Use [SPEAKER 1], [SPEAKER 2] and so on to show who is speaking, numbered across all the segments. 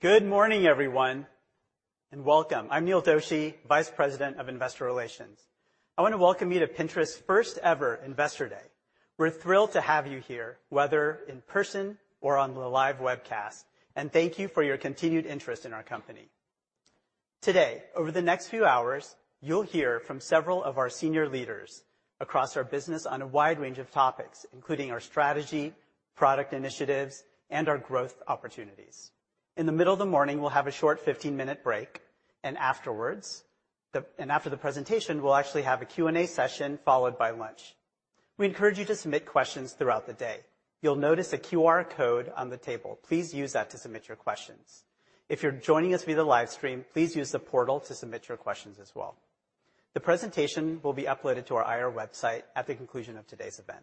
[SPEAKER 1] Good morning, everyone, and welcome. I'm Neil Doshi, Vice President of Investor Relations. I want to welcome you to Pinterest's first ever Investor Day. We're thrilled to have you here, whether in person or on the live webcast, and thank you for your continued interest in our company. Today, over the next few hours, you'll hear from several of our senior leaders across our business on a wide range of topics, including our strategy, product initiatives, and our growth opportunities. In the middle of the morning, we'll have a short 15-minute break, and afterwards and after the presentation, we'll actually have a Q&A session, followed by lunch. We encourage you to submit questions throughout the day. You'll notice a QR code on the table. Please use that to submit your questions. If you're joining us via the live stream, please use the portal to submit your questions as well. The presentation will be uploaded to our IR website at the conclusion of today's event.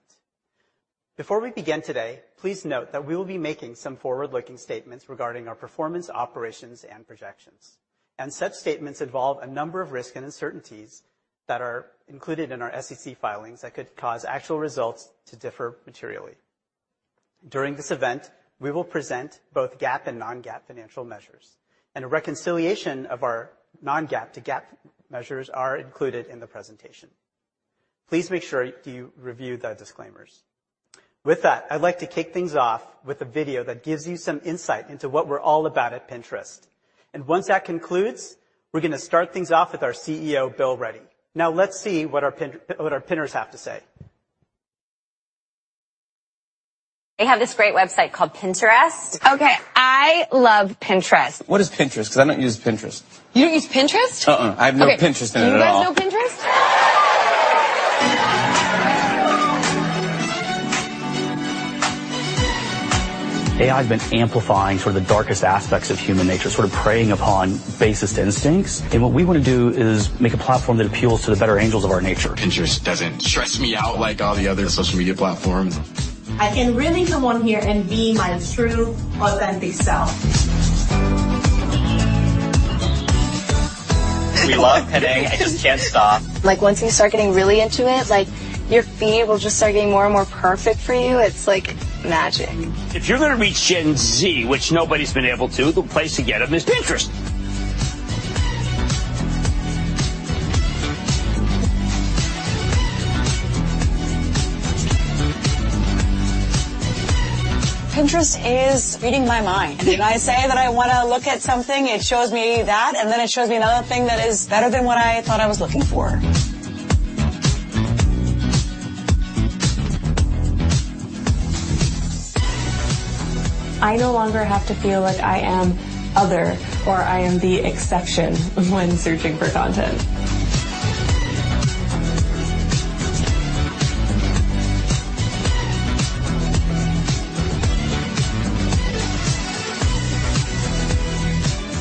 [SPEAKER 1] Before we begin today, please note that we will be making some forward-looking statements regarding our performance, operations, and projections, and such statements involve a number of risks and uncertainties that are included in our SEC filings that could cause actual results to differ materially. During this event, we will present both GAAP and non-GAAP financial measures, and a reconciliation of our non-GAAP to GAAP measures are included in the presentation. Please make sure you review the disclaimers. With that, I'd like to kick things off with a video that gives you some insight into what we're all about at Pinterest. Once that concludes, we're gonna start things off with our CEO, Bill Ready. Now, let's see what our Pins, what our Pinners have to say.
[SPEAKER 2] They have this great website called Pinterest. Okay, I love Pinterest. What is Pinterest? 'Cause I don't use Pinterest. You don't use Pinterest? Uh-uh. I have no Pinterest in it at all. You have no Pinterest? AI has been amplifying sort of the darkest aspects of human nature, sort of preying upon basest instincts, and what we want to do is make a platform that appeals to the better angels of our nature. Pinterest doesn't stress me out like all the other social media platforms. I can really come on here and be my true, authentic self. We love pinning. I just can't stop. Like, once you start getting really into it, like, your feed will just start getting more and more perfect for you. It's like magic. If you're going to reach Gen Z, which nobody's been able to, the place to get them is Pinterest. Pinterest is reading my mind. If I say that I want to look at something, it shows me that, and then it shows me another thing that is better than what I thought I was looking for. I no longer have to feel like I am other or I am the exception when searching for content.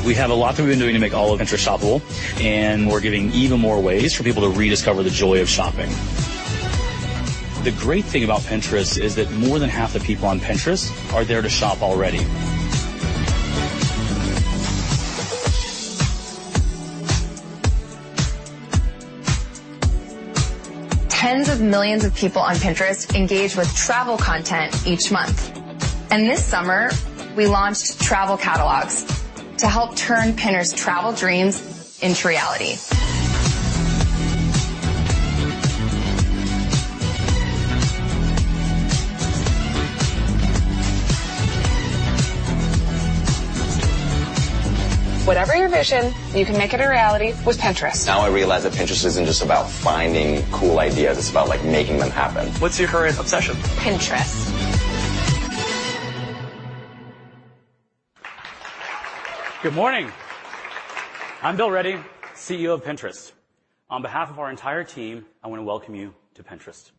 [SPEAKER 2] We have a lot that we've been doing to make all of Pinterest shoppable, and we're giving even more ways for people to rediscover the joy of shopping. The great thing about Pinterest is that more than half the people on Pinterest are there to shop already. Tens of millions of people on Pinterest engage with travel content each month, and this summer, we launched Travel Catalogs to help turn Pinners' travel dreams into reality. Whatever your vision, you can make it a reality with Pinterest. Now I realize that Pinterest isn't just about finding cool ideas, it's about, like, making them happen. What's your current obsession? Pinterest.
[SPEAKER 3] Good morning! I'm Bill Ready, CEO of Pinterest. On behalf of our entire team, I want to welcome you to Pinterest.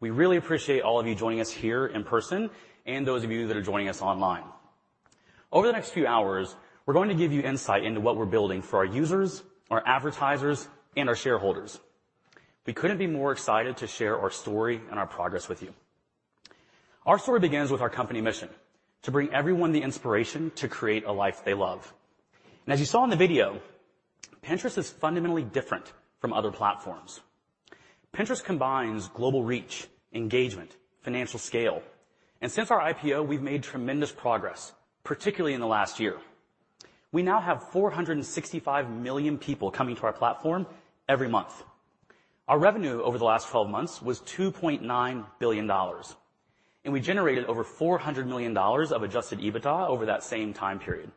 [SPEAKER 3] We really appreciate all of you joining us here in person and those of you that are joining us online. Over the next few hours, we're going to give you insight into what we're building for our users, our advertisers, and our shareholders. We couldn't be more excited to share our story and our progress with you. Our story begins with our company mission: to bring everyone the inspiration to create a life they love. As you saw in the video, Pinterest is fundamentally different from other platforms. Pinterest combines global reach, engagement, financial scale, and since our IPO, we've made tremendous progress, particularly in the last year. We now have 465 million people coming to our platform every month. Our revenue over the last 12 months was $2.9 billion, and we generated over $400 million of adjusted EBITDA over that same time period.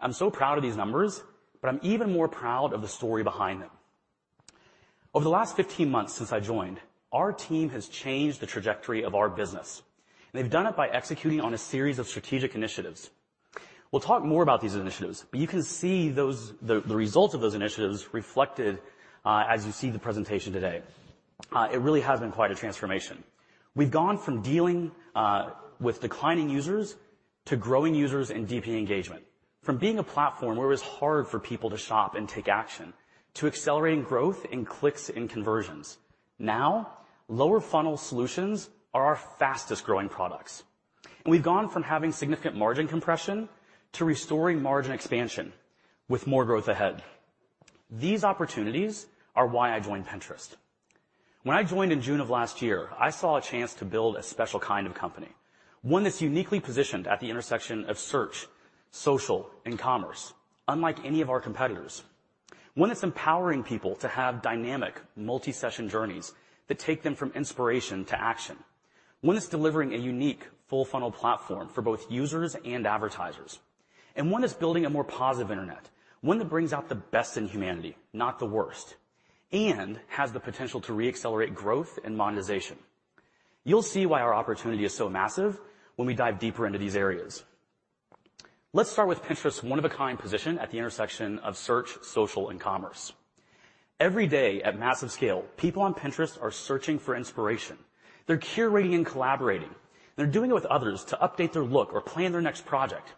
[SPEAKER 3] I'm so proud of these numbers, but I'm even more proud of the story behind them. Over the last 15 months since I joined, our team has changed the trajectory of our business, and they've done it by executing on a series of strategic initiatives. We'll talk more about these initiatives, but you can see those results of those initiatives reflected as you see the presentation today. It really has been quite a transformation. We've gone from dealing with declining users to growing users and deepening engagement, from being a platform where it was hard for people to shop and take action, to accelerating growth in clicks and conversions. Now, lower funnel solutions are our fastest-growing products, and we've gone from having significant margin compression to restoring margin expansion with more growth ahead. These opportunities are why I joined Pinterest.... When I joined in June of last year, I saw a chance to build a special kind of company, one that's uniquely positioned at the intersection of search, social, and commerce, unlike any of our competitors. One that's empowering people to have dynamic, multi-session journeys that take them from inspiration to action. One that's delivering a unique full-funnel platform for both users and advertisers, and one that's building a more positive internet, one that brings out the best in humanity, not the worst, and has the potential to reaccelerate growth and monetization. You'll see why our opportunity is so massive when we dive deeper into these areas. Let's start with Pinterest's one-of-a-kind position at the intersection of search, social, and commerce. Every day, at massive scale, people on Pinterest are searching for inspiration. They're curating and collaborating, and they're doing it with others to update their look or plan their next project,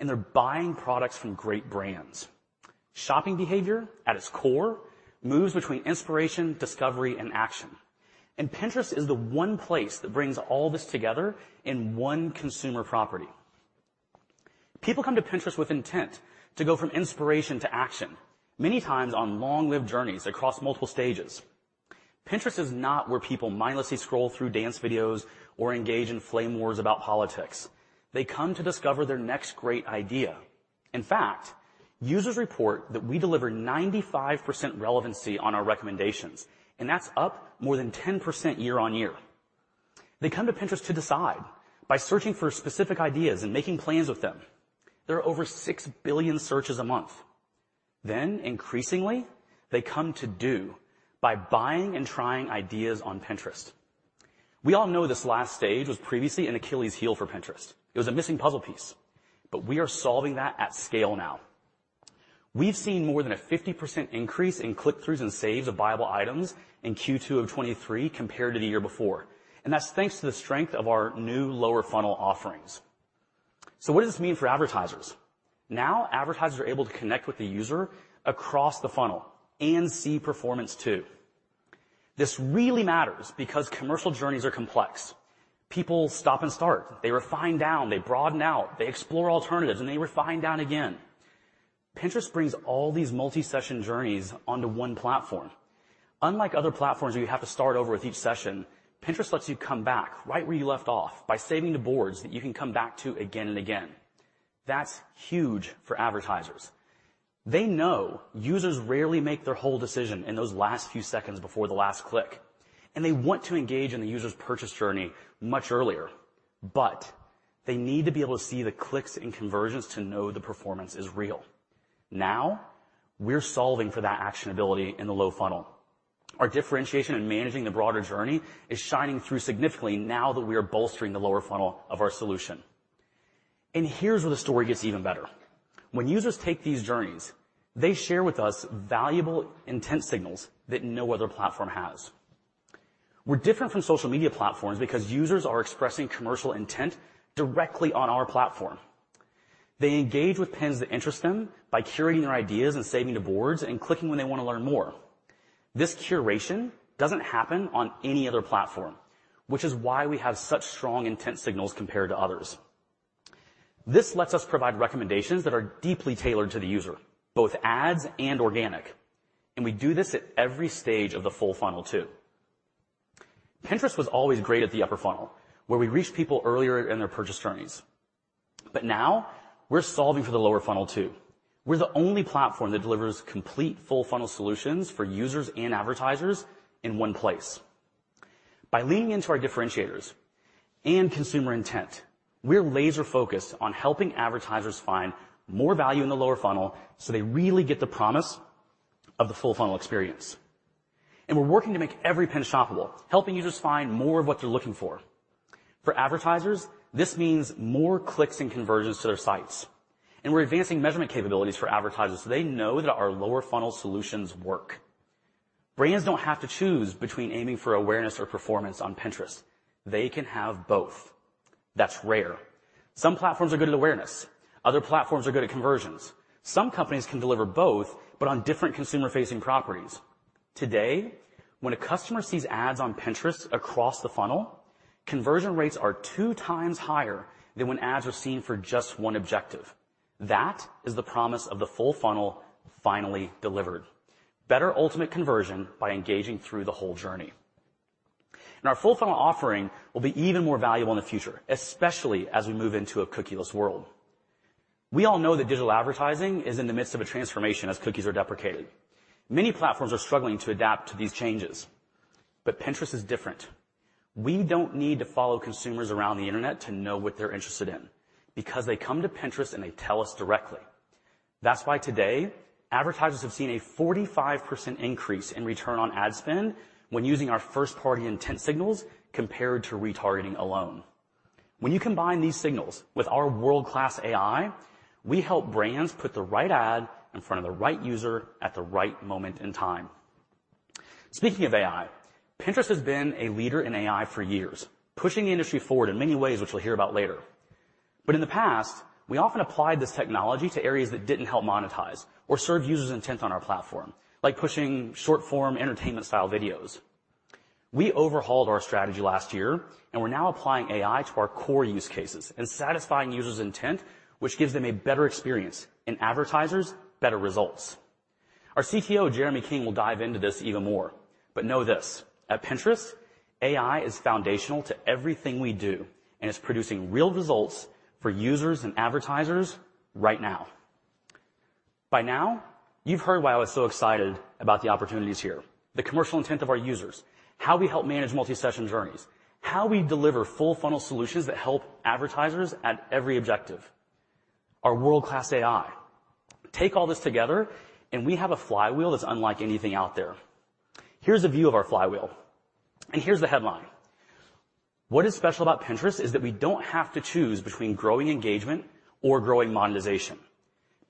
[SPEAKER 3] and they're buying products from great brands. Shopping behavior, at its core, moves between inspiration, discovery, and action, and Pinterest is the one place that brings all this together in one consumer property. People come to Pinterest with intent to go from inspiration to action, many times on long-lived journeys across multiple stages. Pinterest is not where people mindlessly scroll through dance videos or engage in flame wars about politics. They come to discover their next great idea. In fact, users report that we deliver 95% relevancy on our recommendations, and that's up more than 10% year-on-year. They come to Pinterest to decide by searching for specific ideas and making plans with them. There are over 6 billion searches a month. Then, increasingly, they come to do by buying and trying ideas on Pinterest. We all know this last stage was previously an Achilles heel for Pinterest. It was a missing puzzle piece, but we are solving that at scale now. We've seen more than a 50% increase in click-throughs and saves of buyable items in Q2 of 2023 compared to the year before, and that's thanks to the strength of our new lower funnel offerings. So what does this mean for advertisers? Now, advertisers are able to connect with the user across the funnel and see performance, too. This really matters because commercial journeys are complex. People stop and start. They refine down, they broaden out, they explore alternatives, and they refine down again. Pinterest brings all these multi-session journeys onto one platform. Unlike other platforms, where you have to start over with each session, Pinterest lets you come back right where you left off by saving the boards that you can come back to again and again. That's huge for advertisers. They know users rarely make their whole decision in those last few seconds before the last click, and they want to engage in the user's purchase journey much earlier, but they need to be able to see the clicks and conversions to know the performance is real. Now, we're solving for that actionability in the low funnel. Our differentiation in managing the broader journey is shining through significantly now that we are bolstering the lower funnel of our solution. Here's where the story gets even better. When users take these journeys, they share with us valuable intent signals that no other platform has. We're different from social media platforms because users are expressing commercial intent directly on our platform. They engage with pins that interest them by curating their ideas and saving to boards and clicking when they want to learn more. This curation doesn't happen on any other platform, which is why we have such strong intent signals compared to others. This lets us provide recommendations that are deeply tailored to the user, both ads and organic, and we do this at every stage of the full-funnel, too. Pinterest was always great at the upper funnel, where we reached people earlier in their purchase journeys, but now we're solving for the lower funnel, too. We're the only platform that delivers complete full-funnel solutions for users and advertisers in one place. By leaning into our differentiators and consumer intent, we're laser focused on helping advertisers find more value in the lower funnel, so they really get the promise of the full-funnel experience. We're working to make every pin shoppable, helping users find more of what they're looking for. For advertisers, this means more clicks and conversions to their sites, and we're advancing measurement capabilities for advertisers, so they know that our lower funnel solutions work. Brands don't have to choose between aiming for awareness or performance on Pinterest. They can have both. That's rare. Some platforms are good at awareness. Other platforms are good at conversions. Some companies can deliver both, but on different consumer-facing properties. Today, when a customer sees ads on Pinterest across the funnel, conversion rates are two times higher than when ads are seen for just one objective. That is the promise of the full-funnel finally delivered. Better ultimate conversion by engaging through the whole journey. Our full-funnel offering will be even more valuable in the future, especially as we move into a cookieless world. We all know that digital advertising is in the midst of a transformation as cookies are deprecated. Many platforms are struggling to adapt to these changes, but Pinterest is different. We don't need to follow consumers around the internet to know what they're interested in because they come to Pinterest, and they tell us directly. That's why today, advertisers have seen a 45% increase in return on ad spend when using our first-party intent signals compared to retargeting alone. When you combine these signals with our world-class AI, we help brands put the right ad in front of the right user at the right moment in time. Speaking of AI, Pinterest has been a leader in AI for years, pushing the industry forward in many ways, which we'll hear about later. But in the past, we often applied this technology to areas that didn't help monetize or serve users' intent on our platform, like pushing short-form entertainment-style videos. We overhauled our strategy last year, and we're now applying AI to our core use cases and satisfying users' intent, which gives them a better experience, and advertisers better results.... Our CTO, Jeremy King, will dive into this even more, but know this: at Pinterest, AI is foundational to everything we do, and it's producing real results for users and advertisers right now. By now, you've heard why I was so excited about the opportunities here, the commercial intent of our users, how we help manage multi-session journeys, how we deliver full funnel solutions that help advertisers at every objective, our world-class AI. Take all this together, and we have a flywheel that's unlike anything out there. Here's a view of our flywheel, and here's the headline: What is special about Pinterest is that we don't have to choose between growing engagement or growing monetization.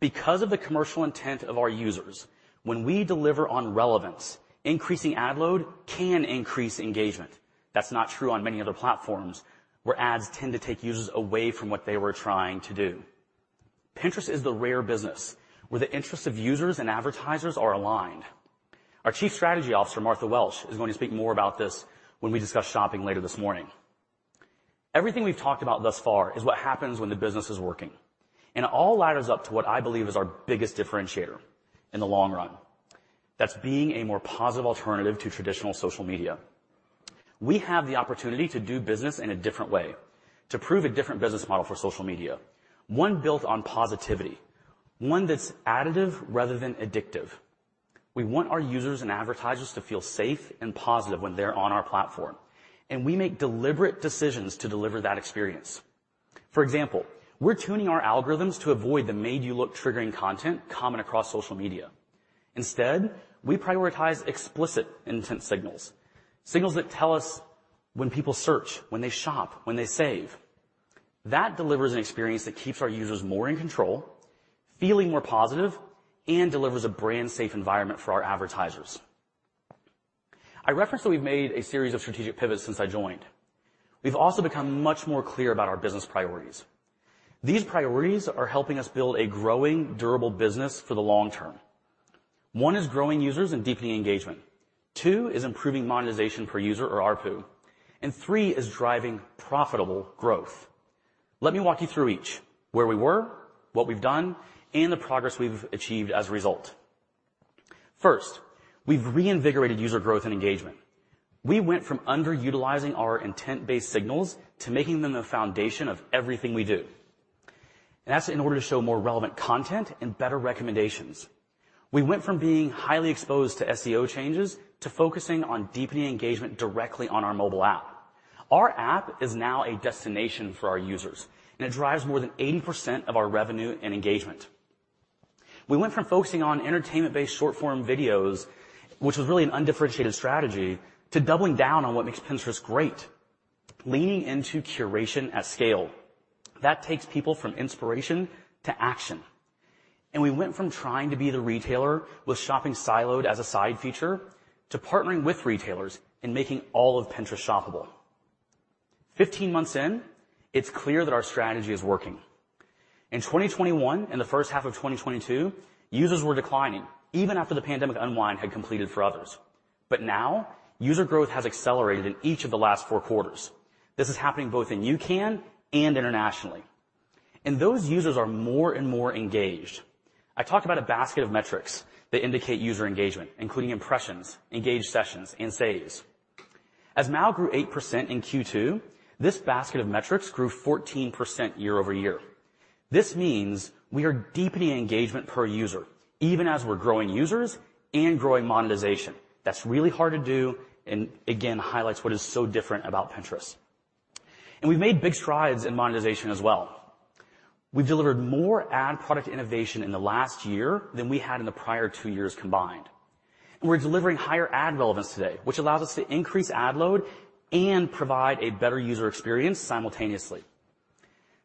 [SPEAKER 3] Because of the commercial intent of our users, when we deliver on relevance, increasing ad load can increase engagement. That's not true on many other platforms, where ads tend to take users away from what they were trying to do. Pinterest is the rare business where the interests of users and advertisers are aligned. Our Chief Strategy Officer, Martha Welsh, is going to speak more about this when we discuss shopping later this morning. Everything we've talked about thus far is what happens when the business is working, and it all ladders up to what I believe is our biggest differentiator in the long run. That's being a more positive alternative to traditional social media. We have the opportunity to do business in a different way, to prove a different business model for social media, one built on positivity, one that's additive rather than addictive. We want our users and advertisers to feel safe and positive when they're on our platform, and we make deliberate decisions to deliver that experience. For example, we're tuning our algorithms to avoid the made-you-look triggering content common across social media. Instead, we prioritize explicit intent signals, signals that tell us when people search, when they shop, when they save. That delivers an experience that keeps our users more in control, feeling more positive, and delivers a brand-safe environment for our advertisers. I referenced that we've made a series of strategic pivots since I joined. We've also become much more clear about our business priorities. These priorities are helping us build a growing, durable business for the long term. One is growing users and deepening engagement. Two is improving monetization per user or ARPU, and three is driving profitable growth. Let me walk you through each, where we were, what we've done, and the progress we've achieved as a result. First, we've reinvigorated user growth and engagement. We went from underutilizing our intent-based signals to making them the foundation of everything we do, and that's in order to show more relevant content and better recommendations. We went from being highly exposed to SEO changes to focusing on deepening engagement directly on our mobile app. Our app is now a destination for our users, and it drives more than 80% of our revenue and engagement. We went from focusing on entertainment-based short form videos, which was really an undifferentiated strategy, to doubling down on what makes Pinterest great, leaning into curation at scale. That takes people from inspiration to action. We went from trying to be the retailer with shopping siloed as a side feature, to partnering with retailers and making all of Pinterest shoppable. 15 months in, it's clear that our strategy is working. In 2021 and the first half of 2022, users were declining even after the pandemic unwind had completed for others. But now user growth has accelerated in each of the last four quarters. This is happening both in UCAN and internationally, and those users are more and more engaged. I talked about a basket of metrics that indicate user engagement, including impressions, engaged sessions, and saves. As MAU grew 8% in Q2, this basket of metrics grew 14% year-over-year. This means we are deepening engagement per user, even as we're growing users and growing monetization. That's really hard to do and again, highlights what is so different about Pinterest. And we've made big strides in monetization as well. We've delivered more ad product innovation in the last year than we had in the prior two years combined. And we're delivering higher ad relevance today, which allows us to increase ad load and provide a better user experience simultaneously.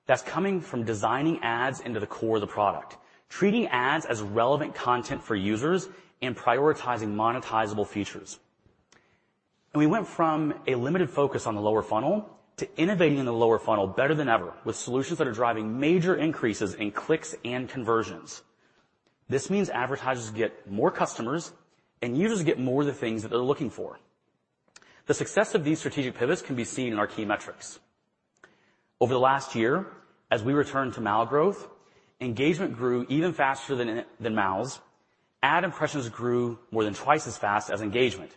[SPEAKER 3] That's coming from designing ads into the core of the product, treating ads as relevant content for users, and prioritizing monetizable features. And we went from a limited focus on the lower funnel to innovating in the lower funnel better than ever, with solutions that are driving major increases in clicks and conversions. This means advertisers get more customers and users get more of the things that they're looking for. The success of these strategic pivots can be seen in our key metrics. Over the last year, as we return to MAU growth, engagement grew even faster than MAUs. Ad impressions grew more than twice as fast as engagement.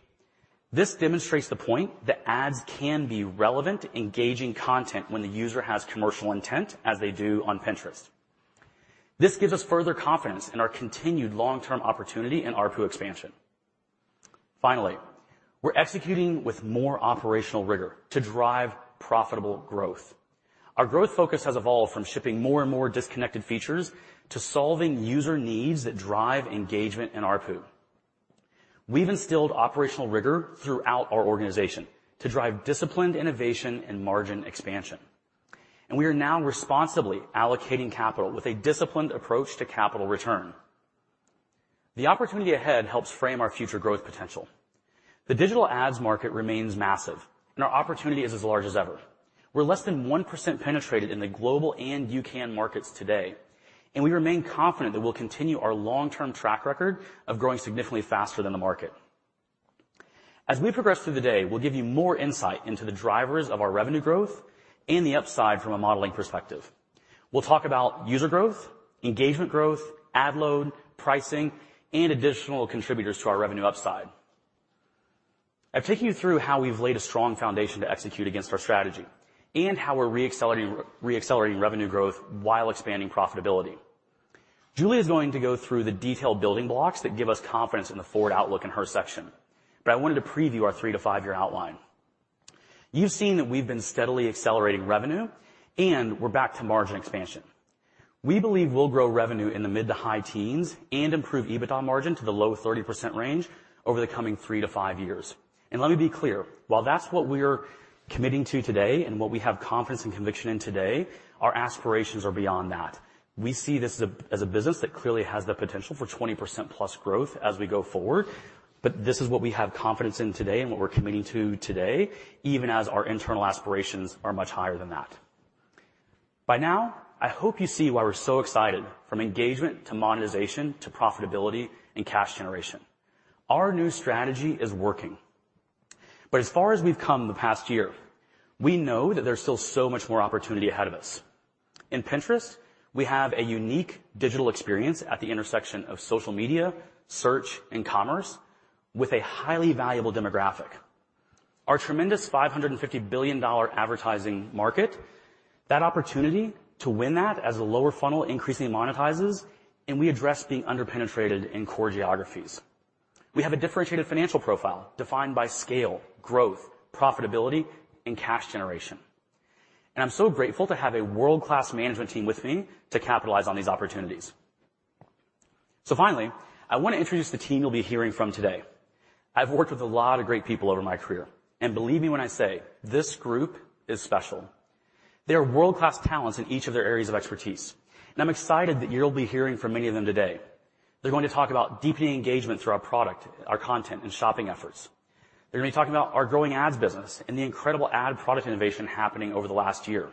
[SPEAKER 3] This demonstrates the point that ads can be relevant, engaging content when the user has commercial intent, as they do on Pinterest. This gives us further confidence in our continued long-term opportunity and ARPU expansion. Finally, we're executing with more operational rigor to drive profitable growth. Our growth focus has evolved from shipping more and more disconnected features to solving user needs that drive engagement and ARPU. We've instilled operational rigor throughout our organization to drive disciplined innovation and margin expansion, and we are now responsibly allocating capital with a disciplined approach to capital return. The opportunity ahead helps frame our future growth potential. The digital ads market remains massive, and our opportunity is as large as ever. We're less than 1% penetrated in the global and UCAN markets today, and we remain confident that we'll continue our long-term track record of growing significantly faster than the market. As we progress through the day, we'll give you more insight into the drivers of our revenue growth and the upside from a modeling perspective. We'll talk about user growth, engagement growth, ad load, pricing, and additional contributors to our revenue upside. I've taken you through how we've laid a strong foundation to execute against our strategy and how we're reaccelerating, reaccelerating revenue growth while expanding profitability. Julia is going to go through the detailed building blocks that give us confidence in the forward outlook in her section, but I wanted to preview our three to five-year outline. You've seen that we've been steadily accelerating revenue, and we're back to margin expansion. We believe we'll grow revenue in the mid to high-teens and improve EBITDA margin to the low-30s % range over the coming three to five years. Let me be clear, while that's what we're committing to today and what we have confidence and conviction in today, our aspirations are beyond that. We see this as a business that clearly has the potential for 20%+ growth as we go forward, but this is what we have confidence in today and what we're committing to today, even as our internal aspirations are much higher than that. By now, I hope you see why we're so excited, from engagement to monetization to profitability and cash generation. Our new strategy is working. But as far as we've come in the past year, we know that there's still so much more opportunity ahead of us. In Pinterest, we have a unique digital experience at the intersection of social media, search, and commerce with a highly valuable demographic. Our tremendous $550 billion advertising market, that opportunity to win that as the lower funnel increasingly monetizes, and we address being under-penetrated in core geographies. We have a differentiated financial profile defined by scale, growth, profitability, and cash generation, and I'm so grateful to have a world-class management team with me to capitalize on these opportunities. So finally, I want to introduce the team you'll be hearing from today. I've worked with a lot of great people over my career, and believe me when I say this group is special. They are world-class talents in each of their areas of expertise, and I'm excited that you'll be hearing from many of them today. They're going to talk about deepening engagement through our product, our content, and shopping efforts. They're going to be talking about our growing ads business and the incredible ad product innovation happening over the last year.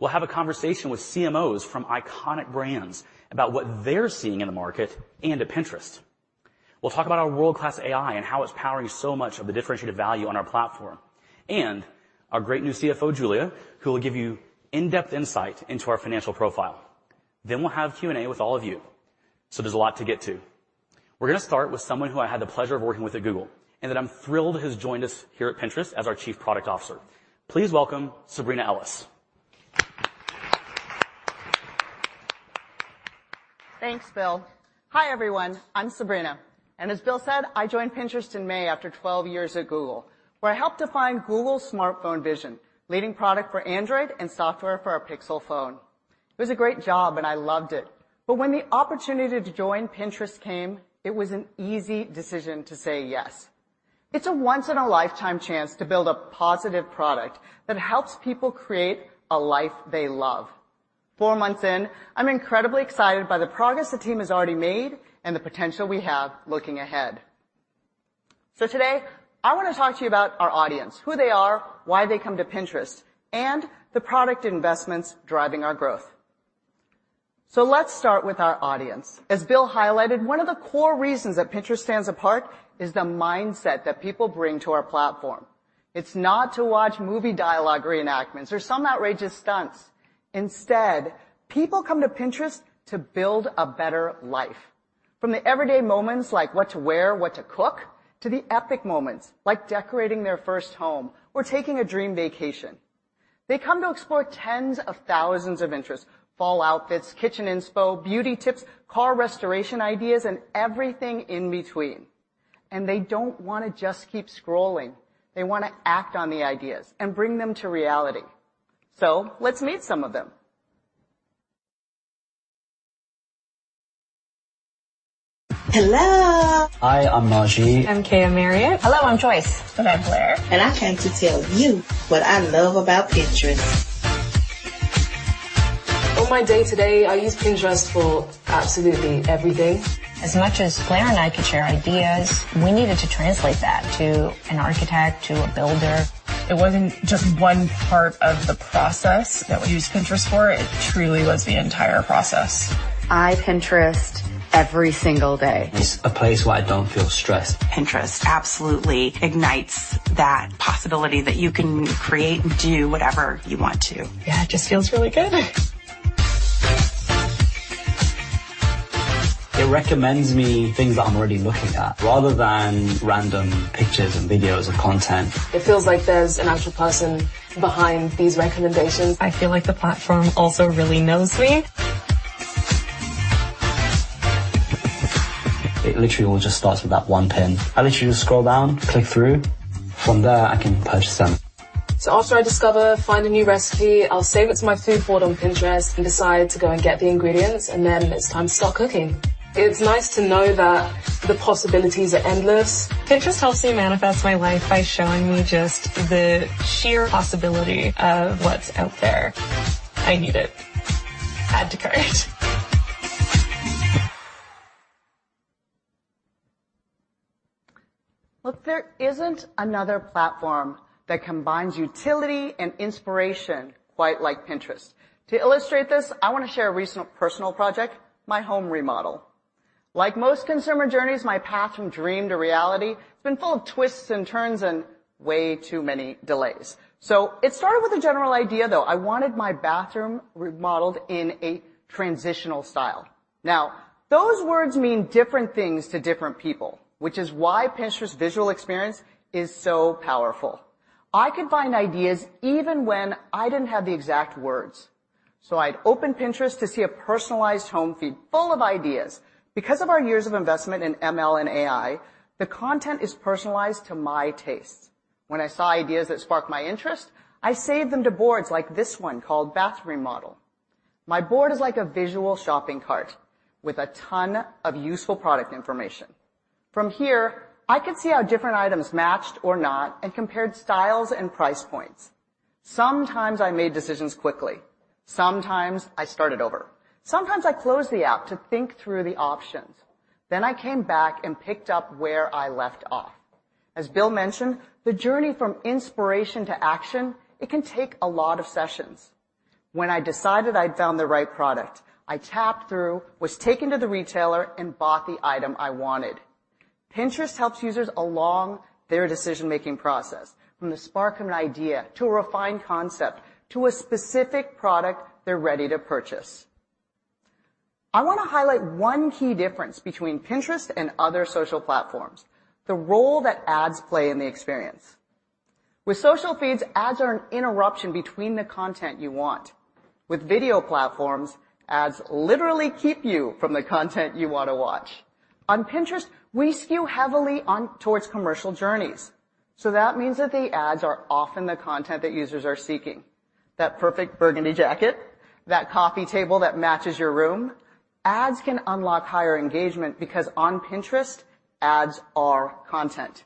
[SPEAKER 3] We'll have a conversation with CMOs from iconic brands about what they're seeing in the market and at Pinterest. We'll talk about our world-class AI and how it's powering so much of the differentiated value on our platform, and our great new CFO, Julia, who will give you in-depth insight into our financial profile. Then we'll have Q&A with all of you. So there's a lot to get to. We're going to start with someone who I had the pleasure of working with at Google, and that I'm thrilled has joined us here at Pinterest as our Chief Product Officer. Please welcome Sabrina Ellis.
[SPEAKER 4] Thanks, Bill. Hi, everyone. I'm Sabrina, and as Bill said, I joined Pinterest in May after 12 years at Google, where I helped define Google smartphone vision, leading product for Android and software for our Pixel phone. It was a great job, and I loved it, but when the opportunity to join Pinterest came, it was an easy decision to say yes. It's a once-in-a-lifetime chance to build a positive product that helps people create a life they love. Four months in, I'm incredibly excited by the progress the team has already made and the potential we have looking ahead. So today, I want to talk to you about our audience, who they are, why they come to Pinterest, and the product investments driving our growth. So let's start with our audience. As Bill highlighted, one of the core reasons that Pinterest stands apart is the mindset that people bring to our platform. It's not to watch movie dialogue reenactments or some outrageous stunts. Instead, people come to Pinterest to build a better life. From the everyday moments, like what to wear, what to cook, to the epic moments, like decorating their first home or taking a dream vacation. They come to explore tens of thousands of interests, fall outfits, kitchen inspo, beauty tips, car restoration ideas, and everything in between. They don't want to just keep scrolling. They want to act on the ideas and bring them to reality. Let's meet some of them.
[SPEAKER 2] Hello! Hi, I'm Maji. I'm Kaya Marriott. Hello, I'm Joyce. I'm Blair. I came to tell you what I love about Pinterest. On my day-to-day, I use Pinterest for absolutely everything. As much as Blair and I could share ideas, we needed to translate that to an architect, to a builder. It wasn't just one part of the process that we used Pinterest for. It truly was the entire process. I Pinterest every single day. It's a place where I don't feel stressed. Pinterest absolutely ignites that possibility that you can create and do whatever you want to. Yeah, it just feels really good. It recommends me things that I'm already looking at, rather than random pictures and videos of content. It feels like there's an actual person behind these recommendations. I feel like the platform also really knows me. It literally all just starts with that one pin. I literally just scroll down, click through. From there, I can purchase them. After I discover, find a new recipe, I'll save it to my food board on Pinterest and decide to go and get the ingredients, and then it's time to start cooking. It's nice to know that the possibilities are endless. Pinterest helps me manifest my life by showing me just the sheer possibility of what's out there. I need it. Add to cart.
[SPEAKER 4] Look, there isn't another platform that combines utility and inspiration quite like Pinterest. To illustrate this, I want to share a recent personal project, my home remodel... Like most consumer journeys, my path from dream to reality has been full of twists and turns and way too many delays. So it started with a general idea, though. I wanted my bathroom remodeled in a transitional style. Now, those words mean different things to different people, which is why Pinterest's visual experience is so powerful. I could find ideas even when I didn't have the exact words. So I'd open Pinterest to see a personalized home feed full of ideas. Because of our years of investment in ML and AI, the content is personalized to my tastes. When I saw ideas that sparked my interest, I saved them to boards like this one called Bath Remodel. My board is like a visual shopping cart with a ton of useful product information. From here, I could see how different items matched or not and compared styles and price points. Sometimes I made decisions quickly, sometimes I started over. Sometimes I closed the app to think through the options. Then I came back and picked up where I left off. As Bill mentioned, the journey from inspiration to action, it can take a lot of sessions. When I decided I'd found the right product, I tapped through, was taken to the retailer, and bought the item I wanted. Pinterest helps users along their decision-making process, from the spark of an idea, to a refined concept, to a specific product they're ready to purchase. I want to highlight one key difference between Pinterest and other social platforms, the role that ads play in the experience. With social feeds, ads are an interruption between the content you want. With video platforms, ads literally keep you from the content you want to watch. On Pinterest, we skew heavily on towards commercial journeys, so that means that the ads are often the content that users are seeking. That perfect burgundy jacket, that coffee table that matches your room. Ads can unlock higher engagement because on Pinterest, ads are content.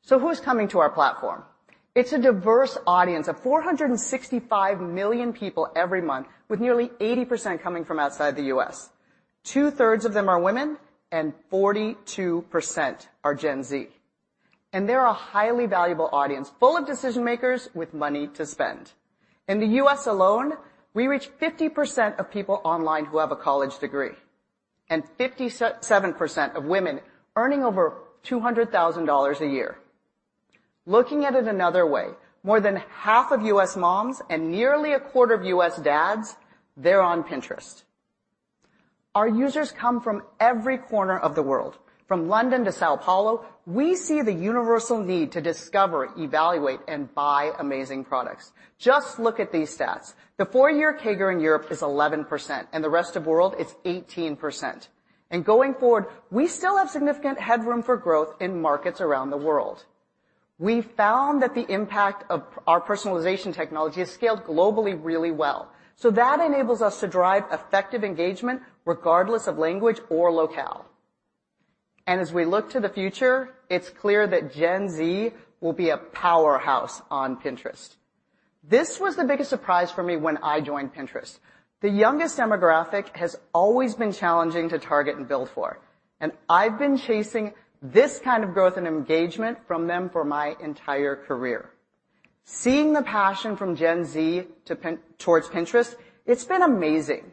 [SPEAKER 4] So who's coming to our platform? It's a diverse audience of 465 million people every month, with nearly 80% coming from outside the U.S. Two-thirds of them are women, and 42% are Gen Z. They're a highly valuable audience, full of decision-makers with money to spend. In the U.S. alone, we reach 50% of people online who have a college degree, and 57% of women earning over $200,000 a year. Looking at it another way, more than half of U.S. moms and nearly a quarter of U.S. dads, they're on Pinterest. Our users come from every corner of the world. From London to São Paulo, we see the universal need to discover, evaluate, and buy amazing products. Just look at these stats. The four-year CAGR in Europe is 11%, and the rest of world, it's 18%. And going forward, we still have significant headroom for growth in markets around the world. We found that the impact of our personalization technology has scaled globally really well, so that enables us to drive effective engagement regardless of language or locale. As we look to the future, it's clear that Gen Z will be a powerhouse on Pinterest. This was the biggest surprise for me when I joined Pinterest. The youngest demographic has always been challenging to target and build for, and I've been chasing this kind of growth and engagement from them for my entire career. Seeing the passion from Gen Z towards Pinterest, it's been amazing.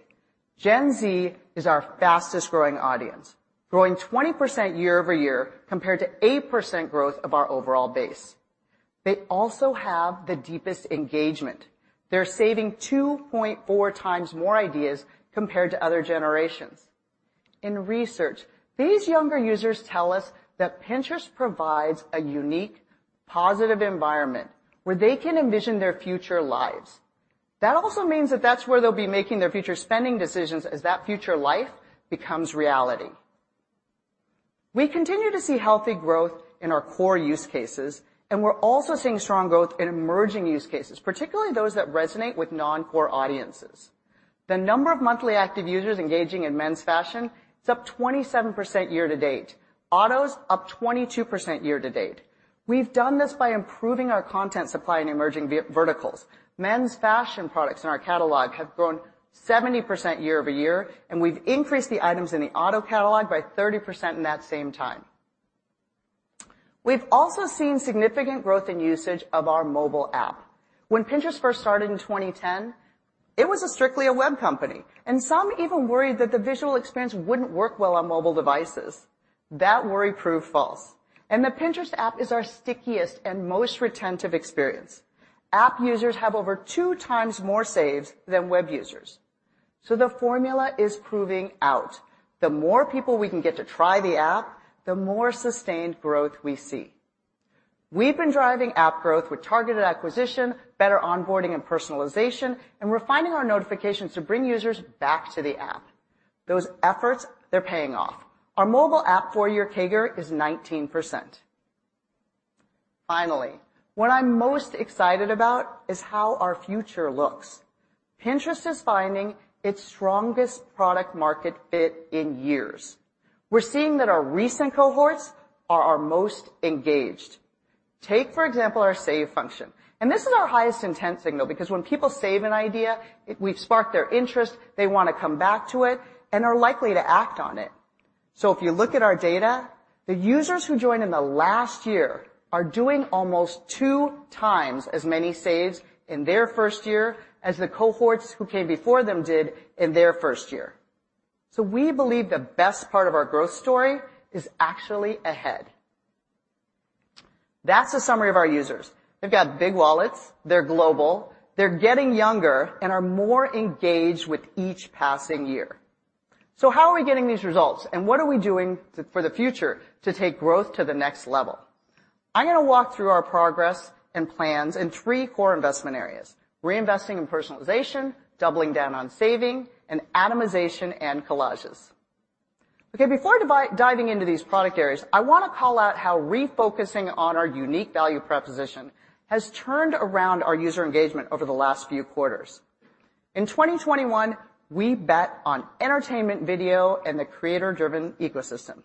[SPEAKER 4] Gen Z is our fastest-growing audience, growing 20% year-over-year, compared to 8% growth of our overall base. They also have the deepest engagement. They're saving 2.4 times more ideas compared to other generations. In research, these younger users tell us that Pinterest provides a unique, positive environment where they can envision their future lives. That also means that that's where they'll be making their future spending decisions as that future life becomes reality. We continue to see healthy growth in our core use cases, and we're also seeing strong growth in emerging use cases, particularly those that resonate with non-core audiences. The number of monthly active users engaging in men's fashion is up 27% year to date. Autos, up 22% year to date. We've done this by improving our content supply in emerging verticals. Men's fashion products in our catalog have grown 70% year-over-year, and we've increased the items in the auto catalog by 30% in that same time. We've also seen significant growth in usage of our mobile app. When Pinterest first started in 2010, it was strictly a web company, and some even worried that the visual experience wouldn't work well on mobile devices. That worry proved false, and the Pinterest app is our stickiest and most retentive experience. App users have over two times more saves than web users, so the formula is proving out. The more people we can get to try the app, the more sustained growth we see. We've been driving app growth with targeted acquisition, better onboarding and personalization, and refining our notifications to bring users back to the app. Those efforts, they're paying off. Our mobile app four-year CAGR is 19%. Finally, what I'm most excited about is how our future looks. Pinterest is finding its strongest product market fit in years. We're seeing that our recent cohorts are our most engaged. Take, for example, our save function, and this is our highest intent signal, because when people save an idea, we've sparked their interest, they want to come back to it and are likely to act on it.... So if you look at our data, the users who joined in the last year are doing almost two times as many saves in their first year as the cohorts who came before them did in their first year. So we believe the best part of our growth story is actually ahead. That's a summary of our users. They've got big wallets, they're global, they're getting younger, and are more engaged with each passing year. So how are we getting these results, and what are we doing to, for the future to take growth to the next level? I'm gonna walk through our progress and plans in three core investment areas: reinvesting in personalization, doubling down on saving, and atomization and collages. Okay, before diving into these product areas, I wanna call out how refocusing on our unique value proposition has turned around our user engagement over the last few quarters. In 2021, we bet on entertainment video and the creator-driven ecosystem.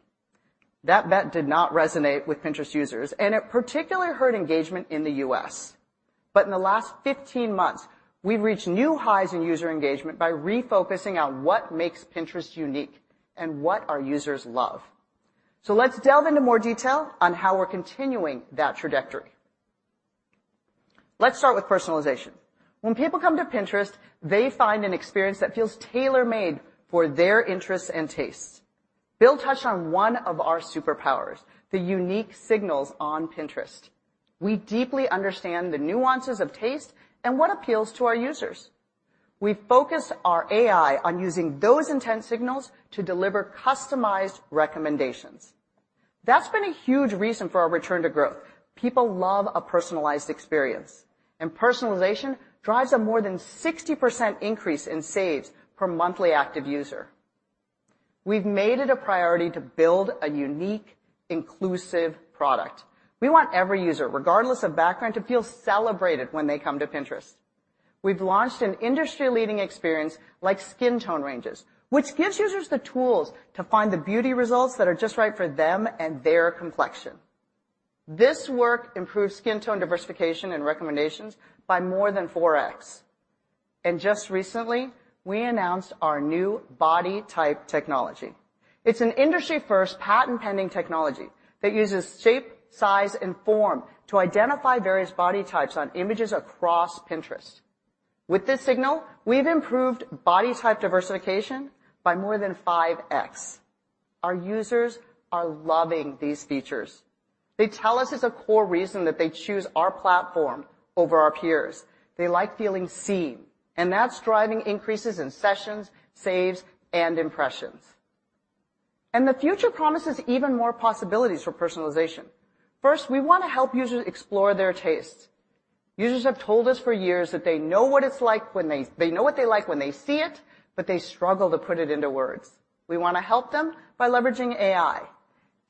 [SPEAKER 4] That bet did not resonate with Pinterest users, and it particularly hurt engagement in the U.S. But in the last 15 months, we've reached new highs in user engagement by refocusing on what makes Pinterest unique and what our users love. So let's delve into more detail on how we're continuing that trajectory. Let's start with personalization. When people come to Pinterest, they find an experience that feels tailor-made for their interests and tastes. Bill touched on one of our superpowers, the unique signals on Pinterest. We deeply understand the nuances of taste and what appeals to our users. We focus our AI on using those intent signals to deliver customized recommendations. That's been a huge reason for our return to growth. People love a personalized experience, and personalization drives a more than 60% increase in saves per monthly active user. We've made it a priority to build a unique, inclusive product. We want every user, regardless of background, to feel celebrated when they come to Pinterest. We've launched an industry-leading experience like skin tone ranges, which gives users the tools to find the beauty results that are just right for them and their complexion. This work improves skin tone diversification and recommendations by more than 4x. Just recently, we announced our new body type technology. It's an industry-first, patent-pending technology that uses shape, size, and form to identify various body types on images across Pinterest. With this signal, we've improved body type diversification by more than 5x. Our users are loving these features. They tell us it's a core reason that they choose our platform over our peers. They like feeling seen, and that's driving increases in sessions, saves, and impressions. The future promises even more possibilities for personalization. First, we wanna help users explore their tastes. Users have told us for years that they know what it's like when they... They know what they like when they see it, but they struggle to put it into words. We wanna help them by leveraging AI.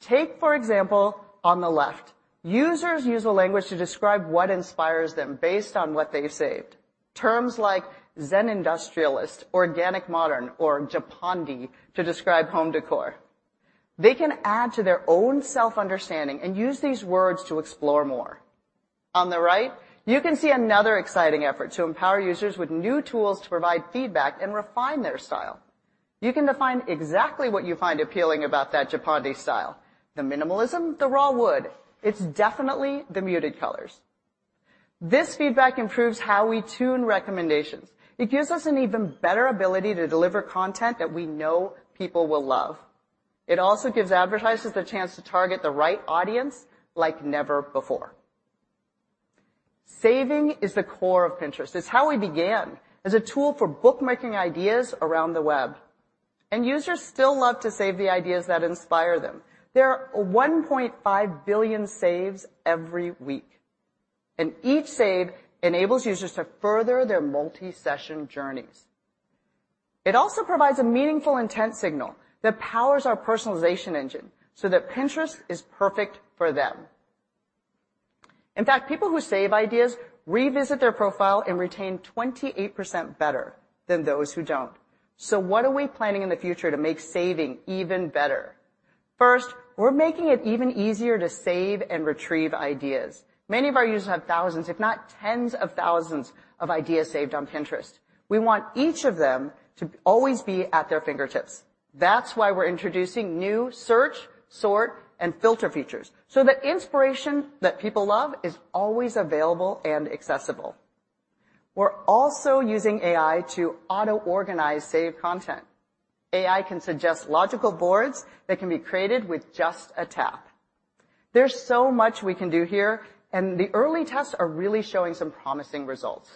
[SPEAKER 4] Take, for example, on the left, users use a language to describe what inspires them based on what they've saved, terms like zen industrialist, organic modern, or Japandi to describe home decor. They can add to their own self-understanding and use these words to explore more. On the right, you can see another exciting effort to empower users with new tools to provide feedback and refine their style. You can define exactly what you find appealing about that Japandi style, the minimalism, the raw wood. It's definitely the muted colors. This feedback improves how we tune recommendations. It gives us an even better ability to deliver content that we know people will love. It also gives advertisers the chance to target the right audience like never before. Saving is the core of Pinterest. It's how we began, as a tool for bookmarking ideas around the web, and users still love to save the ideas that inspire them. There are 1.5 billion saves every week, and each save enables users to further their multi-session journeys. It also provides a meaningful intent signal that powers our personalization engine so that Pinterest is perfect for them. In fact, people who save ideas revisit their profile and retain 28% better than those who don't. So what are we planning in the future to make saving even better? First, we're making it even easier to save and retrieve ideas. Many of our users have thousands, if not tens of thousands of ideas saved on Pinterest. We want each of them to always be at their fingertips. That's why we're introducing new search, sort, and filter features so that inspiration that people love is always available and accessible. We're also using AI to auto-organize saved content. AI can suggest logical boards that can be created with just a tap. There's so much we can do here, and the early tests are really showing some promising results.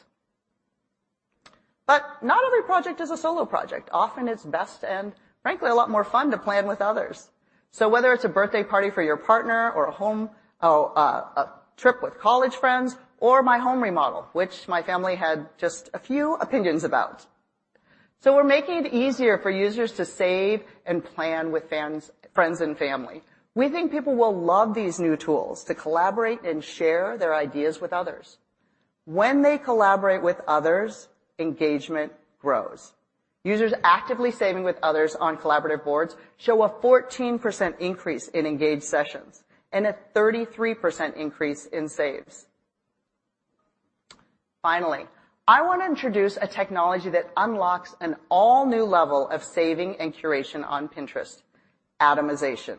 [SPEAKER 4] But not every project is a solo project. Often, it's best and, frankly, a lot more fun to plan with others. So whether it's a birthday party for your partner or a home, a trip with college friends or my home remodel, which my family had just a few opinions about. So we're making it easier for users to save and plan with fans, friends, and family. We think people will love these new tools to collaborate and share their ideas with others. When they collaborate with others, engagement grows. Users actively saving with others on collaborative boards show a 14% increase in engaged sessions and a 33% increase in saves. Finally, I want to introduce a technology that unlocks an all-new level of saving and curation on Pinterest: atomization.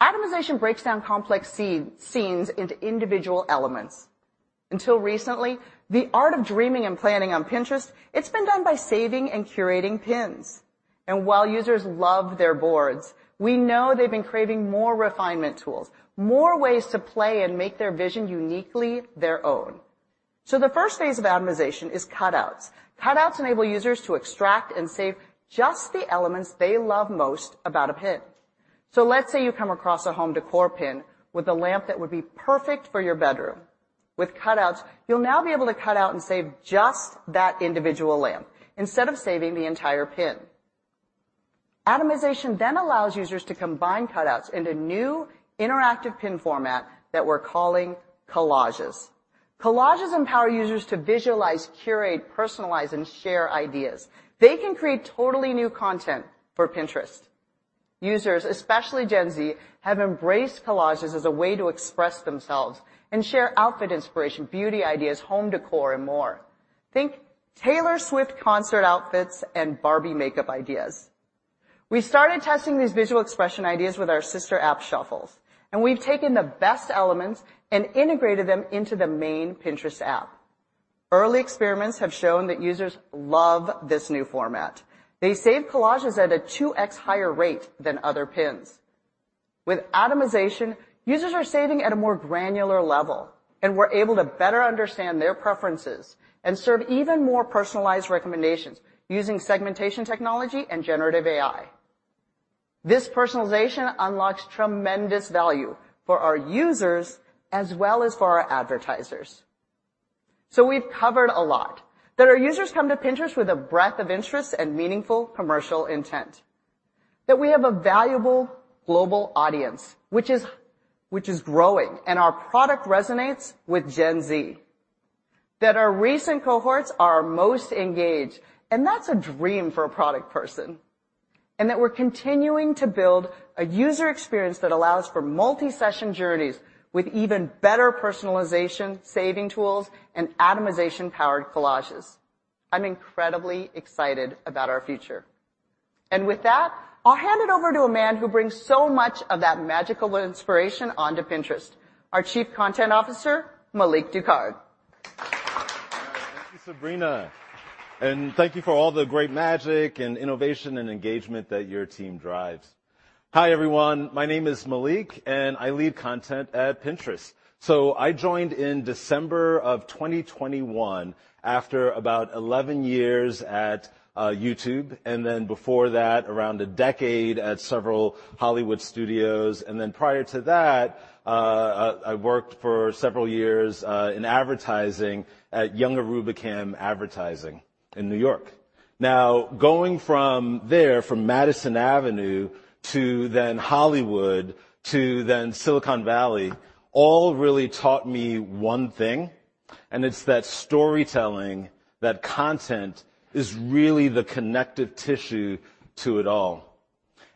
[SPEAKER 4] Atomization breaks down complex scenes into individual elements. Until recently, the art of dreaming and planning on Pinterest, it's been done by saving and curating pins. While users love their boards, we know they've been craving more refinement tools, more ways to play and make their vision uniquely their own. The first phase of atomization is Cutouts. Cutouts enable users to extract and save just the elements they love most about a pin. Let's say you come across a home decor pin with a lamp that would be perfect for your bedroom. With Cutouts, you'll now be able to cut out and save just that individual lamp instead of saving the entire pin. Atomization allows users to combine Cutouts into new interactive pin format that we're calling Collages. Collages empower users to visualize, curate, personalize, and share ideas. They can create totally new content for Pinterest. Users, especially Gen Z, have embraced Collages as a way to express themselves and share outfit inspiration, beauty ideas, home decor, and more. Think Taylor Swift concert outfits and Barbie makeup ideas. We started testing these visual expression ideas with our sister app, Shuffles, and we've taken the best elements and integrated them into the main Pinterest app. Early experiments have shown that users love this new format. They save collages at a 2x higher rate than other pins. With atomization, users are saving at a more granular level, and we're able to better understand their preferences and serve even more personalized recommendations using segmentation technology and generative AI. This personalization unlocks tremendous value for our users as well as for our advertisers. So we've covered a lot. That our users come to Pinterest with a breadth of interests and meaningful commercial intent, that we have a valuable global audience, which is growing, and our product resonates with Gen Z, that our recent cohorts are our most engaged, and that's a dream for a product person, and that we're continuing to build a user experience that allows for multi-session journeys with even better personalization, saving tools, and atomization-powered Collages. I'm incredibly excited about our future. And with that, I'll hand it over to a man who brings so much of that magical inspiration onto Pinterest, our Chief Content Officer, Malik Ducard.
[SPEAKER 5] Thank you, Sabrina, and thank you for all the great magic, and innovation, and engagement that your team drives. Hi, everyone. My name is Malik, and I lead content at Pinterest. So I joined in December 2021 after about 11 years at YouTube, and then before that, around the decade at several Hollywood studios, and then prior to that, I worked for several years in advertising at Young & Rubicam Advertising in New York. Now, going from there, from Madison Avenue to then Hollywood to then Silicon Valley, all really taught me one thing, and it's that storytelling, that content is really the connective tissue to it all.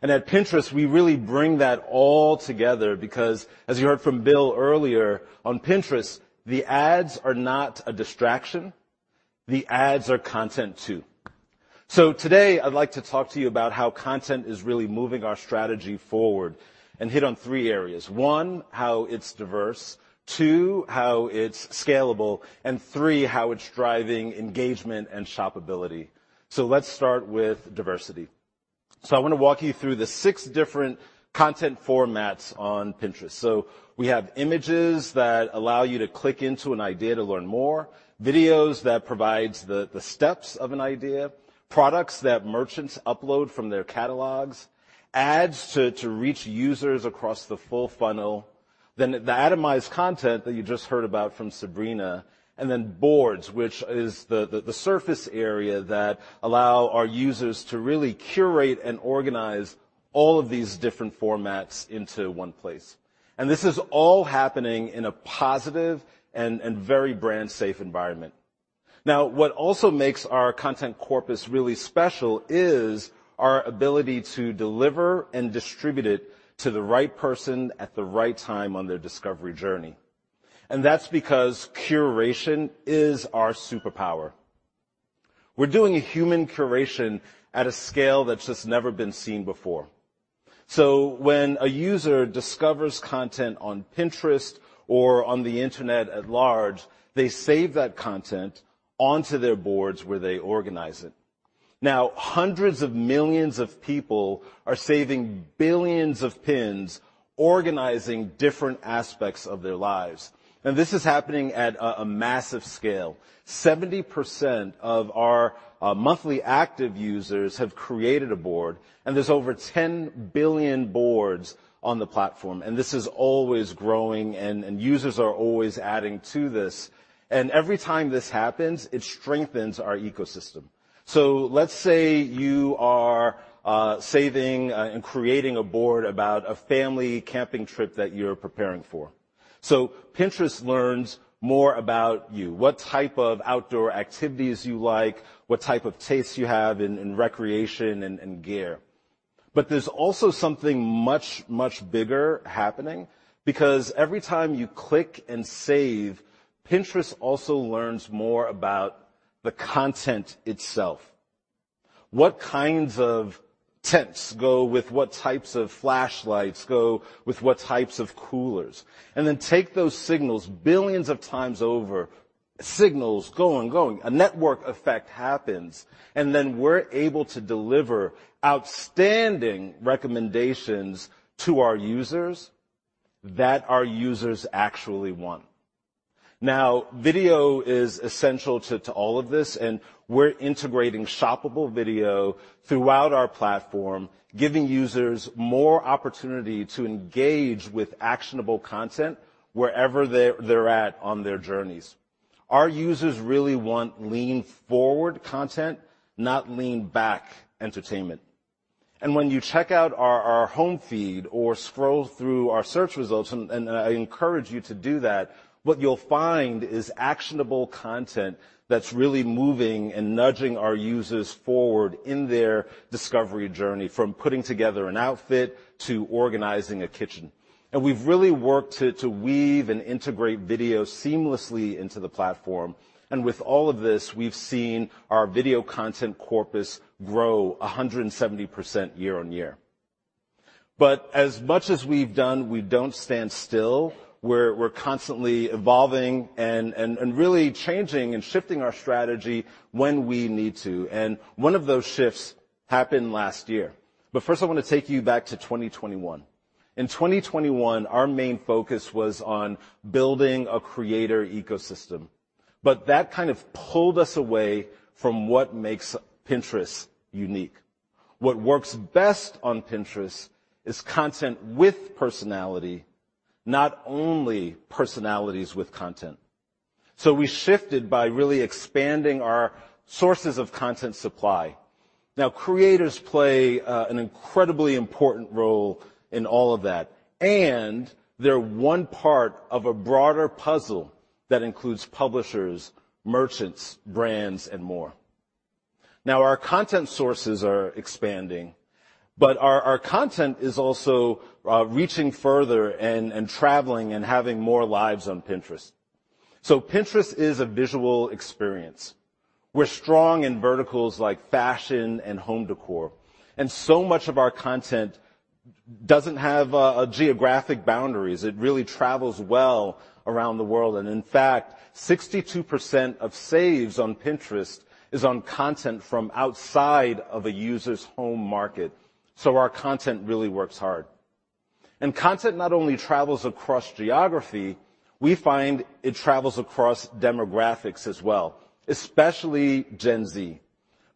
[SPEAKER 5] And at Pinterest, we really bring that all together because, as you heard from Bill earlier, on Pinterest, the ads are not a distraction, the ads are content, too. So today, I'd like to talk to you about how content is really moving our strategy forward and hit on three areas. One, how it's diverse, two, how it's scalable, and three, how it's driving engagement and shopability. So let's start with diversity. So I want to walk you through the six different content formats on Pinterest. So we have images that allow you to click into an idea to learn more, videos that provides the steps of an idea, products that merchants upload from their catalogs, ads to reach users across the full funnel, then the atomized content that you just heard about from Sabrina, and then boards, which is the surface area that allow our users to really curate and organize all of these different formats into one place, and this is all happening in a positive and very brand-safe environment. Now, what also makes our content corpus really special is our ability to deliver and distribute it to the right person at the right time on their discovery journey, and that's because curation is our superpower. We're doing a human curation at a scale that's just never been seen before. So when a user discovers content on Pinterest or on the internet at large, they save that content onto their boards, where they organize it. Now, hundreds of millions of people are saving billions of pins, organizing different aspects of their lives, and this is happening at a massive scale. 70% of our monthly active users have created a board, and there's over 10 billion boards on the platform, and this is always growing, and users are always adding to this, and every time this happens, it strengthens our ecosystem. Let's say you are saving and creating a board about a family camping trip that you're preparing for. Pinterest learns more about you, what type of outdoor activities you like, what type of tastes you have in recreation and gear. But there's also something much, much bigger happening, because every time you click and save, Pinterest also learns more about the content itself. What kinds of tents go with what types of flashlights go with what types of coolers? And then take those signals billions of times over, signals going, going. A network effect happens, and then we're able to deliver outstanding recommendations to our users that our users actually want. Now, video is essential to all of this, and we're integrating shoppable video throughout our platform, giving users more opportunity to engage with actionable content wherever they're at on their journeys. Our users really want lean-forward content, not lean-back entertainment. When you check out our home feed or scroll through our search results, and I encourage you to do that, what you'll find is actionable content that's really moving and nudging our users forward in their discovery journey, from putting together an outfit to organizing a kitchen. We've really worked to weave and integrate video seamlessly into the platform, and with all of this, we've seen our video content corpus grow 170% year-on-year. But as much as we've done, we don't stand still. We're constantly evolving and really changing and shifting our strategy when we need to, and one of those shifts happened last year. But first, I want to take you back to 2021. In 2021, our main focus was on building a creator ecosystem, but that kind of pulled us away from what makes Pinterest unique. What works best on Pinterest is content with personality, not only personalities with content. So we shifted by really expanding our sources of content supply. Now, creators play an incredibly important role in all of that, and they're one part of a broader puzzle that includes publishers, merchants, brands, and more. Now, our content sources are expanding, but our content is also reaching further and traveling and having more lives on Pinterest. So Pinterest is a visual experience. We're strong in verticals like fashion and home decor, and so much of our content doesn't have geographic boundaries. It really travels well around the world, and in fact, 62% of saves on Pinterest is on content from outside of a user's home market. So our content really works hard. And content not only travels across geography, we find it travels across demographics as well, especially Gen Z.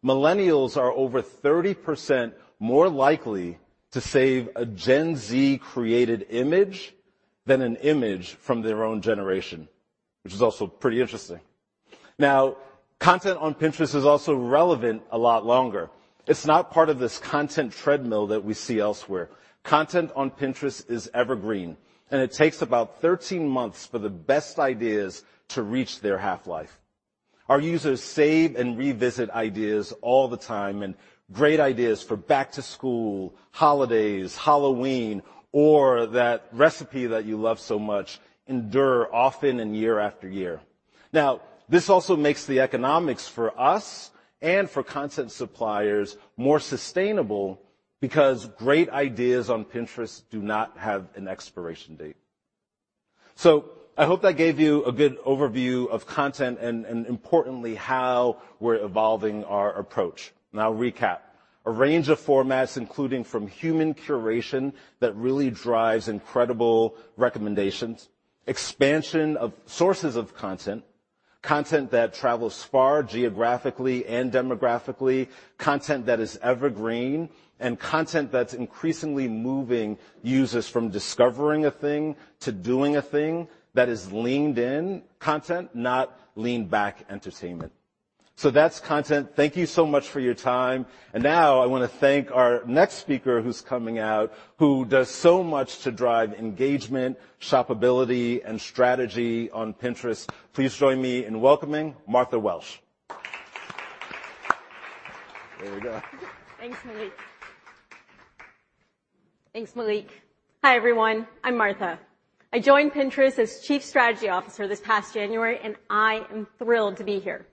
[SPEAKER 5] Millennials are over 30% more likely to save a Gen Z-created image than an image from their own generation, which is also pretty interesting. Now, content on Pinterest is also relevant a lot longer. It's not part of this content treadmill that we see elsewhere. Content on Pinterest is evergreen, and it takes about 13 months for the best ideas to reach their half-life. Our users save and revisit ideas all the time, and great ideas for back to school, holidays, Halloween, or that recipe that you love so much endure often and year after year. Now, this also makes the economics for us and for content suppliers more sustainable because great ideas on Pinterest do not have an expiration date. So I hope that gave you a good overview of content and importantly, how we're evolving our approach. Now, recap. A range of formats, including from human curation, that really drives incredible recommendations, expansion of sources of content, content that travels far geographically and demographically, content that is evergreen, and content that's increasingly moving users from discovering a thing to doing a thing that is leaned-in content, not lean-back entertainment. So that's content. Thank you so much for your time. Now I want to thank our next speaker who's coming out, who does so much to drive engagement, shoppability, and strategy on Pinterest. Please join me in welcoming Martha Welsh. There we go.
[SPEAKER 6] Thanks, Malik. Thanks, Malik. Hi, everyone. I'm Martha. I joined Pinterest as Chief Strategy Officer this past January, and I am thrilled to be here.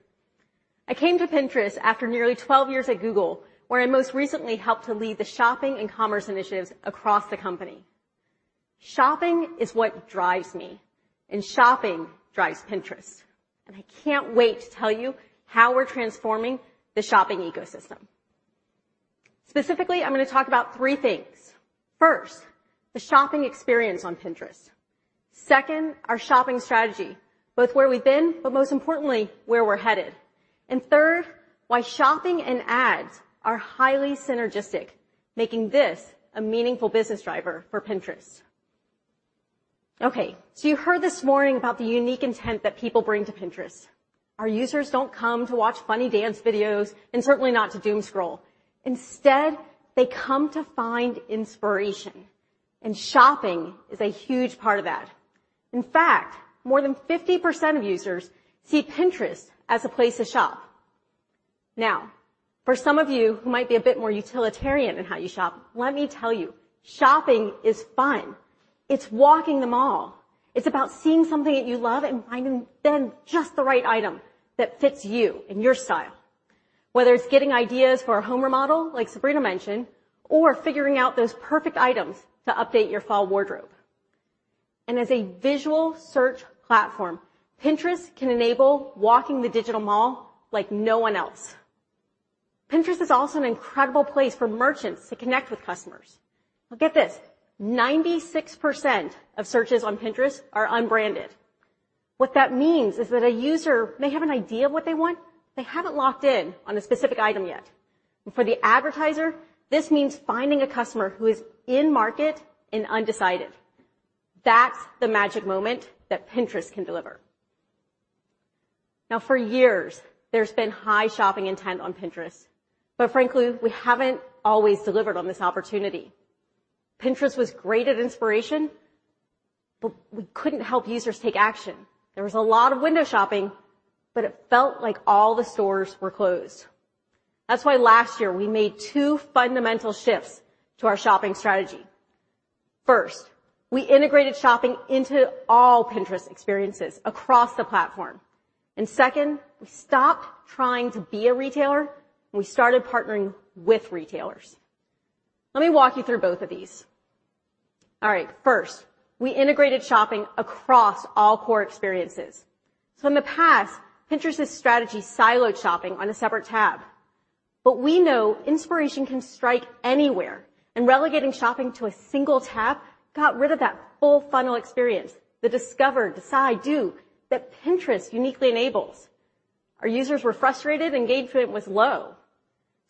[SPEAKER 6] I came to Pinterest after nearly 12 years at Google, where I most recently helped to lead the shopping and commerce initiatives across the company. Shopping is what drives me, and shopping drives Pinterest, and I can't wait to tell you how we're transforming the shopping ecosystem. Specifically, I'm going to talk about three things. First, the shopping experience on Pinterest. Second, our shopping strategy, both where we've been, but most importantly, where we're headed. And third, why shopping and ads are highly synergistic, making this a meaningful business driver for Pinterest. Okay, so you heard this morning about the unique intent that people bring to Pinterest. Our users don't come to watch funny dance videos and certainly not to doomscroll. Instead, they come to find inspiration, and shopping is a huge part of that. In fact, more than 50% of users see Pinterest as a place to shop. Now, for some of you who might be a bit more utilitarian in how you shop, let me tell you, shopping is fun. It's walking the mall. It's about seeing something that you love and finding then just the right item that fits you and your style. Whether it's getting ideas for a home remodel, like Sabrina mentioned, or figuring out those perfect items to update your fall wardrobe. As a visual search platform, Pinterest can enable walking the digital mall like no one else. Pinterest is also an incredible place for merchants to connect with customers. Well, get this: 96% of searches on Pinterest are unbranded. What that means is that a user may have an idea of what they want, but they haven't locked in on a specific item yet. For the advertiser, this means finding a customer who is in market and undecided. That's the magic moment that Pinterest can deliver. Now, for years, there's been high shopping intent on Pinterest, but frankly, we haven't always delivered on this opportunity. Pinterest was great at inspiration, but we couldn't help users take action. There was a lot of window shopping, but it felt like all the stores were closed. That's why last year we made two fundamental shifts to our shopping strategy. First, we integrated shopping into all Pinterest experiences across the platform. Second, we stopped trying to be a retailer, and we started partnering with retailers. Let me walk you through both of these. All right, first, we integrated shopping across all core experiences. In the past, Pinterest's strategy siloed shopping on a separate tab. But we know inspiration can strike anywhere, and relegating shopping to a single tab got rid of that full funnel experience, the discover, decide, do that Pinterest uniquely enables. Our users were frustrated, engagement was low.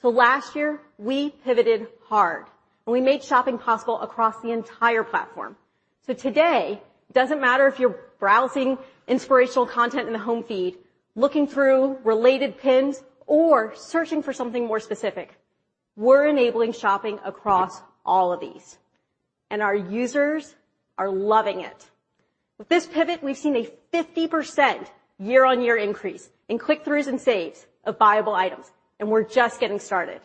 [SPEAKER 6] Last year, we pivoted hard, and we made shopping possible across the entire platform. Today, it doesn't matter if you're browsing inspirational content in the home feed, looking through Related Pins, or searching for something more specific. We're enabling shopping across all of these, and our users are loving it. With this pivot, we've seen a 50% year-on-year increase in click-throughs and saves of buyable items, and we're just getting started.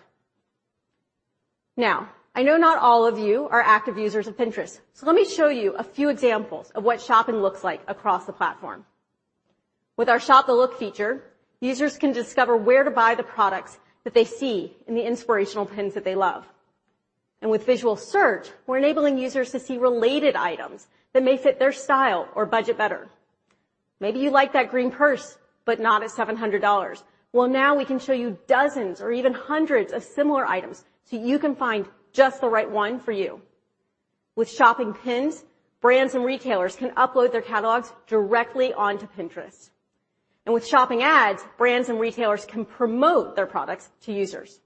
[SPEAKER 6] Now, I know not all of you are active users of Pinterest, so let me show you a few examples of what shopping looks like across the platform. With our Shop the Look feature, users can discover where to buy the products that they see in the inspirational pins that they love. And with visual search, we're enabling users to see related items that may fit their style or budget better. Maybe you like that green purse, but not at $700. Well, now we can show you dozens or even hundreds of similar items, so you can find just the right one for you. With Shopping Pins, brands and retailers can upload their catalogs directly onto Pinterest, and with shopping ads, brands and retailers can promote their products to users.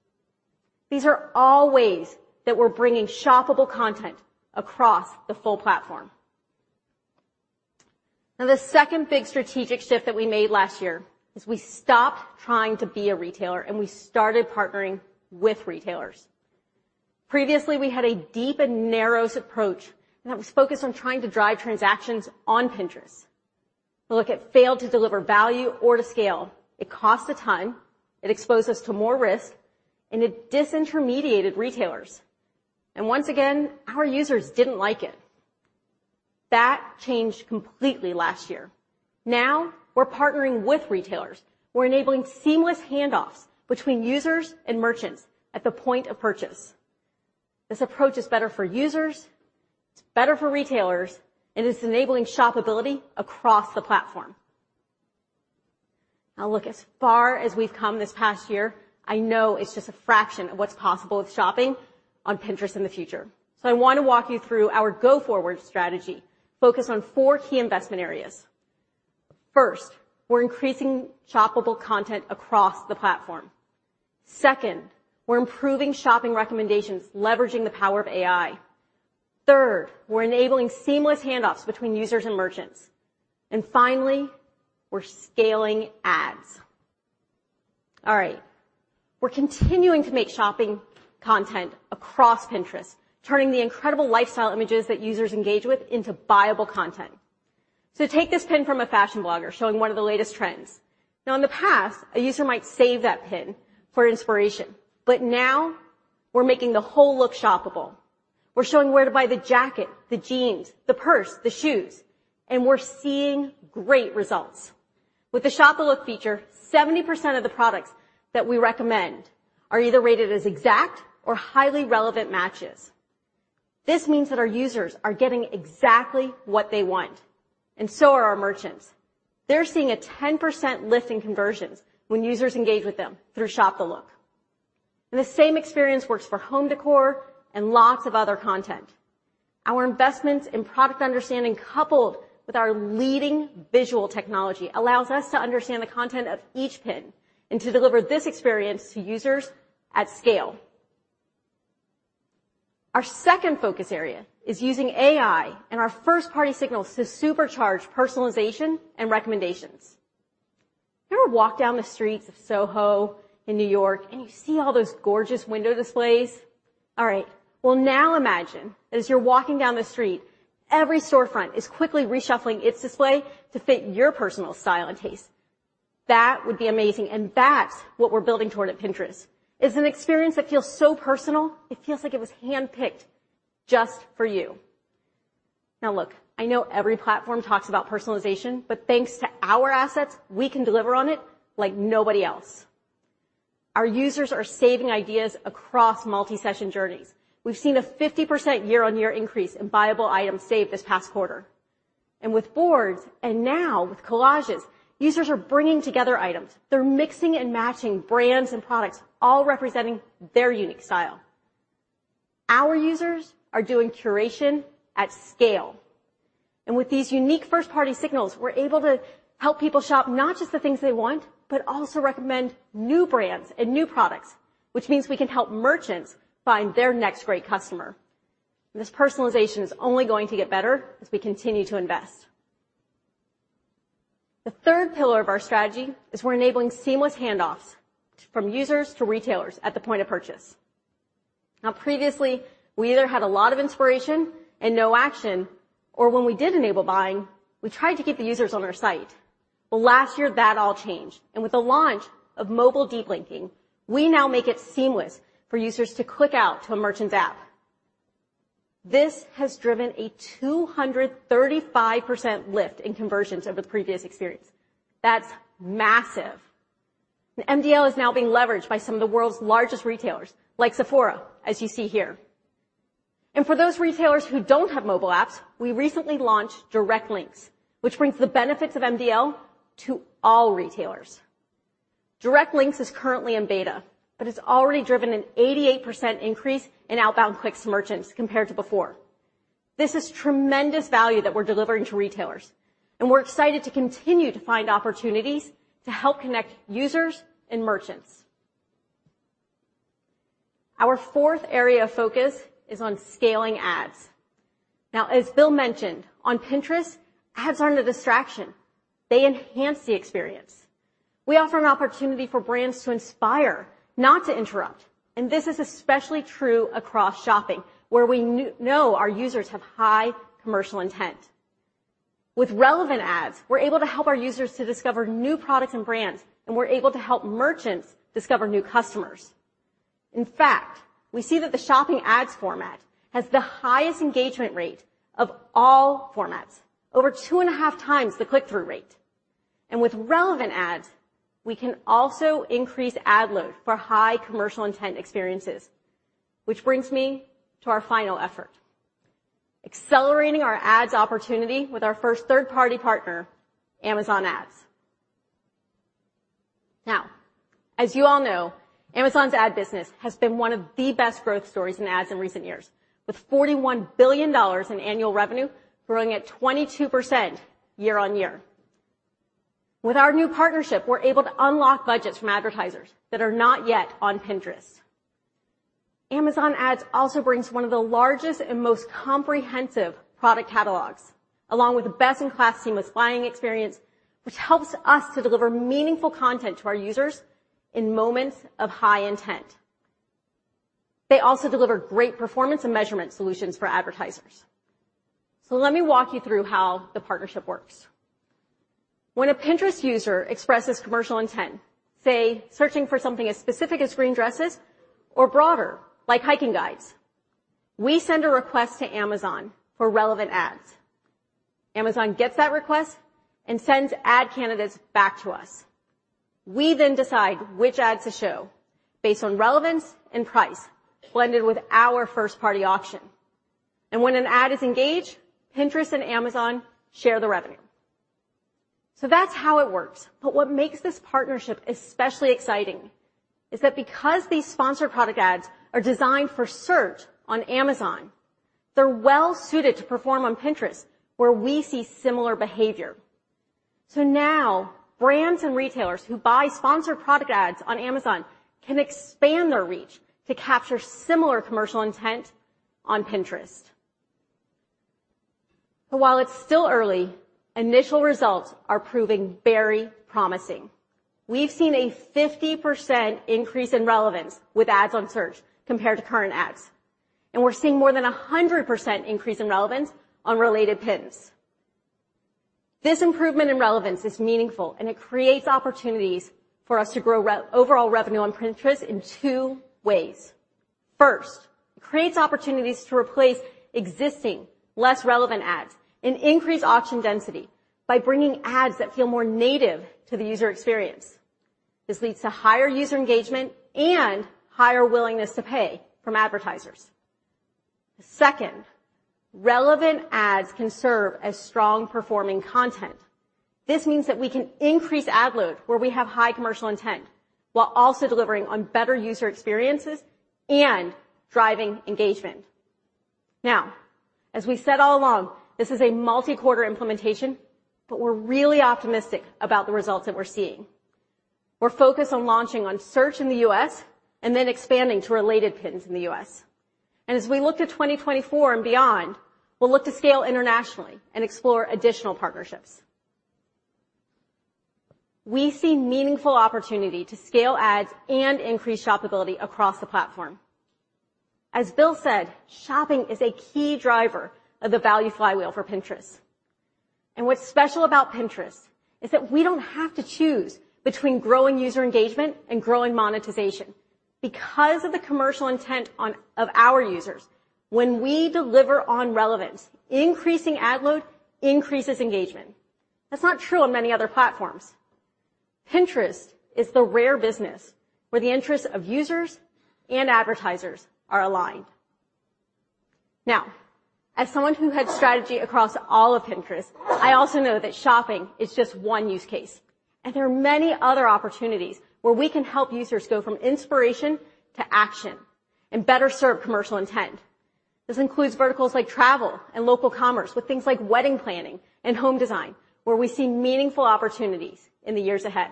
[SPEAKER 6] These are all ways that we're bringing shoppable content across the full platform. Now, the second big strategic shift that we made last year is we stopped trying to be a retailer, and we started partnering with retailers. Previously, we had a deep and narrow approach that was focused on trying to drive transactions on Pinterest. Look, it failed to deliver value or to scale. It cost a ton, it exposed us to more risk, and it disintermediated retailers. And once again, our users didn't like it. That changed completely last year. Now we're partnering with retailers. We're enabling seamless handoffs between users and merchants at the point of purchase. This approach is better for users, it's better for retailers, and it's enabling shopability across the platform. Now, look, as far as we've come this past year, I know it's just a fraction of what's possible with shopping on Pinterest in the future. So I want to walk you through our go-forward strategy, focused on four key investment areas. First, we're increasing shoppable content across the platform. Second, we're improving shopping recommendations, leveraging the power of AI. Third, we're enabling seamless handoffs between users and merchants. And finally, we're scaling ads. All right. We're continuing to make shopping content across Pinterest, turning the incredible lifestyle images that users engage with into buyable content. So take this pin from a fashion blogger showing one of the latest trends. Now, in the past, a user might save that pin for inspiration, but now we're making the whole look shoppable. We're showing where to buy the jacket, the jeans, the purse, the shoes, and we're seeing great results. With the Shop the Look feature, 70% of the products that we recommend are either rated as exact or highly relevant matches. This means that our users are getting exactly what they want, and so are our merchants. They're seeing a 10% lift in conversions when users engage with them through Shop the Look. And the same experience works for home decor and lots of other content. Our investments in product understanding, coupled with our leading visual technology, allows us to understand the content of each pin and to deliver this experience to users at scale. Our second focus area is using AI and our first-party signals to supercharge personalization and recommendations. You ever walk down the streets of Soho in New York, and you see all those gorgeous window displays? All right, well, now imagine as you're walking down the street, every storefront is quickly reshuffling its display to fit your personal style and taste. That would be amazing, and that's what we're building toward at Pinterest, is an experience that feels so personal, it feels like it was handpicked just for you. Now, look, I know every platform talks about personalization, but thanks to our assets, we can deliver on it like nobody else. Our users are saving ideas across multi-session journeys. We've seen a 50% year-on-year increase in buyable items saved this past quarter. And with boards, and now with Collages, users are bringing together items. They're mixing and matching brands and products, all representing their unique style. Our users are doing curation at scale, and with these unique first-party signals, we're able to help people shop not just the things they want, but also recommend new brands and new products, which means we can help merchants find their next great customer. This personalization is only going to get better as we continue to invest. The third pillar of our strategy is we're enabling seamless handoffs from users to retailers at the point of purchase. Now, previously, we either had a lot of inspiration and no action, or when we did enable buying, we tried to keep the users on our site. Well, last year, that all changed, and with the launch of mobile deep linking, we now make it seamless for users to click out to a merchant's app. This has driven a 235% lift in conversions over the previous experience. That's massive. MDL is now being leveraged by some of the world's largest retailers, like Sephora, as you see here. And for those retailers who don't have mobile apps, we recently launched direct links, which brings the benefits of MDL to all retailers. Direct links is currently in beta, but it's already driven an 88% increase in outbound clicks to merchants compared to before. This is tremendous value that we're delivering to retailers, and we're excited to continue to find opportunities to help connect users and merchants. Our fourth area of focus is on scaling ads. Now, as Bill mentioned, on Pinterest, ads aren't a distraction. They enhance the experience. We offer an opportunity for brands to inspire, not to interrupt, and this is especially true across shopping, where we know our users have high commercial intent. With relevant ads, we're able to help our users to discover new products and brands, and we're able to help merchants discover new customers. In fact, we see that the shopping ads format has the highest engagement rate of all formats, over 2.5 times the click-through rate. With relevant ads, we can also increase ad load for high commercial intent experiences, which brings me to our final effort: accelerating our ads opportunity with our first third-party partner, Amazon Ads. Now, as you all know, Amazon's ad business has been one of the best growth stories in ads in recent years, with $41 billion in annual revenue, growing at 22% year-on-year. With our new partnership, we're able to unlock budgets from advertisers that are not yet on Pinterest. Amazon Ads also brings one of the largest and most comprehensive product catalogs, along with a best-in-class seamless buying experience, which helps us to deliver meaningful content to our users in moments of high intent. They also deliver great performance and measurement solutions for advertisers. Let me walk you through how the partnership works. When a Pinterest user expresses commercial intent, say, searching for something as specific as green dresses or broader, like hiking guides, we send a request to Amazon for relevant ads. Amazon gets that request and sends ad candidates back to us. We then decide which ads to show based on relevance and price, blended with our first-party auction. And when an ad is engaged, Pinterest and Amazon share the revenue. So that's how it works. But what makes this partnership especially exciting is that because these sponsored product ads are designed for search on Amazon, they're well suited to perform on Pinterest, where we see similar behavior. So now brands and retailers who buy sponsored product ads on Amazon can expand their reach to capture similar commercial intent on Pinterest. While it's still early, initial results are proving very promising. We've seen a 50% increase in relevance with ads on search compared to current ads, and we're seeing more than a 100% increase in relevance on Related Pins. This improvement in relevance is meaningful, and it creates opportunities for us to grow overall revenue on Pinterest in two ways. First, it creates opportunities to replace existing, less relevant ads and increase auction density by bringing ads that feel more native to the user experience. This leads to higher user engagement and higher willingness to pay from advertisers. Second, relevant ads can serve as strong-performing content. This means that we can increase ad load where we have high commercial intent, while also delivering on better user experiences and driving engagement. Now, as we said all along, this is a multi-quarter implementation, but we're really optimistic about the results that we're seeing. We're focused on launching on search in the U.S. and then expanding to Related Pins in the U.S., and as we look to 2024 and beyond, we'll look to scale internationally and explore additional partnerships. We see meaningful opportunity to scale ads and increase shoppability across the platform. As Bill said, shopping is a key driver of the value flywheel for Pinterest, and what's special about Pinterest is that we don't have to choose between growing user engagement and growing monetization. Because of the commercial intent of our users, when we deliver on relevance, increasing ad load increases engagement. That's not true on many other platforms. Pinterest is the rare business where the interests of users and advertisers are aligned. Now, as someone who heads strategy across all of Pinterest, I also know that shopping is just one use case, and there are many other opportunities where we can help users go from inspiration to action and better serve commercial intent. This includes verticals like travel and local commerce, with things like wedding planning and home design, where we see meaningful opportunities in the years ahead.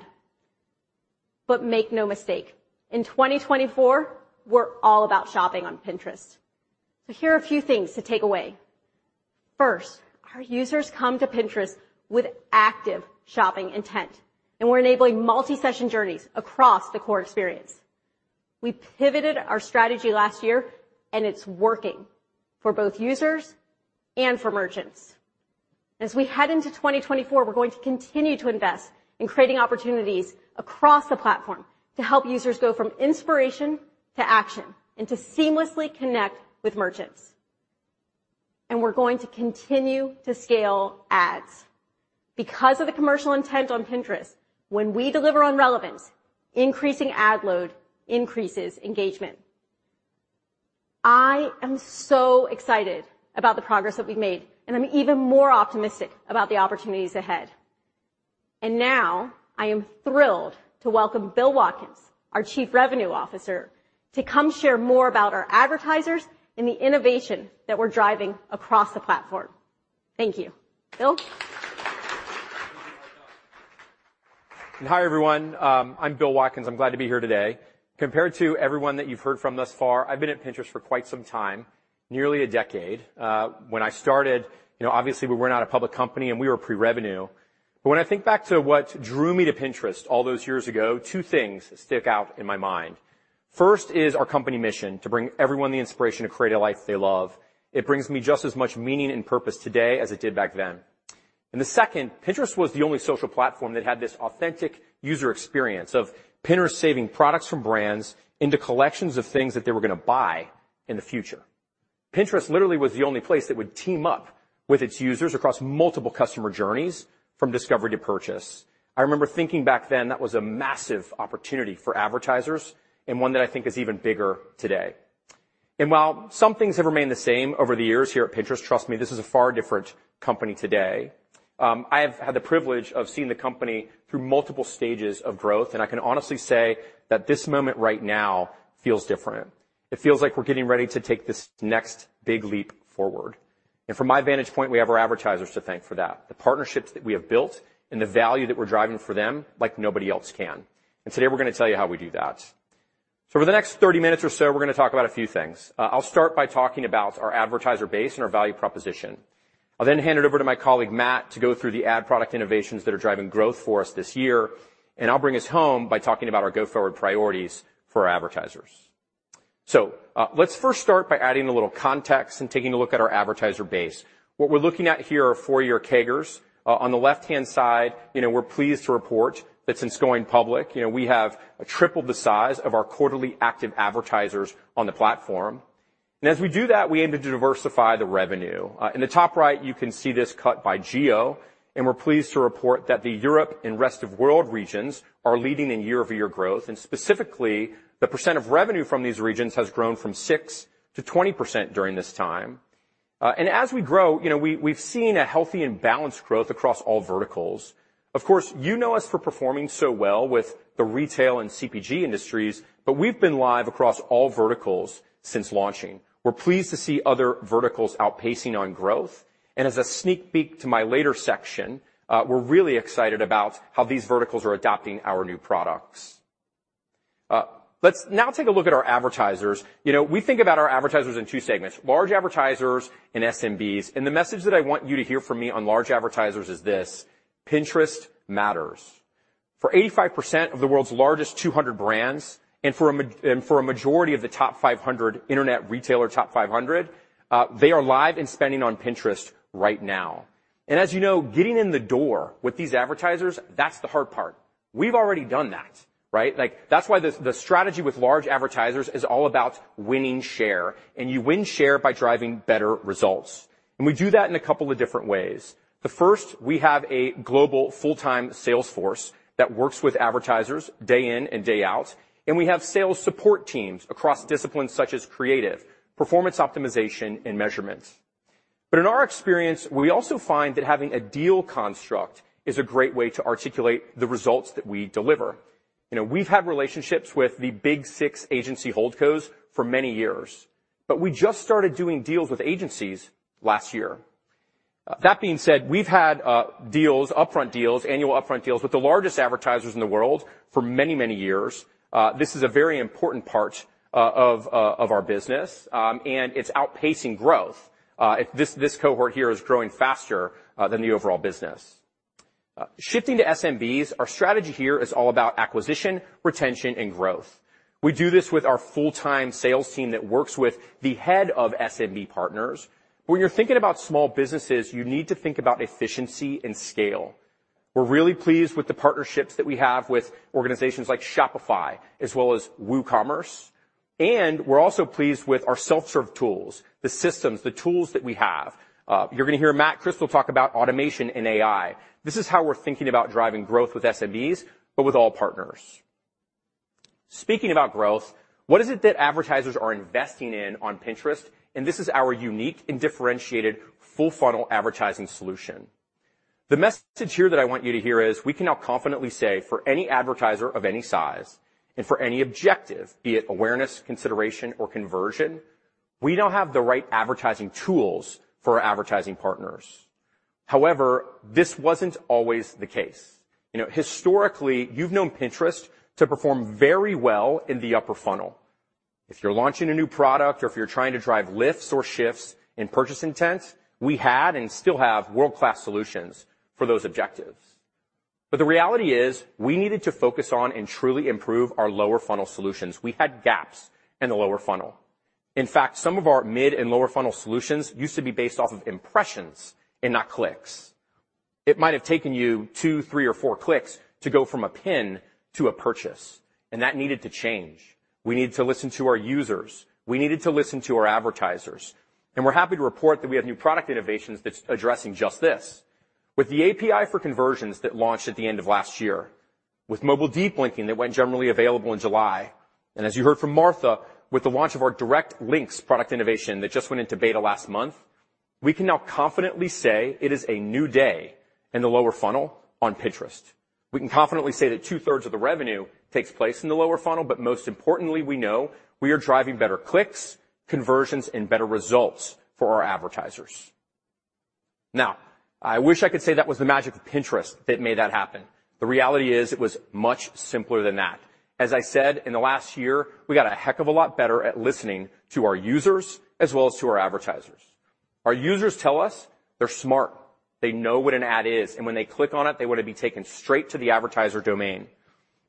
[SPEAKER 6] But make no mistake, in 2024, we're all about shopping on Pinterest. So here are a few things to take away. First, our users come to Pinterest with active shopping intent, and we're enabling multi-session journeys across the core experience. We pivoted our strategy last year, and it's working for both users and for merchants. As we head into 2024, we're going to continue to invest in creating opportunities across the platform to help users go from inspiration to action and to seamlessly connect with merchants. We're going to continue to scale ads. Because of the commercial intent on Pinterest, when we deliver on relevance, increasing ad load increases engagement. I am so excited about the progress that we've made, and I'm even more optimistic about the opportunities ahead. Now I am thrilled to welcome Bill Watkins, our Chief Revenue Officer, to come share more about our advertisers and the innovation that we're driving across the platform. Thank you. Bill?
[SPEAKER 7] Hi, everyone. I'm Bill Watkins. I'm glad to be here today. Compared to everyone that you've heard from thus far, I've been at Pinterest for quite some time, nearly a decade. When I started, you know, obviously we were not a public company, and we were pre-revenue. But when I think back to what drew me to Pinterest all those years ago, two things stick out in my mind. First is our company mission: to bring everyone the inspiration to create a life they love. It brings me just as much meaning and purpose today as it did back then. And the second, Pinterest was the only social platform that had this authentic user experience of Pinners saving products from brands into collections of things that they were going to buy in the future. Pinterest literally was the only place that would team up with its users across multiple customer journeys from discovery to purchase. I remember thinking back then, that was a massive opportunity for advertisers and one that I think is even bigger today. And while some things have remained the same over the years here at Pinterest, trust me, this is a far different company today. I have had the privilege of seeing the company through multiple stages of growth, and I can honestly say that this moment right now feels different. It feels like we're getting ready to take this next big leap forward, and from my vantage point, we have our advertisers to thank for that. The partnerships that we have built and the value that we're driving for them like nobody else can. And today, we're going to tell you how we do that. So for the next 30 minutes or so, we're going to talk about a few things. I'll start by talking about our advertiser base and our value proposition. I'll then hand it over to my colleague, Matt, to go through the ad product innovations that are driving growth for us this year, and I'll bring us home by talking about our go-forward priorities for our advertisers. So, let's first start by adding a little context and taking a look at our advertiser base. What we're looking at here are four-year CAGRs. On the left-hand side, you know, we're pleased to report that since going public, you know, we have tripled the size of our quarterly active advertisers on the platform. And as we do that, we aim to diversify the revenue. In the top right, you can see this cut by geo, and we're pleased to report that the Europe and rest of world regions are leading in year-over-year growth, and specifically, the percent of revenue from these regions has grown from 6% to 20% during this time. And as we grow, you know, we've seen a healthy and balanced growth across all verticals. Of course, you know us for performing so well with the retail and CPG industries, but we've been live across all verticals since launching. We're pleased to see other verticals outpacing on growth, and as a sneak peek to my later section, we're really excited about how these verticals are adopting our new products. Let's now take a look at our advertisers. You know, we think about our advertisers in two segments: large advertisers and SMBs. And the message that I want you to hear from me on large advertisers is this: Pinterest matters. For 85% of the world's largest 200 brands and for a majority of the top 500 Internet Retailer Top 500, they are live and spending on Pinterest right now. And as you know, getting in the door with these advertisers, that's the hard part. We've already done that, right? Like, that's why the strategy with large advertisers is all about winning share, and you win share by driving better results. And we do that in a couple of different ways. The first, we have a global full-time sales force that works with advertisers day in and day out, and we have sales support teams across disciplines such as creative, performance optimization, and measurement. But in our experience, we also find that having a deal construct is a great way to articulate the results that we deliver. You know, we've had relationships with the Big Six agency holdcos for many years, but we just started doing deals with agencies last year, that being said, we've had deals, upfront deals, annual upfront deals, with the largest advertisers in the world for many, many years. This is a very important part of our business, and it's outpacing growth. This cohort here is growing faster than the overall business. Shifting to SMBs, our strategy here is all about acquisition, retention, and growth. We do this with our full-time sales team that works with the head of SMB partners. When you're thinking about small businesses, you need to think about efficiency and scale. We're really pleased with the partnerships that we have with organizations like Shopify, as well as WooCommerce, and we're also pleased with our self-serve tools, the systems, the tools that we have. You're gonna hear Matt Crystal talk about automation and AI. This is how we're thinking about driving growth with SMBs, but with all partners. Speaking about growth, what is it that advertisers are investing in on Pinterest? And this is our unique and differentiated full-funnel advertising solution. The message here that I want you to hear is, we can now confidently say for any advertiser of any size and for any objective, be it awareness, consideration, or conversion, we now have the right advertising tools for our advertising partners. However, this wasn't always the case. You know, historically, you've known Pinterest to perform very well in the upper funnel. If you're launching a new product or if you're trying to drive lifts or shifts in purchase intent, we had and still have world-class solutions for those objectives. But the reality is, we needed to focus on and truly improve our lower funnel solutions. We had gaps in the lower funnel. In fact, some of our mid and lower funnel solutions used to be based off of impressions and not clicks. It might have taken you two, three, or four clicks to go from a pin to a purchase, and that needed to change. We needed to listen to our users, we needed to listen to our advertisers, and we're happy to report that we have new product innovations that's addressing just this. With the API for Conversions that launched at the end of last year, with mobile deep linking that went generally available in July, and as you heard from Martha, with the launch of our direct links product innovation that just went into beta last month, we can now confidently say it is a new day in the lower funnel on Pinterest. We can confidently say that 2/3 of the revenue takes place in the lower funnel, but most importantly, we know we are driving better clicks, conversions, and better results for our advertisers. Now, I wish I could say that was the magic of Pinterest that made that happen. The reality is, it was much simpler than that. As I said, in the last year, we got a heck of a lot better at listening to our users as well as to our advertisers. Our users tell us they're smart, they know what an ad is, and when they click on it, they want to be taken straight to the advertiser domain.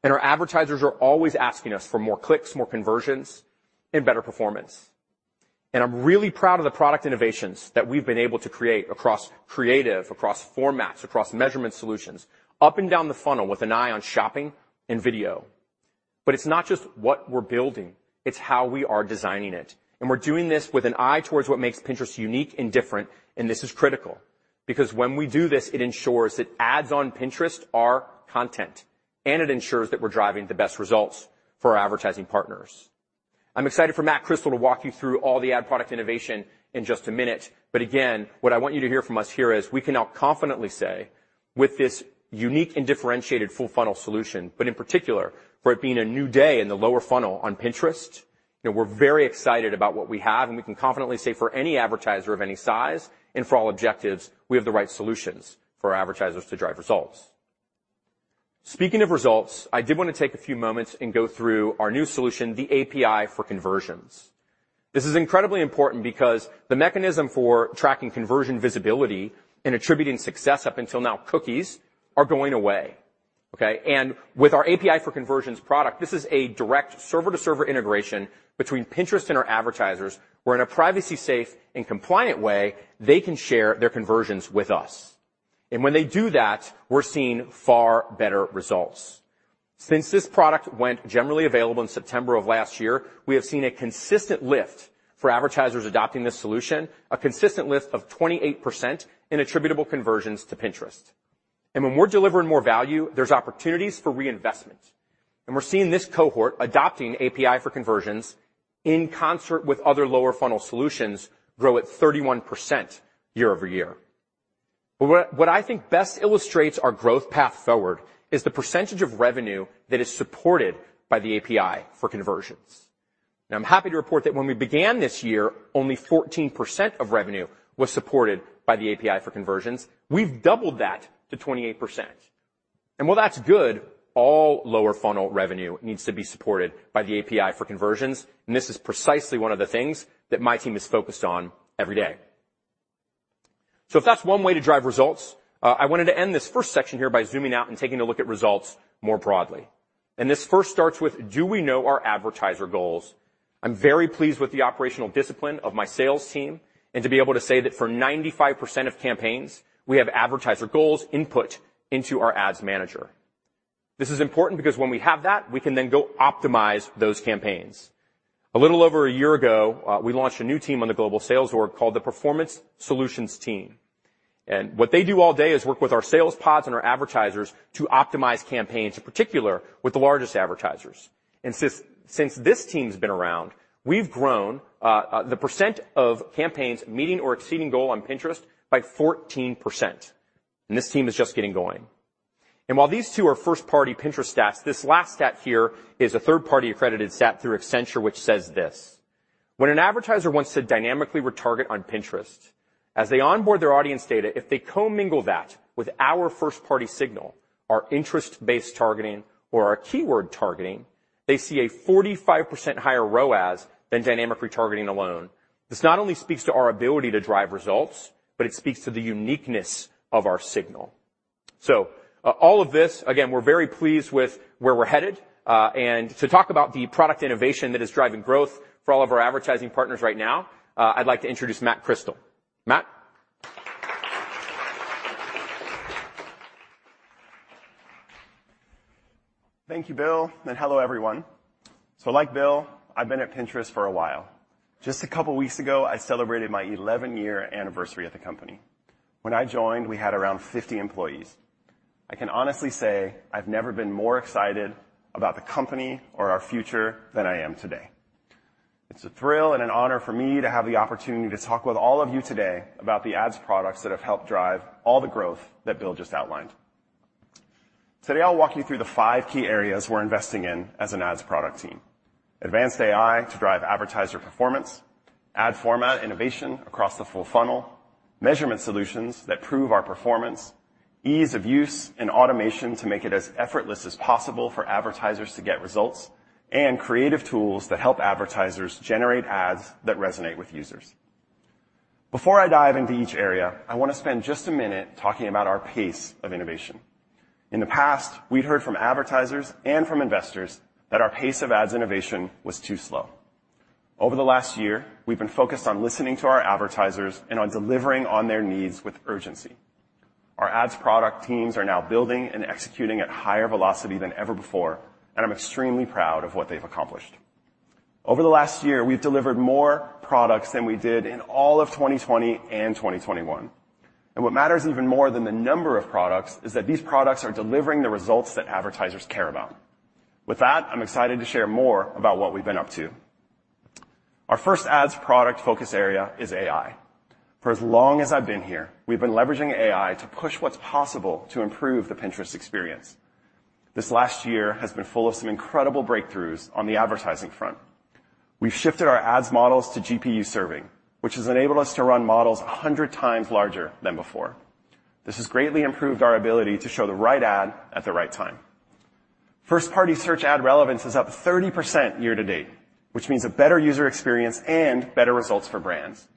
[SPEAKER 7] Our advertisers are always asking us for more clicks, more conversions, and better performance. I'm really proud of the product innovations that we've been able to create across creative, across formats, across measurement solutions, up and down the funnel with an eye on shopping and video. It's not just what we're building, it's how we are designing it. We're doing this with an eye towards what makes Pinterest unique and different. This is critical, because when we do this, it ensures that ads on Pinterest are content, and it ensures that we're driving the best results for our advertising partners. I'm excited for Matt Crystal to walk you through all the ad product innovation in just a minute. But again, what I want you to hear from us here is, we can now confidently say, with this unique and differentiated full-funnel solution, but in particular, for it being a new day in the lower funnel on Pinterest, you know, we're very excited about what we have, and we can confidently say, for any advertiser of any size and for all objectives, we have the right solutions for advertisers to drive results. Speaking of results, I did want to take a few moments and go through our new solution, the API for Conversions. This is incredibly important because the mechanism for tracking conversion visibility and attributing success up until now, cookies, are going away, okay? With our API for Conversions product, this is a direct server-to-server integration between Pinterest and our advertisers, where in a privacy-safe and compliant way, they can share their conversions with us. When they do that, we're seeing far better results. Since this product went generally available in September of last year, we have seen a consistent lift for advertisers adopting this solution, a consistent lift of 28% in attributable conversions to Pinterest. When we're delivering more value, there's opportunities for reinvestment, and we're seeing this cohort adopting API for Conversions in concert with other lower-funnel solutions, grow at 31% year-over-year. But what I think best illustrates our growth path forward is the percentage of revenue that is supported by the API for Conversions. Now, I'm happy to report that when we began this year, only 14% of revenue was supported by the API for Conversions. We've doubled that to 28%. And while that's good, all lower funnel revenue needs to be supported by the API for Conversions, and this is precisely one of the things that my team is focused on every day. So if that's one way to drive results, I wanted to end this first section here by zooming out and taking a look at results more broadly. And this first starts with: Do we know our advertiser goals? I'm very pleased with the operational discipline of my sales team and to be able to say that for 95% of campaigns, we have advertiser goals input into our Ads Manager. This is important because when we have that, we can then go optimize those campaigns. A little over a year ago, we launched a new team on the global sales org called the Performance Solutions Team. What they do all day is work with our sales pods and our advertisers to optimize campaigns, in particular with the largest advertisers. Since this team's been around, we've grown the percent of campaigns meeting or exceeding goal on Pinterest by 14%, and this team is just getting going. While these two are first-party Pinterest stats, this last stat here is a third-party accredited stat through Accenture, which says this: When an advertiser wants to dynamically retarget on Pinterest, as they onboard their audience data, if they commingle that with our first-party signal, our interest-based targeting, or our keyword targeting, they see a 45% higher ROAS than dynamic retargeting alone. This not only speaks to our ability to drive results, but it speaks to the uniqueness of our signal. So, all of this, again, we're very pleased with where we're headed, and to talk about the product innovation that is driving growth for all of our advertising partners right now, I'd like to introduce Matt Crystal. Matt?
[SPEAKER 8] Thank you, Bill, and hello, everyone. So like Bill, I've been at Pinterest for a while. Just a couple of weeks ago, I celebrated my 11-year anniversary at the company. When I joined, we had around 50 employees. I can honestly say I've never been more excited about the company or our future than I am today. It's a thrill and an honor for me to have the opportunity to talk with all of you today about the ads products that have helped drive all the growth that Bill just outlined. Today, I'll walk you through the five key areas we're investing in as an ads product team. Advanced AI to drive advertiser performance, ad format innovation across the full-funnel, measurement solutions that prove our performance, ease of use and automation to make it as effortless as possible for advertisers to get results, and creative tools that help advertisers generate ads that resonate with users. Before I dive into each area, I want to spend just a minute talking about our pace of innovation. In the past, we'd heard from advertisers and from investors that our pace of ads innovation was too slow. Over the last year, we've been focused on listening to our advertisers and on delivering on their needs with urgency. Our ads product teams are now building and executing at higher velocity than ever before, and I'm extremely proud of what they've accomplished. Over the last year, we've delivered more products than we did in all of 2020 and 2021. What matters even more than the number of products is that these products are delivering the results that advertisers care about. With that, I'm excited to share more about what we've been up to. Our first ads product focus area is AI. For as long as I've been here, we've been leveraging AI to push what's possible to improve the Pinterest experience. This last year has been full of some incredible breakthroughs on the advertising front. We've shifted our ads models to GPU serving, which has enabled us to run models 100 times larger than before. This has greatly improved our ability to show the right ad at the right time. First-party search ad relevance is up 30% year to date, which means a better user experience and better results for brands.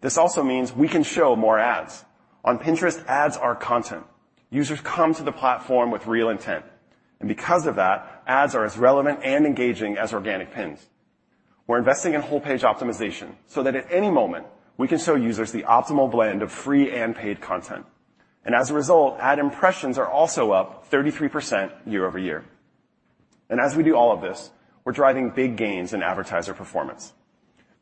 [SPEAKER 8] This also means we can show more ads. On Pinterest, ads are content. Users come to the platform with real intent, and because of that, ads are as relevant and engaging as organic pins. We're investing in Whole Page Optimization so that at any moment, we can show users the optimal blend of free and paid content. As a result, ad impressions are also up 33% year-over-year. As we do all of this, we're driving big gains in advertiser performance.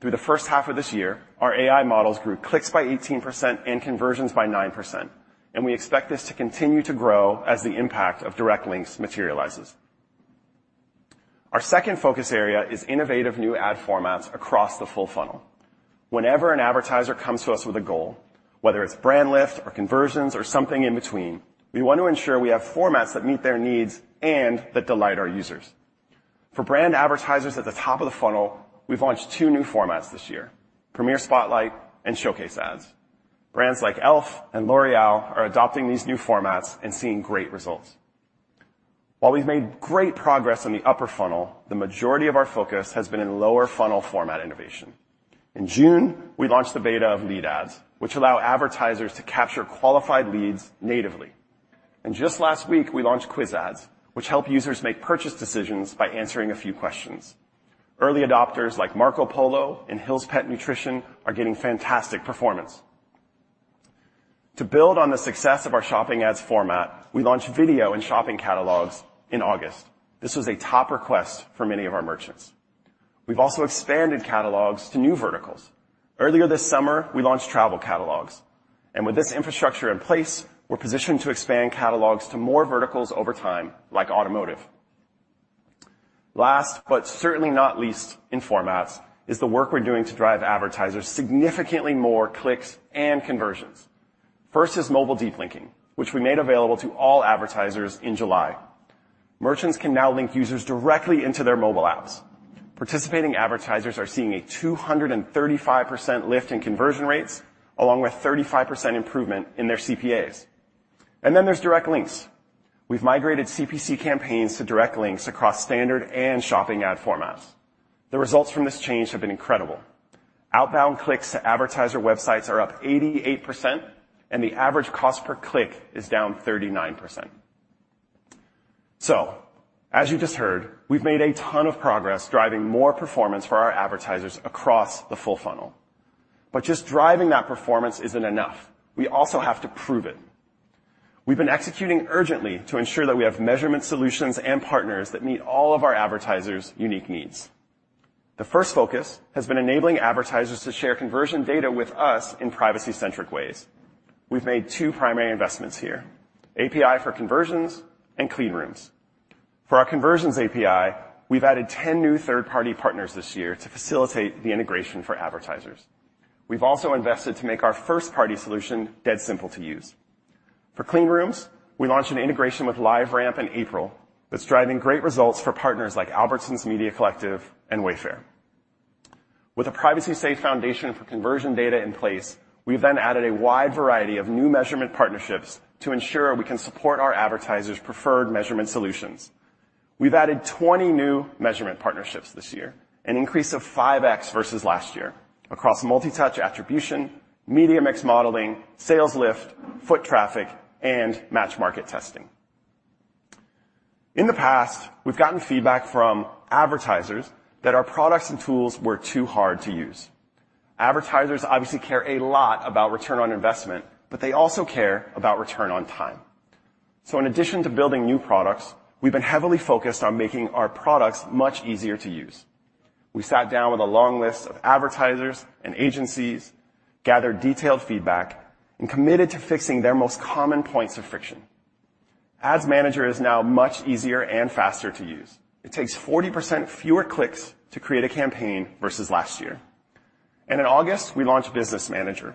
[SPEAKER 8] Through the first half of this year, our AI models grew clicks by 18% and conversions by 9%, and we expect this to continue to grow as the impact of direct links materializes. Our second focus area is innovative new ad formats across the full-funnel. Whenever an advertiser comes to us with a goal, whether it's brand lift or conversions or something in between, we want to ensure we have formats that meet their needs and that delight our users. For brand advertisers at the top of the funnel, we've launched two new formats this year, Premier Spotlight and Showcase Ads. Brands like e.l.f. and L'Oréal are adopting these new formats and seeing great results. While we've made great progress on the upper funnel, the majority of our focus has been in lower funnel format innovation. In June, we launched the beta of Lead ads, which allow advertisers to capture qualified leads natively. Just last week, we launched Quiz ads, which help users make purchase decisions by answering a few questions. Early adopters like Marc O'Polo and Hill's Pet Nutrition are getting fantastic performance. To build on the success of our shopping ads format, we launched Video and Shopping Catalogs in August. This was a top request for many of our merchants. We've also expanded catalogs to new verticals. Earlier this summer, we launched Travel Catalogs, and with this infrastructure in place, we're positioned to expand catalogs to more verticals over time, like automotive. Last, but certainly not least in formats, is the work we're doing to drive advertisers significantly more clicks and conversions. First is mobile deep linking, which we made available to all advertisers in July. Merchants can now link users directly into their mobile apps. Participating advertisers are seeing a 235% lift in conversion rates, along with 35% improvement in their CPAs. And then there's direct links. We've migrated CPC campaigns to direct links across standard and Shopping ad formats. The results from this change have been incredible. Outbound clicks to advertiser websites are up 88%, and the average cost per click is down 39%. So as you just heard, we've made a ton of progress driving more performance for our advertisers across the full-funnel. But just driving that performance isn't enough. We also have to prove it. We've been executing urgently to ensure that we have measurement solutions and partners that meet all of our advertisers' unique needs. The first focus has been enabling advertisers to share conversion data with us in privacy-centric ways. We've made two primary investments here, API for Conversions and Clean Rooms.... For our Conversions API, we've added 10 new third-party partners this year to facilitate the integration for advertisers. We've also invested to make our first-party solution dead simple to use. For Clean Rooms, we launched an integration with LiveRamp in April that's driving great results for partners like Albertsons Media Collective and Wayfair. With a privacy-safe foundation for conversion data in place, we've then added a wide variety of new measurement partnerships to ensure we can support our advertisers' preferred measurement solutions. We've added 20 new measurement partnerships this year, an increase of 5x versus last year, across multi-touch attribution, media mix modeling, sales lift, foot traffic, and match market testing. In the past, we've gotten feedback from advertisers that our products and tools were too hard to use. Advertisers obviously care a lot about return on investment, but they also care about return on time. So in addition to building new products, we've been heavily focused on making our products much easier to use. We sat down with a long list of advertisers and agencies, gathered detailed feedback, and committed to fixing their most common points of friction. Ads Manager is now much easier and faster to use. It takes 40% fewer clicks to create a campaign versus last year. In August, we launched Business Manager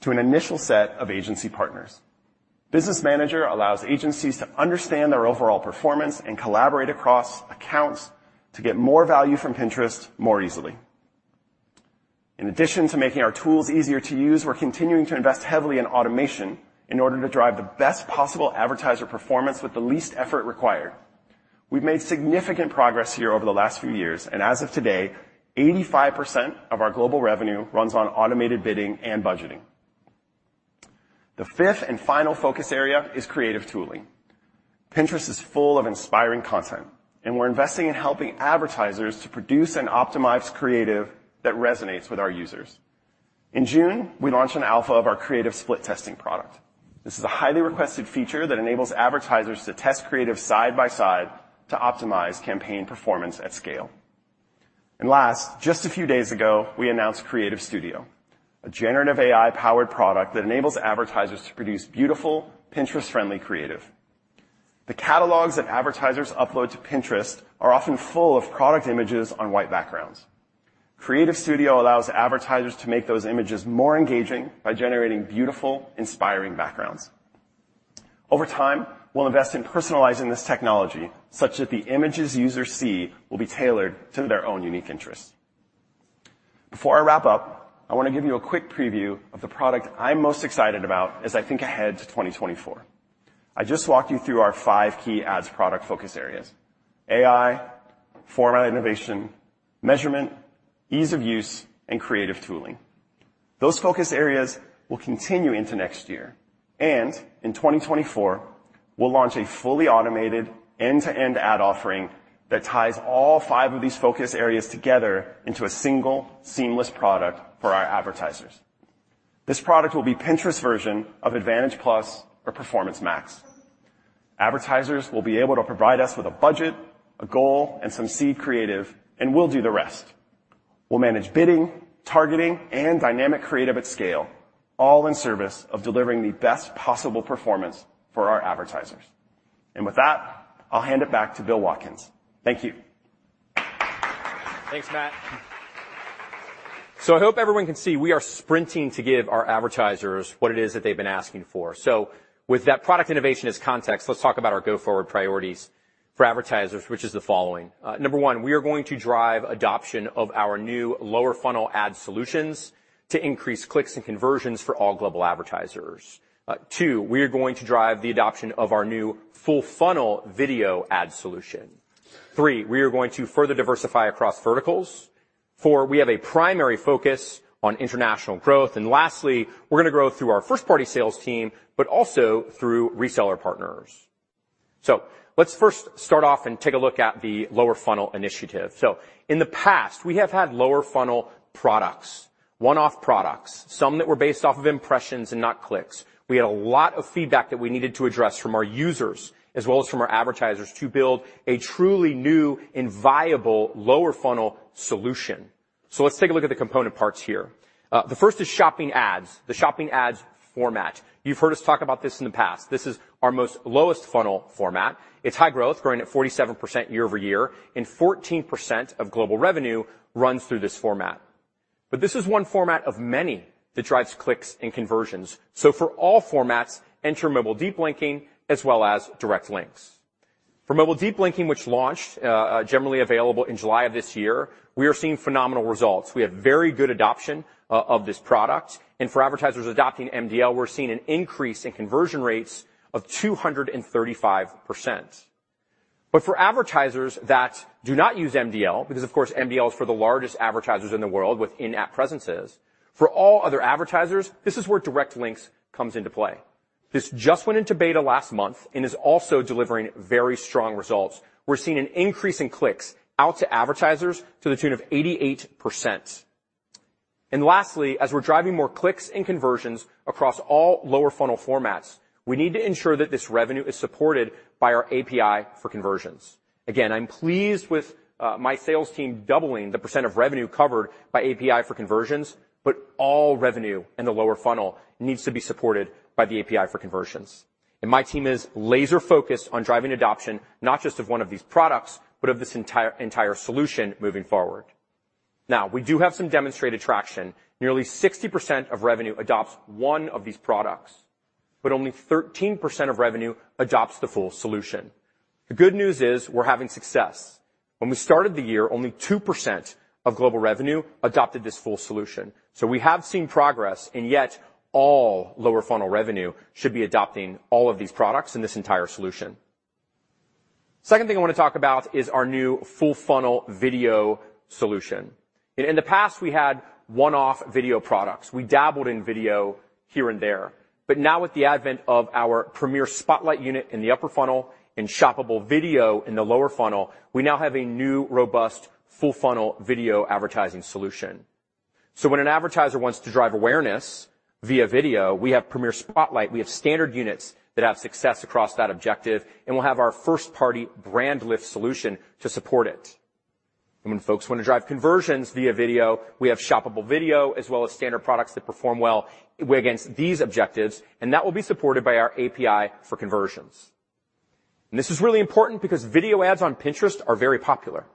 [SPEAKER 8] to an initial set of agency partners. Business Manager allows agencies to understand their overall performance and collaborate across accounts to get more value from Pinterest more easily. In addition to making our tools easier to use, we're continuing to invest heavily in automation in order to drive the best possible advertiser performance with the least effort required. We've made significant progress here over the last few years, and as of today, 85% of our global revenue runs on automated bidding and budgeting. The fifth and final focus area is creative tooling. Pinterest is full of inspiring content, and we're investing in helping advertisers to produce and optimize creative that resonates with our users. In June, we launched an alpha of our creative split testing product. This is a highly requested feature that enables advertisers to test creative side by side to optimize campaign performance at scale. Last, just a few days ago, we announced Creative Studio, a generative AI-powered product that enables advertisers to produce beautiful, Pinterest-friendly creative. The catalogs that advertisers upload to Pinterest are often full of product images on white backgrounds. Creative Studio allows advertisers to make those images more engaging by generating beautiful, inspiring backgrounds. Over time, we'll invest in personalizing this technology such that the images users see will be tailored to their own unique interests. Before I wrap up, I want to give you a quick preview of the product I'm most excited about as I think ahead to 2024. I just walked you through our five key ads product focus areas: AI, format innovation, measurement, ease of use, and creative tooling. Those focus areas will continue into next year, and in 2024, we'll launch a fully automated end-to-end ad offering that ties all five of these focus areas together into a single, seamless product for our advertisers. This product will be Pinterest's version of Advantage+ or Performance Max. Advertisers will be able to provide us with a budget, a goal, and some seed creative, and we'll do the rest. We'll manage bidding, targeting, and dynamic creative at scale, all in service of delivering the best possible performance for our advertisers. With that, I'll hand it back to Bill Watkins. Thank you.
[SPEAKER 7] Thanks, Matt. I hope everyone can see we are sprinting to give our advertisers what it is that they've been asking for. With that product innovation as context, let's talk about our go-forward priorities for advertisers, which is the following. Number 1, we are going to drive adoption of our new lower-funnel ad solutions to increase clicks and conversions for all global advertisers. 2, we are going to drive the adoption of our new full-funnel video ad solution. 3, we are going to further diversify across verticals. 4, we have a primary focus on international growth. And lastly, we're gonna grow through our first-party sales team, but also through reseller partners. Let's first start off and take a look at the lower-funnel initiative. So in the past, we have had lower-funnel products, one-off products, some that were based off of impressions and not clicks. We had a lot of feedback that we needed to address from our users, as well as from our advertisers, to build a truly new and viable lower-funnel solution. So let's take a look at the component parts here. The first is shopping ads, the shopping ads format. You've heard us talk about this in the past. This is our most lowest funnel format. It's high growth, growing at 47% year-over-year, and 14% of global revenue runs through this format. But this is one format of many that drives clicks and conversions. So for all formats, enter mobile deep linking as well as direct links. For mobile deep linking, which launched generally available in July of this year, we are seeing phenomenal results. We have very good adoption of this product, and for advertisers adopting MDL, we're seeing an increase in conversion rates of 235%. But for advertisers that do not use MDL, because, of course, MDL is for the largest advertisers in the world with in-app presences, for all other advertisers, this is where direct links comes into play. This just went into beta last month and is also delivering very strong results. We're seeing an increase in clicks out to advertisers to the tune of 88%. And lastly, as we're driving more clicks and conversions across all lower-funnel formats, we need to ensure that this revenue is supported by our API for Conversions. Again, I'm pleased with my sales team doubling the percent of revenue covered by API for Conversions, but all revenue in the lower funnel needs to be supported by the API for Conversions. And my team is laser-focused on driving adoption, not just of one of these products, but of this entire, entire solution moving forward. Now, we do have some demonstrated traction. Nearly 60% of revenue adopts one of these products, but only 13% of revenue adopts the full solution. The good news is we're having success. When we started the year, only 2% of global revenue adopted this full solution, so we have seen progress, and yet all lower funnel revenue should be adopting all of these products in this entire solution. Second thing I want to talk about is our new full-funnel video solution. In the past, we had one-off video products. We dabbled in video here and there, but now with the advent of our Premier Spotlight unit in the upper funnel and shoppable video in the lower funnel, we now have a new, robust, full-funnel video advertising solution. So when an advertiser wants to drive awareness via video, we have Premier Spotlight. We have standard units that have success across that objective, and we'll have our first-party brand lift solution to support it. When folks want to drive conversions via video, we have shoppable video, as well as standard products that perform well against these objectives, and that will be supported by our API for conversions. This is really important because video ads on Pinterest are very popular.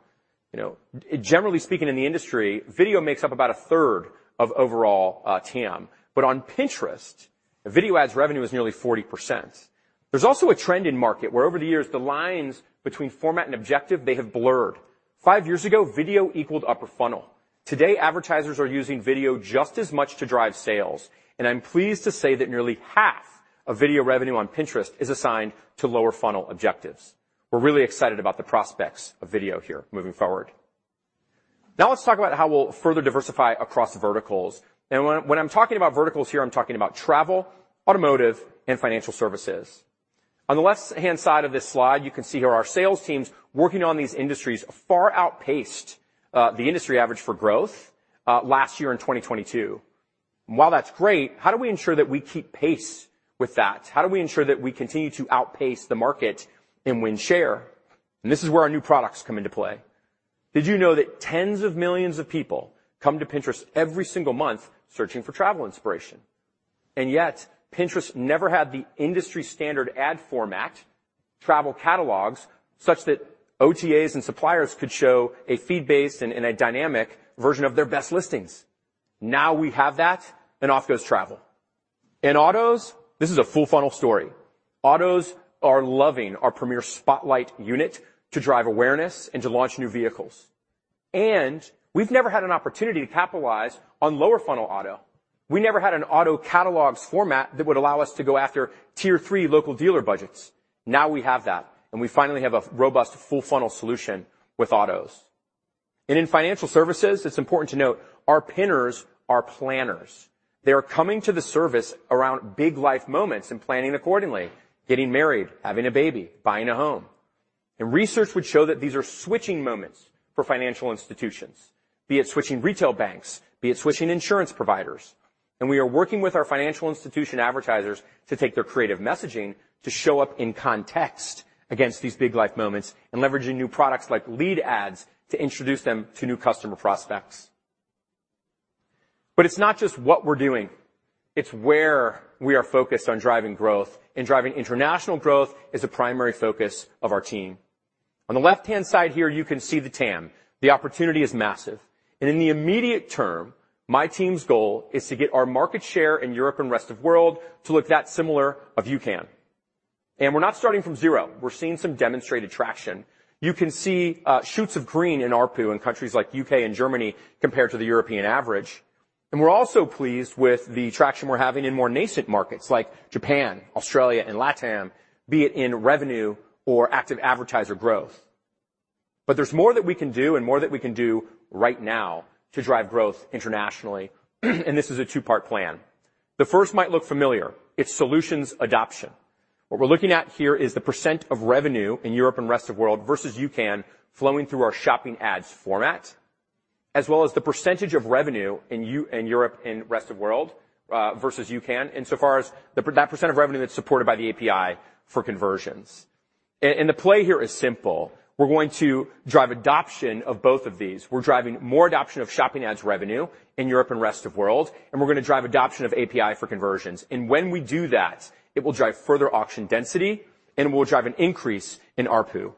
[SPEAKER 7] You know, generally speaking, in the industry, video makes up about a third of overall TAM. But on Pinterest, video ads revenue is nearly 40%. There's also a trend in market where over the years, the lines between format and objective, they have blurred. Five years ago, video equaled upper funnel. Today, advertisers are using video just as much to drive sales, and I'm pleased to say that nearly half of video revenue on Pinterest is assigned to lower funnel objectives. We're really excited about the prospects of video here moving forward. Now let's talk about how we'll further diversify across verticals. When I'm talking about verticals here, I'm talking about travel, automotive, and financial services. On the left-hand side of this slide, you can see here our sales teams working on these industries far outpaced the industry average for growth last year in 2022. While that's great, how do we ensure that we keep pace with that? How do we ensure that we continue to outpace the market and win share? And this is where our new products come into play. Did you know that tens of millions of people come to Pinterest every single month searching for travel inspiration? And yet Pinterest never had the industry standard ad format, Travel Catalogs, such that OTAs and suppliers could show a feed-based and a dynamic version of their best listings. Now we have that, and off goes travel. In autos, this is a full-funnel story. Autos are loving our Premier Spotlight unit to drive awareness and to launch new vehicles. And we've never had an opportunity to capitalize on lower funnel auto. We never had an Auto Catalogs format that would allow us to go after tier three local dealer budgets. Now we have that, and we finally have a robust, full-funnel solution with autos. In financial services, it's important to note our Pinners are planners. They are coming to the service around big life moments and planning accordingly, getting married, having a baby, buying a home. Research would show that these are switching moments for financial institutions, be it switching retail banks, be it switching insurance providers, and we are working with our financial institution advertisers to take their creative messaging to show up in context against these big life moments and leveraging new products like Lead ads to introduce them to new customer prospects. It's not just what we're doing, it's where we are focused on driving growth, and driving international growth is a primary focus of our team. On the left-hand side here, you can see the TAM. The opportunity is massive, and in the immediate term, my team's goal is to get our market share in Europe and rest of world to look that similar of UCAN. And we're not starting from zero. We're seeing some demonstrated traction. You can see, shoots of green in ARPU in countries like U.K. and Germany, compared to the European average. And we're also pleased with the traction we're having in more nascent markets like Japan, Australia, and LATAM, be it in revenue or active advertiser growth. But there's more that we can do and more that we can do right now to drive growth internationally, and this is a two-part plan. The first might look familiar. It's solutions adoption. What we're looking at here is the percent of revenue in Europe and rest of world versus UCAN flowing through our shopping ads format, as well as the percentage of revenue in Europe and rest of world versus UCAN, insofar as that percent of revenue that's supported by the API for Conversions. And the play here is simple. We're going to drive adoption of both of these. We're driving more adoption of shopping ads revenue in Europe and rest of world, and we're going to drive adoption of API for Conversions. And when we do that, it will drive further auction density, and it will drive an increase in ARPU.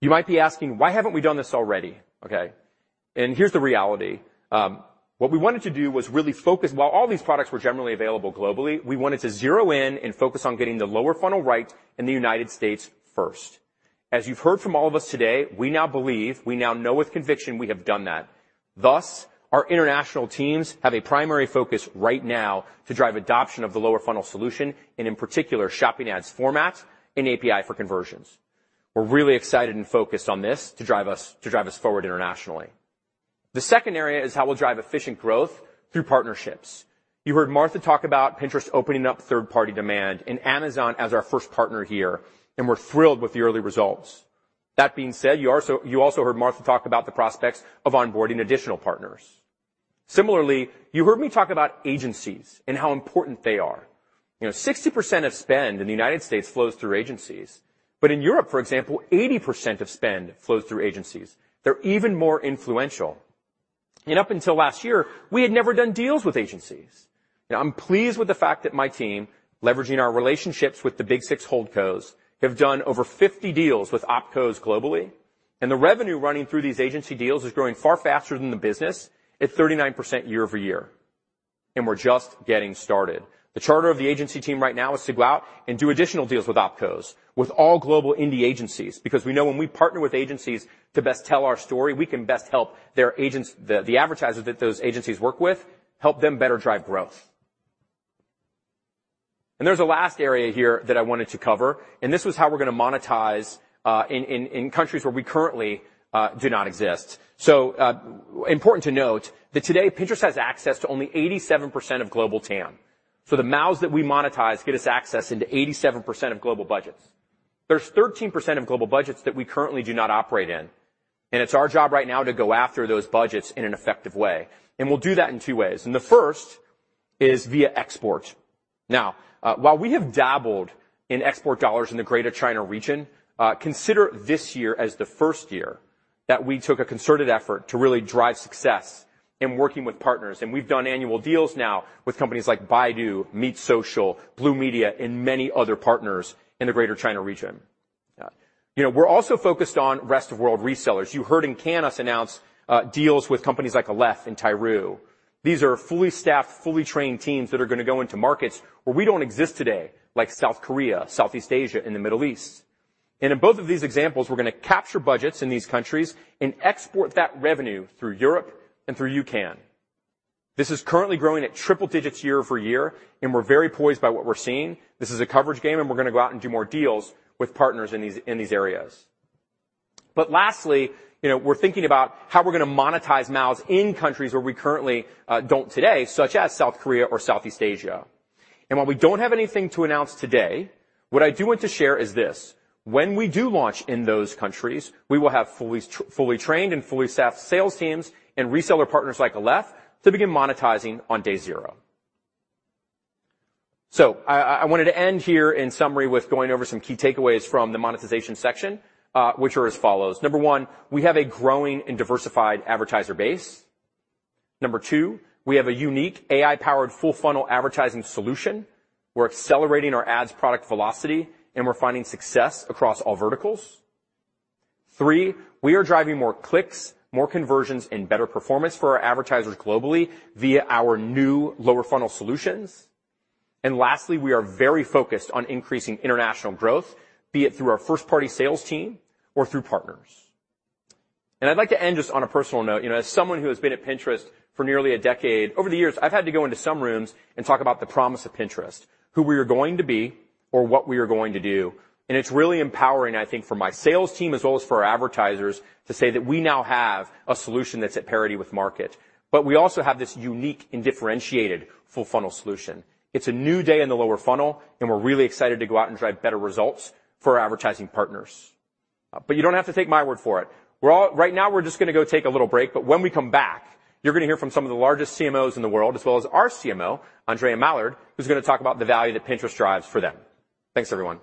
[SPEAKER 7] You might be asking: Why haven't we done this already? Okay, and here's the reality. What we wanted to do was really focus. While all these products were generally available globally, we wanted to zero in and focus on getting the lower funnel right in the United States first. As you've heard from all of us today, we now believe, we now know with conviction we have done that. Thus, our international teams have a primary focus right now to drive adoption of the lower funnel solution and, in particular, shopping ads format and API for Conversions. We're really excited and focused on this to drive us, to drive us forward internationally. The second area is how we'll drive efficient growth through partnerships. You heard Martha talk about Pinterest opening up third-party demand and Amazon as our first partner here, and we're thrilled with the early results. That being said, you also, you also heard Martha talk about the prospects of onboarding additional partners. Similarly, you heard me talk about agencies and how important they are. You know, 60% of spend in the United States flows through agencies, but in Europe, for example, 80% of spend flows through agencies. They're even more influential. And up until last year, we had never done deals with agencies. Now, I'm pleased with the fact that my team, leveraging our relationships with the Big Six holdcos, have done over 50 deals with opcos globally, and the revenue running through these agency deals is growing far faster than the business at 39% year-over-year, and we're just getting started. The charter of the agency team right now is to go out and do additional deals with opcos, with all global indie agencies, because we know when we partner with agencies to best tell our story, we can best help their agents, the advertisers that those agencies work with, help them better drive growth. There's a last area here that I wanted to cover, and this was how we're going to monetize in countries where we currently do not exist. Important to note that today, Pinterest has access to only 87% of global TAM. So the MAUs that we monetize get us access into 87% of global budgets. There's 13% of global budgets that we currently do not operate in, and it's our job right now to go after those budgets in an effective way, and we'll do that in two ways, and the first is via export. Now, while we have dabbled in export dollars in the Greater China region, consider this year as the first year that we took a concerted effort to really drive success in working with partners. And we've done annual deals now with companies like Baidu, MeetSocial, BlueMedia, and many other partners in the Greater China region. You know, we're also focused on rest-of-world resellers. You heard in Cannes us announce deals with companies like Aleph and [Tiru]. These are fully staffed, fully trained teams that are going to go into markets where we don't exist today, like South Korea, Southeast Asia, and the Middle East. In both of these examples, we're going to capture budgets in these countries and export that revenue through Europe and through UCAN. This is currently growing at triple digits year-over-year, and we're very poised by what we're seeing. This is a coverage game, and we're going to go out and do more deals with partners in these, in these areas. But lastly, you know, we're thinking about how we're going to monetize MAUs in countries where we currently don't today, such as South Korea or Southeast Asia. And while we don't have anything to announce today, what I do want to share is this: when we do launch in those countries, we will have fully trained and fully staffed sales teams and reseller partners like Aleph to begin monetizing on day zero. So I wanted to end here in summary with going over some key takeaways from the monetization section, which are as follows: number one, we have a growing and diversified advertiser base. Number two, we have a unique AI-powered, full-funnel advertising solution. We're accelerating our ads product velocity, and we're finding success across all verticals. Three, we are driving more clicks, more conversions, and better performance for our advertisers globally via our new lower funnel solutions. And lastly, we are very focused on increasing international growth, be it through our first-party sales team or through partners. And I'd like to end just on a personal note. You know, as someone who has been at Pinterest for nearly a decade, over the years, I've had to go into some rooms and talk about the promise of Pinterest, who we are going to be or what we are going to do, and it's really empowering, I think, for my sales team, as well as for our advertisers, to say that we now have a solution that's at parity with market. But we also have this unique and differentiated full-funnel solution. It's a new day in the lower funnel, and we're really excited to go out and drive better results for our advertising partners. But you don't have to take my word for it. We're all... Right now, we're just going to go take a little break, but when we come back, you're going to hear from some of the largest CMOs in the world, as well as our CMO, Andréa Mallard, who's going to talk about the value that Pinterest drives for them. Thanks, everyone. ...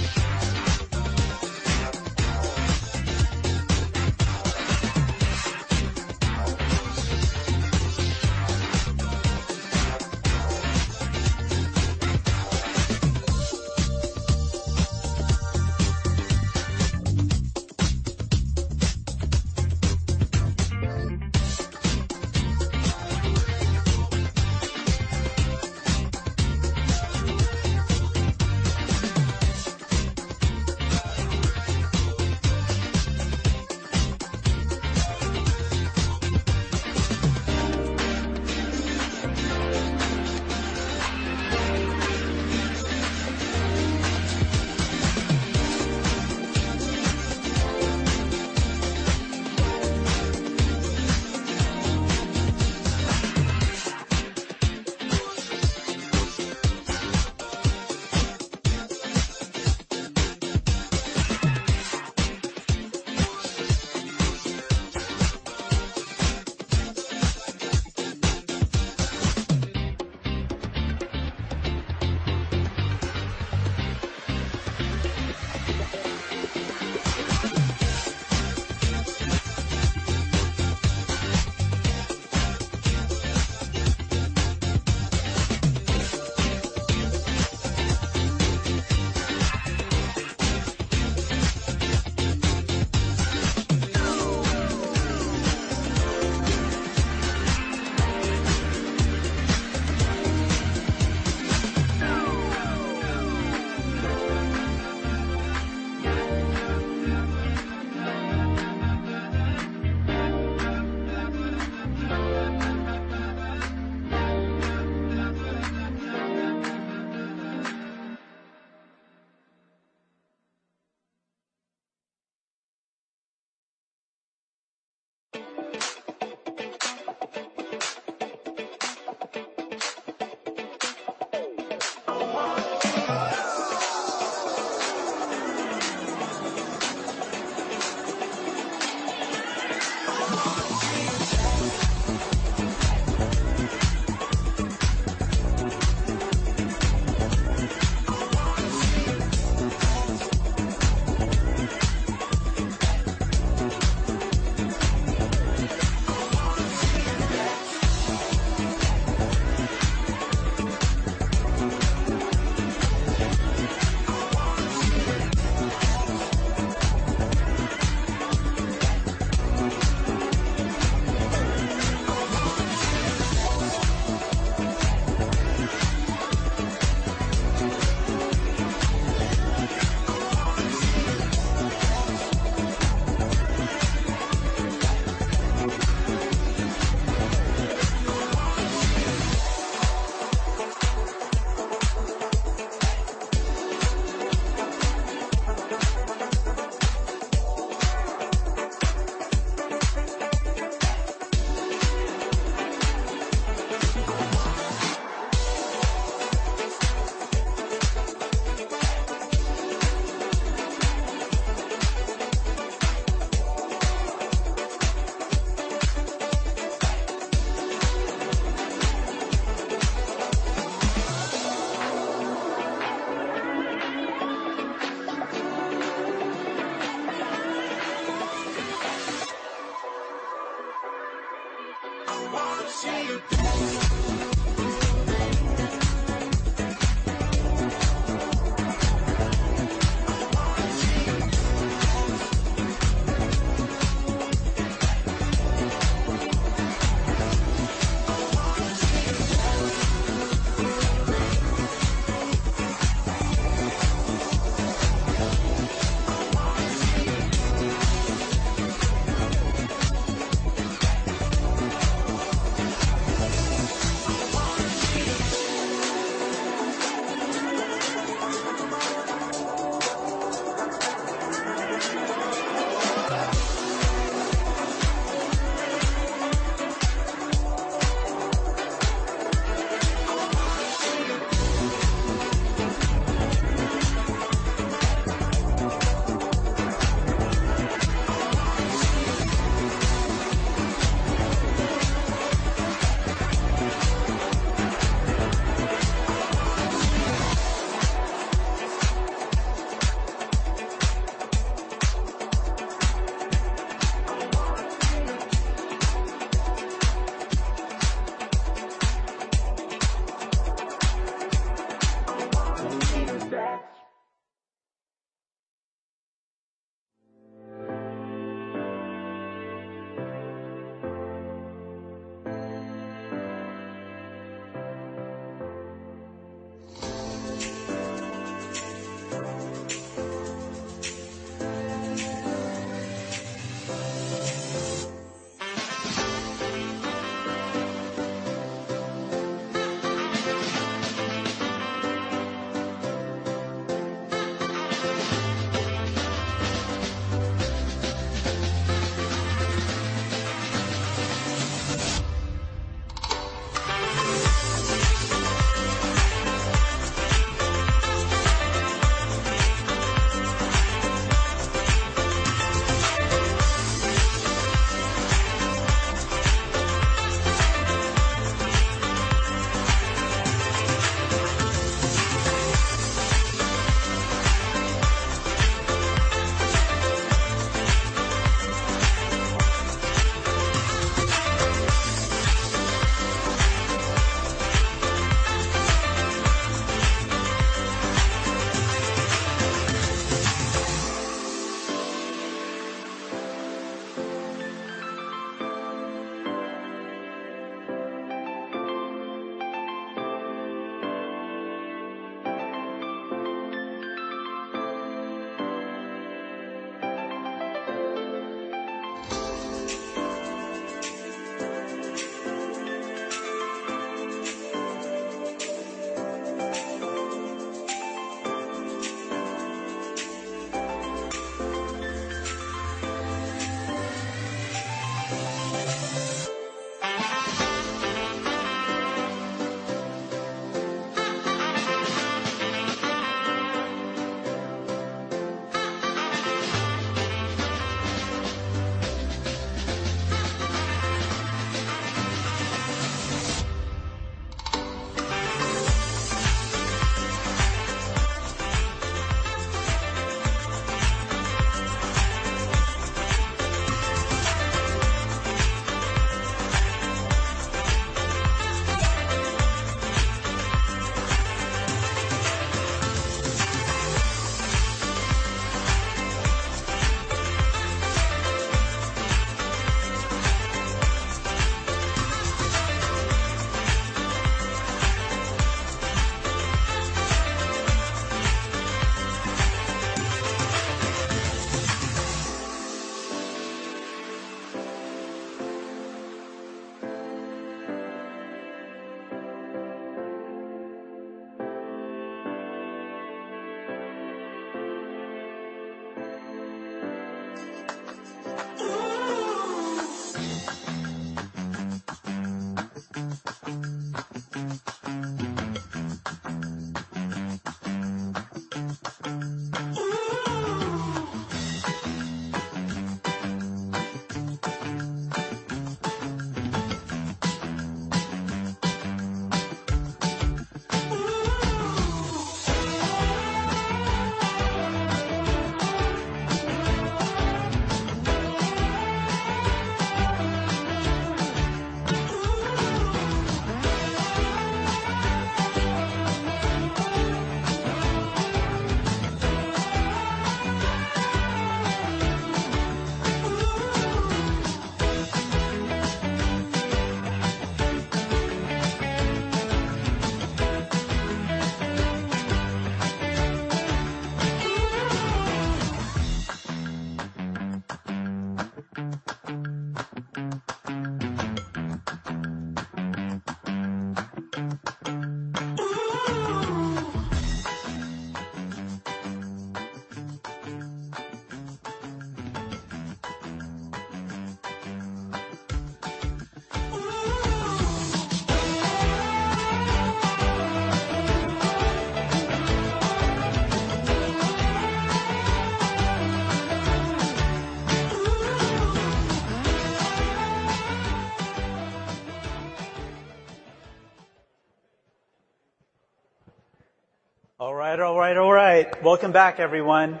[SPEAKER 1] All right, all right, all right! Welcome back, everyone.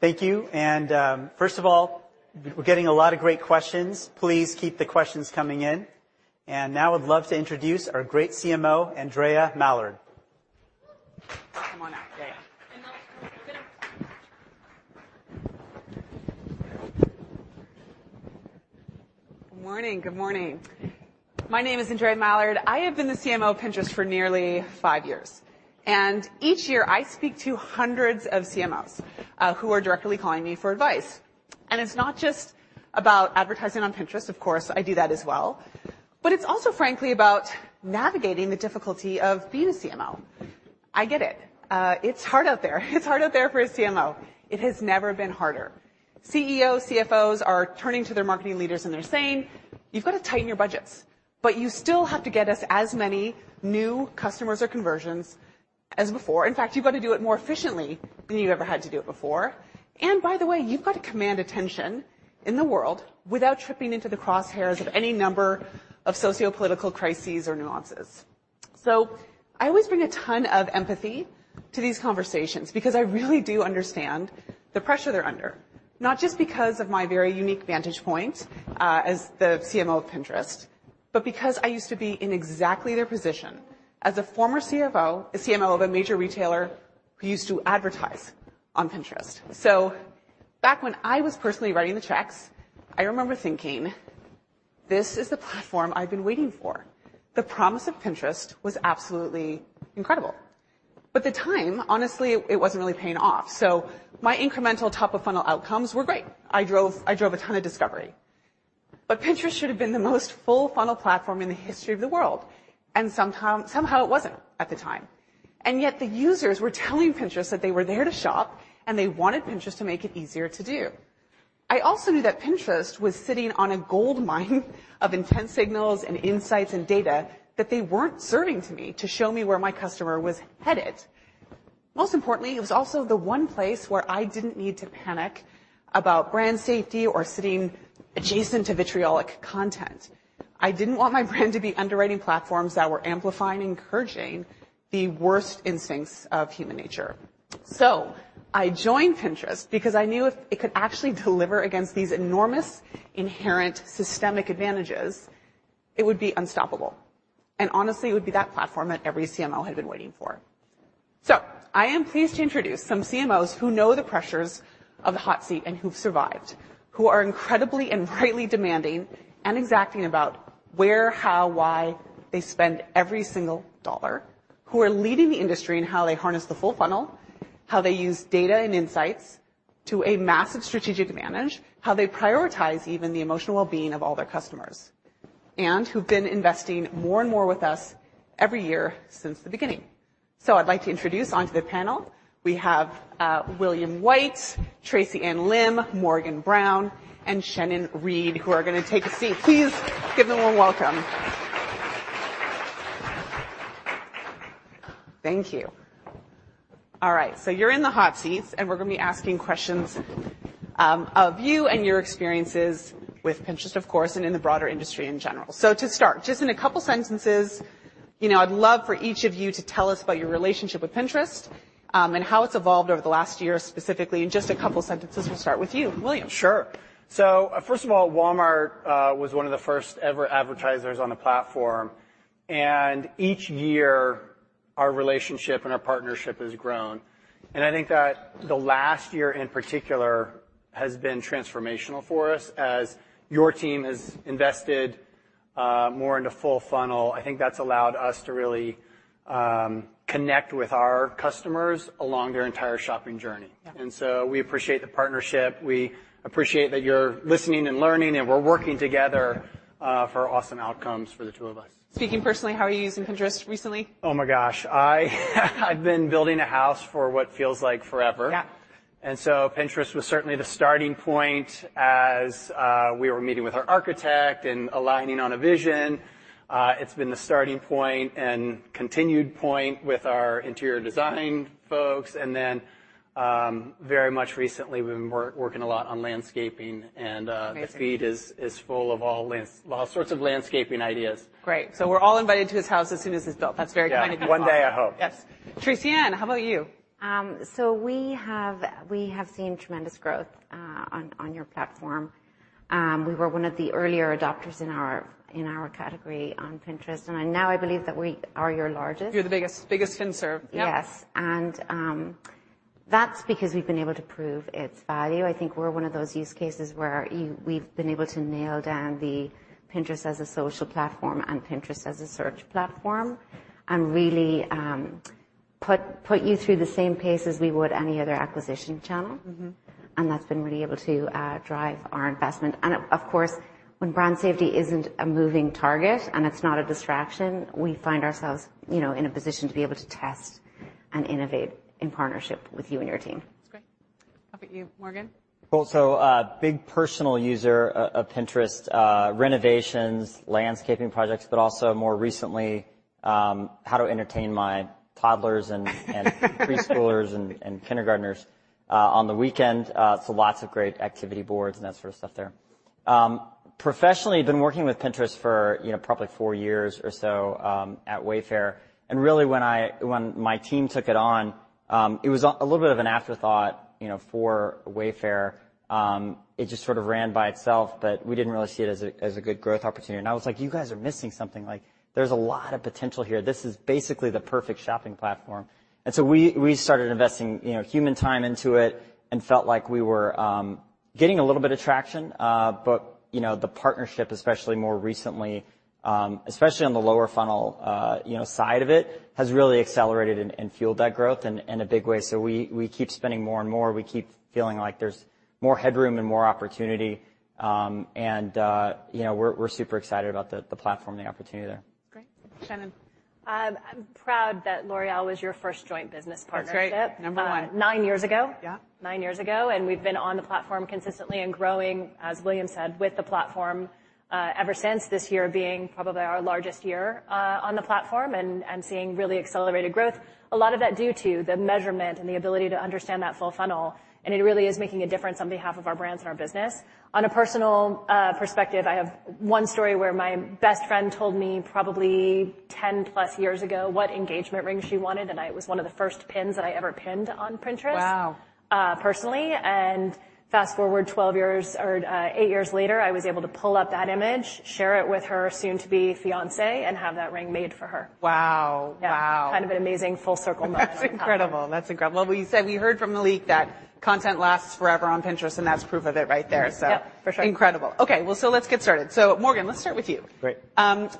[SPEAKER 1] Thank you. And, first of all, we're getting a lot of great questions. Please keep the questions coming in. And now I'd love to introduce our great CMO, Andréa Mallard. Come on out, Andrea.
[SPEAKER 9] Good morning, good morning. My name is Andréa Mallard. I have been the CMO of Pinterest for nearly five years, and each year I speak to hundreds of CMOs who are directly calling me for advice. It's not just about advertising on Pinterest. Of course, I do that as well, but it's also, frankly, about navigating the difficulty of being a CMO. I get it. It's hard out there. It's hard out there for a CMO. It has never been harder. CEOs, CFOs are turning to their marketing leaders, and they're saying, "You've got to tighten your budgets, but you still have to get us as many new customers or conversions as before. In fact, you've got to do it more efficiently than you've ever had to do it before. And by the way, you've got to command attention in the world without tripping into the crosshairs of any number of sociopolitical crises or nuances." So I always bring a ton of empathy to these conversations because I really do understand the pressure they're under, not just because of my very unique vantage point as the CMO of Pinterest, but because I used to be in exactly their position as a former CFO, a CMO of a major retailer who used to advertise on Pinterest. So back when I was personally writing the checks, I remember thinking, "This is the platform I've been waiting for." The promise of Pinterest was absolutely incredible, but at the time, honestly, it wasn't really paying off. So my incremental top-of-funnel outcomes were great. I drove, I drove a ton of discovery, but Pinterest should have been the most full-funnel platform in the history of the world, and sometime, somehow, it wasn't at the time. And yet the users were telling Pinterest that they were there to shop, and they wanted Pinterest to make it easier to do. I also knew that Pinterest was sitting on a gold mine of intense signals and insights and data that they weren't serving to me to show me where my customer was headed. Most importantly, it was also the one place where I didn't need to panic about brand safety or sitting adjacent to vitriolic content. I didn't want my brand to be underwriting platforms that were amplifying and encouraging the worst instincts of human nature. So I joined Pinterest because I knew if it could actually deliver against these enormous, inherent, systemic advantages, it would be unstoppable, and honestly, it would be that platform that every CMO had been waiting for. So I am pleased to introduce some CMOs who know the pressures of the hot seat and who've survived, who are incredibly and rightly demanding and exacting about where, how, why they spend every single dollar, who are leading the industry in how they harness the full-funnel, how they use data and insights to a massive strategic advantage, how they prioritize even the emotional well-being of all their customers, and who've been investing more and more with us every year since the beginning. So I'd like to introduce onto the panel, we have, William White, Tracy-Ann Lim, Morgan Brown, and Shenan Reed, who are going to take a seat. Please give them a welcome. Thank you. All right, so you're in the hot seats, and we're going to be asking questions of you and your experiences with Pinterest, of course, and in the broader industry in general. So to start, just in a couple sentences, you know, I'd love for each of you to tell us about your relationship with Pinterest, and how it's evolved over the last year, specifically, in just a couple sentences. We'll start with you, William.
[SPEAKER 10] Sure. So first of all, Walmart was one of the first ever advertisers on the platform, and each year, our relationship and our partnership has grown. And I think that the last year, in particular, has been transformational for us as your team has invested more into full-funnel. I think that's allowed us to really connect with our customers along their entire shopping journey.
[SPEAKER 9] Yeah.
[SPEAKER 10] We appreciate the partnership. We appreciate that you're listening and learning, and we're working together for awesome outcomes for the two of us.
[SPEAKER 9] Speaking personally, how are you using Pinterest recently?
[SPEAKER 10] Oh, my gosh! I, I've been building a house for what feels like forever.
[SPEAKER 9] Yeah.
[SPEAKER 10] And so Pinterest was certainly the starting point as we were meeting with our architect and aligning on a vision. It's been the starting point and continued point with our interior design folks, and then, very much recently, we've been working a lot on landscaping, and
[SPEAKER 9] Amazing.
[SPEAKER 10] The feed is full of all kinds... all sorts of landscaping ideas.
[SPEAKER 9] Great. So we're all invited to his house as soon as it's built. That's very kind of you.
[SPEAKER 10] Yeah. One day, I hope.
[SPEAKER 9] Yes. Tracy-Ann, how about you?
[SPEAKER 11] So we have seen tremendous growth on your platform. We were one of the earlier adopters in our category on Pinterest, and now I believe that we are your largest.
[SPEAKER 9] You're the biggest, biggest Pinterest. Yep.
[SPEAKER 11] Yes, and, that's because we've been able to prove its value. I think we're one of those use cases where we've been able to nail down the Pinterest as a social platform and Pinterest as a search platform, and really, put you through the same pace as we would any other acquisition channel.
[SPEAKER 9] Mm-hmm.
[SPEAKER 11] That's been really able to drive our investment. Of course, when brand safety isn't a moving target, and it's not a distraction, we find ourselves, you know, in a position to be able to test and innovate in partnership with you and your team.
[SPEAKER 9] That's great. How about you, Morgan?
[SPEAKER 12] Well, so, big personal user of Pinterest, renovations, landscaping projects, but also more recently, how to entertain my toddlers and preschoolers and kindergartners on the weekend. So lots of great activity boards and that sort of stuff there. Professionally, been working with Pinterest for, you know, probably four years or so, at Wayfair, and really, when my team took it on, it was a little bit of an afterthought, you know, for Wayfair. It just sort of ran by itself, but we didn't really see it as a good growth opportunity. And I was like: "You guys are missing something. Like, there's a lot of potential here. This is basically the perfect shopping platform." And so we, we started investing, you know, human time into it and felt like we were getting a little bit of traction. But, you know, the partnership, especially more recently, especially on the lower funnel, you know, side of it, has really accelerated and, and fueled that growth in, in a big way. So we, we keep spending more and more. We keep feeling like there's more headroom and more opportunity. And, you know, we're, we're super excited about the, the platform and the opportunity there.
[SPEAKER 9] Great. Shenan?
[SPEAKER 13] I'm proud that L'Oréal was your first joint business partnership.
[SPEAKER 9] That's great. Number one.
[SPEAKER 13] Nine years ago.
[SPEAKER 9] Yeah.
[SPEAKER 13] Nine years ago, and we've been on the platform consistently and growing, as William said, with the platform, ever since, this year being probably our largest year, on the platform and, and seeing really accelerated growth. A lot of that due to the measurement and the ability to understand that full funnel, and it really is making a difference on behalf of our brands and our business. On a personal perspective, I have one story where my best friend told me probably 10+ years ago what engagement ring she wanted, and it was one of the first pins that I ever pinned on Pinterest-
[SPEAKER 9] Wow! ...
[SPEAKER 13] personally. Fast-forward 12 years or eight years later, I was able to pull up that image, share it with her soon-to-be fiancé, and have that ring made for her.
[SPEAKER 9] Wow. Wow!
[SPEAKER 13] Yeah. Kind of an amazing full circle moment.
[SPEAKER 9] That's incredible. That's incredible. Well, we said we heard from Malik that content lasts forever on Pinterest, and that's proof of it right there.
[SPEAKER 13] Yep, for sure.
[SPEAKER 9] Incredible. Okay, well, so let's get started. So Morgan, let's start with you.
[SPEAKER 12] Great.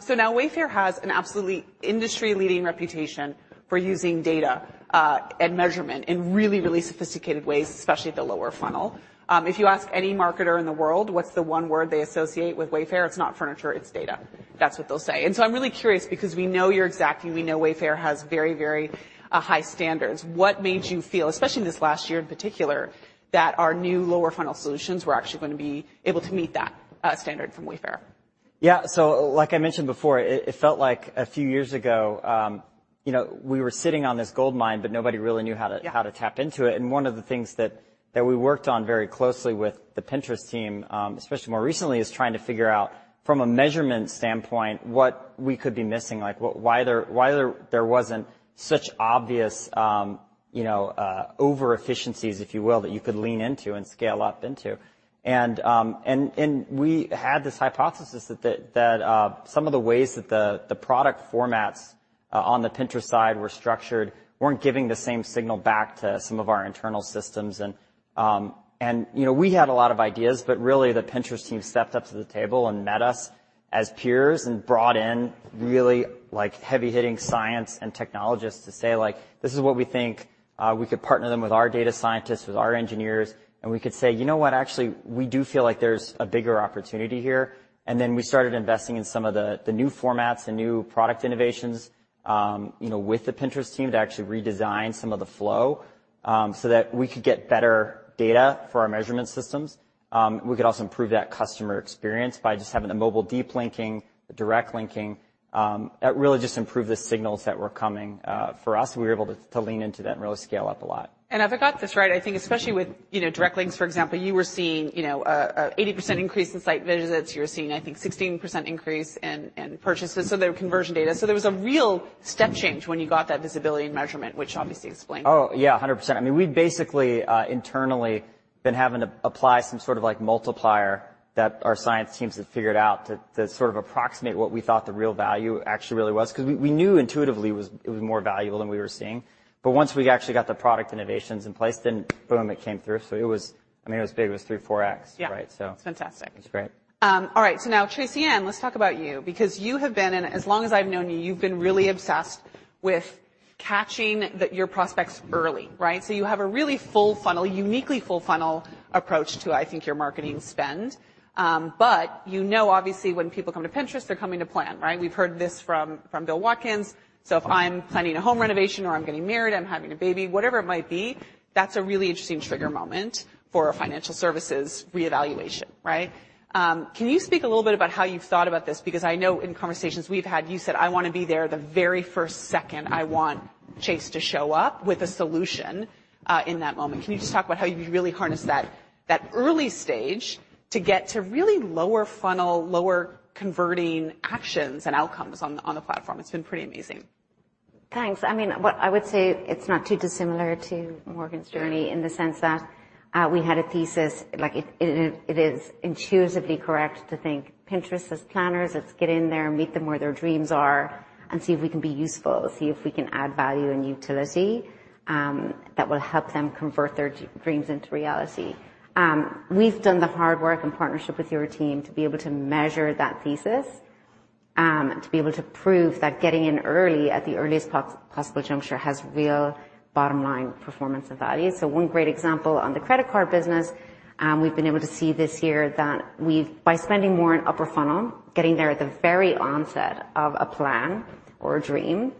[SPEAKER 9] So now Wayfair has an absolutely industry-leading reputation for using data, and measurement in really, really sophisticated ways, especially at the lower funnel. If you ask any marketer in the world what's the one word they associate with Wayfair, it's not furniture, it's data. That's what they'll say. And so I'm really curious because we know your exact, and we know Wayfair has very, very high standards. What made you feel, especially this last year in particular, that our new lower funnel solutions were actually going to be able to meet that standard from Wayfair?
[SPEAKER 12] Yeah, so like I mentioned before, it felt like a few years ago, you know, we were sitting on this gold mine, but nobody really knew how to-
[SPEAKER 9] Yeah...
[SPEAKER 12] how to tap into it. One of the things that we worked on very closely with the Pinterest team, especially more recently, is trying to figure out, from a measurement standpoint, what we could be missing, like why there wasn't such obvious, you know, over efficiencies, if you will, that you could lean into and scale up into. We had this hypothesis that some of the ways that the product formats on the Pinterest side were structured weren't giving the same signal back to some of our internal systems. You know, we had a lot of ideas, but really, the Pinterest team stepped up to the table and met us as peers and brought in really, like, heavy-hitting science and technologists to say, like: "This is what we think." We could partner them with our data scientists, with our engineers, and we could say, "You know what? Actually, we do feel like there's a bigger opportunity here." We started investing in some of the new formats and new product innovations, you know, with the Pinterest team to actually redesign some of the flow, so that we could get better data for our measurement systems. We could also improve that customer experience by just having the mobile deep linking, direct linking. That really just improved the signals that were coming for us, and we were able to lean into that and really scale up a lot.
[SPEAKER 9] If I got this right, I think especially with, you know, direct links, for example, you were seeing, you know, a 80% increase in site visits. You were seeing, I think, 16% increase in purchases, so the conversion data. So there was a real step change when you got that visibility and measurement, which obviously explained.
[SPEAKER 12] Oh, yeah, 100%. I mean, we'd basically internally been having to apply some sort of, like, multiplier that our science teams have figured out to sort of approximate what we thought the real value actually really was, because we knew intuitively it was more valuable than we were seeing. But once we actually got the product innovations in place, then, boom, it came through. So it was... I mean, it was big. It was three, 4x-
[SPEAKER 9] Yeah.
[SPEAKER 12] Right? So-
[SPEAKER 9] It's fantastic.
[SPEAKER 12] It's great.
[SPEAKER 9] All right, so now, Tracy-Ann, let's talk about you, because you have been, and as long as I've known you, you've been really obsessed with catching the, your prospects early, right? So you have a really full funnel, uniquely full funnel approach to, I think, your marketing spend. But you know, obviously, when people come to Pinterest, they're coming to plan, right? We've heard this from, from Bill Watkins. So if I'm planning a home renovation or I'm getting married, I'm having a baby, whatever it might be, that's a really interesting trigger moment for a financial services reevaluation, right? Can you speak a little bit about how you've thought about this? Because I know in conversations we've had, you said, "I want to be there the very first second I want Chase to show up with a solution, in that moment." Can you just talk about how you really harness that, that early stage to get to really lower funnel, lower converting actions and outcomes on the, on the platform? It's been pretty amazing.
[SPEAKER 11] Thanks. I mean, what I would say, it's not too dissimilar to Morgan's journey in the sense that, we had a thesis that it is intuitively correct to think of Pinterest as planners. Let's get in there and meet them where their dreams are and see if we can be useful, see if we can add value and utility, that will help them convert their dreams into reality. We've done the hard work in partnership with your team to be able to measure that thesis, to be able to prove that getting in early at the earliest possible juncture has real bottom line performance and value. So one great example, on the credit card business, we've been able to see this year that we've by spending more in upper funnel, getting there at the very onset of a plan or a dream.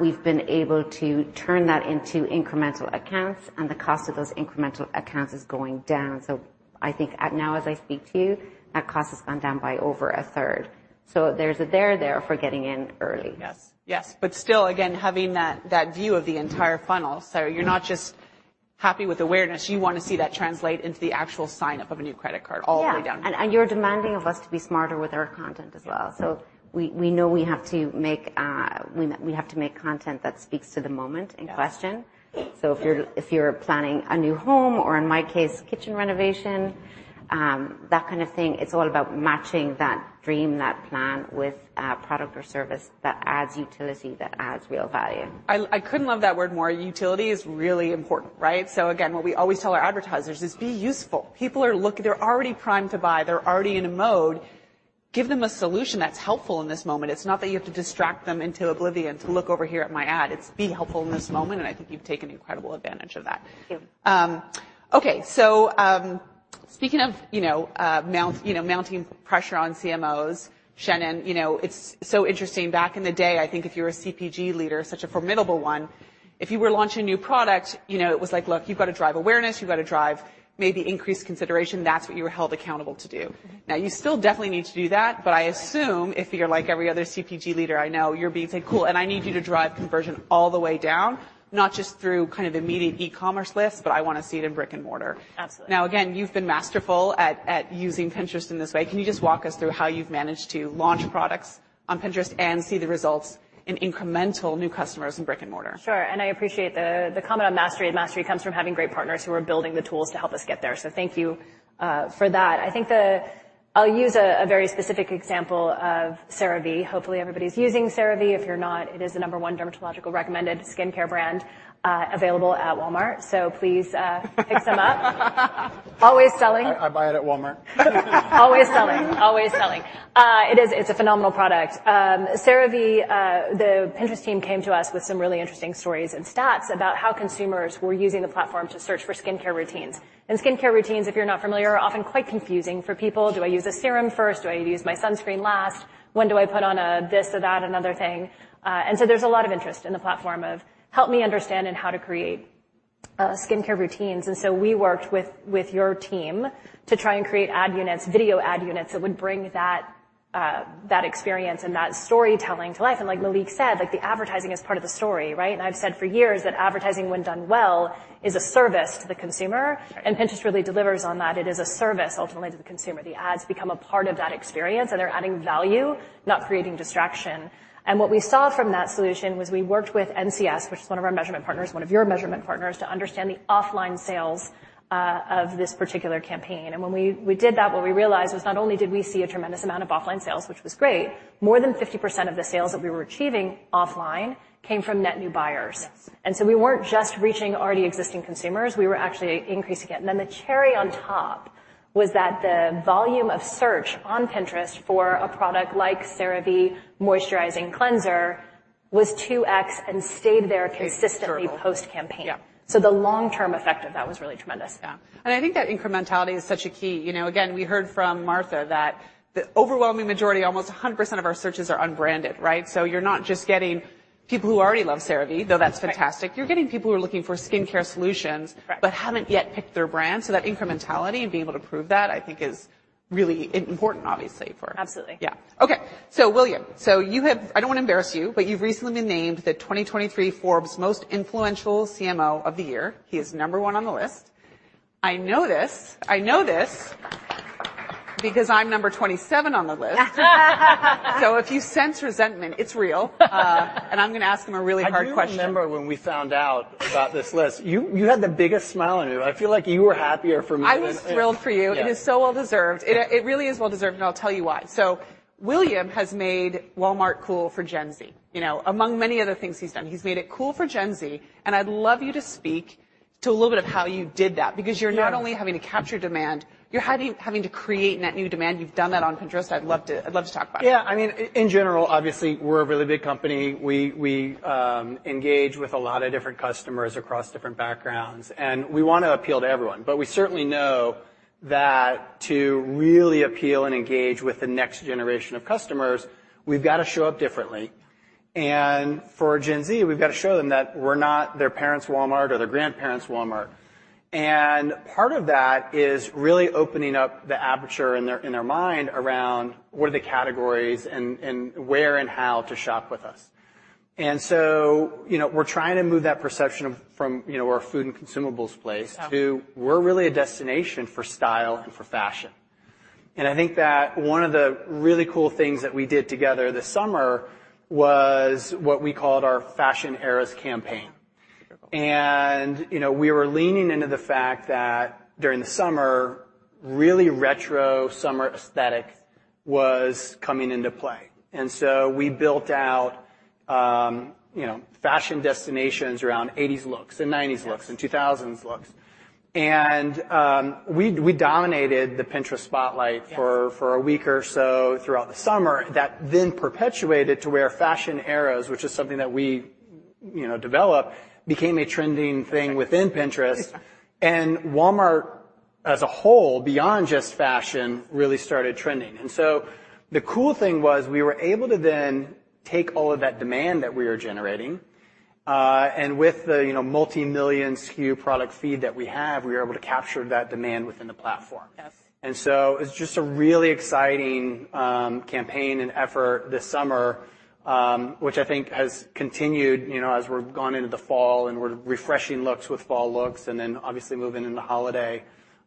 [SPEAKER 11] We've been able to turn that into incremental accounts, and the cost of those incremental accounts is going down. So I think at now, as I speak to you, that cost has gone down by over a third. So there's a there there for getting in early.
[SPEAKER 9] Yes. Yes, but still, again, having that, that view of the entire funnel. So you're not just happy with awareness, you wanna see that translate into the actual sign-up of a new credit card all the way down.
[SPEAKER 11] Yeah, and you're demanding of us to be smarter with our content as well.
[SPEAKER 9] Yes.
[SPEAKER 11] So we know we have to make content that speaks to the moment in question.
[SPEAKER 9] Yes.
[SPEAKER 11] So if you're planning a new home, or in my case, kitchen renovation, that kind of thing, it's all about matching that dream, that plan with a product or service that adds utility, that adds real value.
[SPEAKER 9] I, I couldn't love that word more. Utility is really important, right? So again, what we always tell our advertisers is: be useful. People are, they're already primed to buy. They're already in a mode. Give them a solution that's helpful in this moment. It's not that you have to distract them into oblivion to look over here at my ad. It's be helpful in this moment, and I think you've taken incredible advantage of that.
[SPEAKER 11] Thank you.
[SPEAKER 9] Okay, so speaking of, you know, mounting pressure on CMOs, Shenan, you know, it's so interesting. Back in the day, I think if you were a CPG leader, such a formidable one, if you were launching a new product, you know, it was like, look, you've got to drive awareness, you've got to drive maybe increased consideration. That's what you were held accountable to do.
[SPEAKER 13] Mm-hmm.
[SPEAKER 9] Now, you still definitely need to do that, but I assume-
[SPEAKER 13] Right...
[SPEAKER 9] if you're like every other CPG leader I know, you're being said, "Cool, and I need you to drive conversion all the way down, not just through kind of immediate e-commerce lists, but I want to see it in brick-and-mortar.
[SPEAKER 13] Absolutely.
[SPEAKER 9] Now, again, you've been masterful at using Pinterest in this way. Can you just walk us through how you've managed to launch products on Pinterest and see the results in incremental new customers in brick and mortar?
[SPEAKER 13] Sure, and I appreciate the comment on mastery, and mastery comes from having great partners who are building the tools to help us get there, so thank you for that. I think... I'll use a very specific example of CeraVe. Hopefully, everybody's using CeraVe. If you're not, it is the number one dermatological recommended skincare brand available at Walmart, so please pick some up. Always selling.
[SPEAKER 10] I buy it at Walmart.
[SPEAKER 13] Always selling. Always selling. It is, it's a phenomenal product. CeraVe, the Pinterest team came to us with some really interesting stories and stats about how consumers were using the platform to search for skincare routines. Skincare routines, if you're not familiar, are often quite confusing for people. Do I use a serum first? Do I use my sunscreen last? When do I put on a this or that, another thing? And so there's a lot of interest in the platform of help me understand and how to create skincare routines, and so we worked with your team to try and create ad units, video ad units, that would bring that, that experience and that storytelling to life. Like Malik said, like, the advertising is part of the story, right? I've said for years that advertising, when done well, is a service to the consumer.
[SPEAKER 9] Right.
[SPEAKER 13] Pinterest really delivers on that. It is a service, ultimately, to the consumer. The ads become a part of that experience, and they're adding value, not creating distraction. What we saw from that solution was we worked with NCS, which is one of our measurement partners, one of your measurement partners, to understand the offline sales of this particular campaign. When we did that, what we realized was not only did we see a tremendous amount of offline sales, which was great, more than 50% of the sales that we were achieving offline came from net new buyers.
[SPEAKER 9] Yes.
[SPEAKER 13] And so we weren't just reaching already existing consumers, we were actually increasing it. And then the cherry on top was that the volume of search on Pinterest for a product like CeraVe Moisturizing Cleanser was 2X and stayed there consistently-...
[SPEAKER 9] Sure
[SPEAKER 13] -post-campaign.
[SPEAKER 9] Yeah.
[SPEAKER 13] The long-term effect of that was really tremendous.
[SPEAKER 9] Yeah, and I think that incrementality is such a key. You know, again, we heard from Martha that the overwhelming majority, almost 100% of our searches, are unbranded, right? So you're not just getting people who already love CeraVe, though that's fantastic.
[SPEAKER 13] Right.
[SPEAKER 9] You're getting people who are looking for skincare solutions-
[SPEAKER 13] Right...
[SPEAKER 9] but haven't yet picked their brand. So that incrementality and being able to prove that, I think, is really important, obviously, for-
[SPEAKER 13] Absolutely.
[SPEAKER 9] Yeah. Okay, so William, so you have—I don't want to embarrass you, but you've recently been named the 2023 Forbes Most Influential CMO of the Year. He is number one on the list. I know this, I know this—because I'm number 27 on the list. So if you sense resentment, it's real. And I'm gonna ask him a really hard question.
[SPEAKER 10] I do remember when we found out about this list, you had the biggest smile on you. I feel like you were happier for me than-
[SPEAKER 9] I was thrilled for you.
[SPEAKER 10] Yeah.
[SPEAKER 9] It is so well deserved. It, it really is well deserved, and I'll tell you why. So William has made Walmart cool for Gen Z. You know, among many other things he's done, he's made it cool for Gen Z, and I'd love you to speak to a little bit of how you did that.
[SPEAKER 10] Yeah.
[SPEAKER 9] Because you're not only having to capture demand, you're having to create net new demand. You've done that on Pinterest. I'd love to, I'd love to talk about it.
[SPEAKER 10] Yeah, I mean, in general, obviously, we're a really big company. We engage with a lot of different customers across different backgrounds, and we want to appeal to everyone. But we certainly know that to really appeal and engage with the next generation of customers, we've got to show up differently. And for Gen Z, we've got to show them that we're not their parents' Walmart or their grandparents' Walmart, and part of that is really opening up the aperture in their mind around what are the categories and where and how to shop with us. And so, you know, we're trying to move that perception from, you know, we're a food and consumables place-
[SPEAKER 9] Yeah...
[SPEAKER 10] to, we're really a destination for style and for fashion. I think that one of the really cool things that we did together this summer was what we called our Fashion Eras campaign.
[SPEAKER 9] Beautiful.
[SPEAKER 10] You know, we were leaning into the fact that during the summer, really retro summer aesthetic was coming into play, and so we built out, you know, fashion destinations around 1980s looks and 1990s looks-
[SPEAKER 9] Yes...
[SPEAKER 10] and 2000s looks. And, we, we dominated the Pinterest spotlight-
[SPEAKER 9] Yeah...
[SPEAKER 10] for a week or so throughout the summer. That then perpetuated to where fashion eras, which is something that, you know, develop, became a trending thing within Pinterest. And Walmart as a whole, beyond just fashion, really started trending. And so the cool thing was we were able to then take all of that demand that we were generating, and with the, you know, multi-million SKU product feed that we have, we were able to capture that demand within the platform.
[SPEAKER 9] Yes.
[SPEAKER 10] So it's just a really exciting campaign and effort this summer, which I think has continued, you know, as we've gone into the fall, and we're refreshing looks with fall looks and then obviously moving into holiday.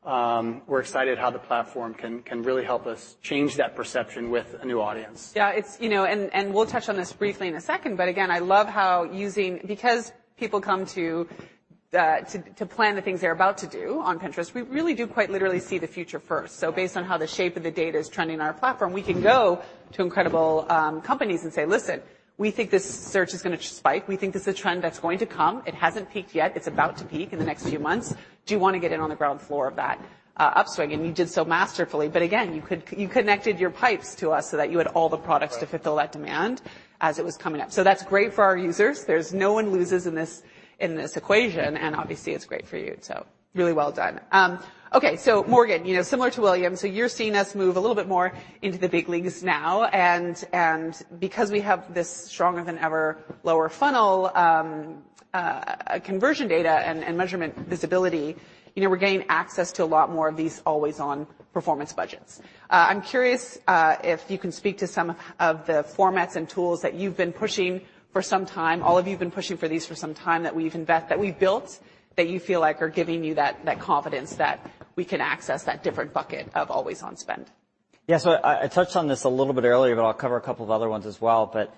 [SPEAKER 10] We're excited how the platform can really help us change that perception with a new audience.
[SPEAKER 9] Yeah, it's, you know, and we'll touch on this briefly in a second, but again, I love how using, because people come to to plan the things they're about to do on Pinterest, we really do quite literally see the future first. So based on how the shape of the data is trending on our platform, we can go to incredible companies and say, "Listen, we think this search is gonna spike. We think this is a trend that's going to come. It hasn't peaked yet. It's about to peak in the next few months. Do you wanna get in on the ground floor of that upswing?" And you did so masterfully. But again, you could, you connected your pipes to us so that you had all the products-
[SPEAKER 10] Right...
[SPEAKER 9] to fulfill that demand as it was coming up. So that's great for our users. There's no one loses in this, in this equation, and obviously, it's great for you, so really well done. Okay, so Morgan, you know, similar to William, so you're seeing us move a little bit more into the big leagues now, and, and because we have this stronger-than-ever lower funnel, conversion data and, and measurement visibility, you know, we're gaining access to a lot more of these always-on performance budgets. I'm curious, if you can speak to some of the formats and tools that you've been pushing for some time. All of you have been pushing for these for some time, that we've invest-- that we've built, that you feel like are giving you that, that confidence that we can access that different bucket of always-on spend.
[SPEAKER 12] Yeah, so I touched on this a little bit earlier, but I'll cover a couple of other ones as well. But,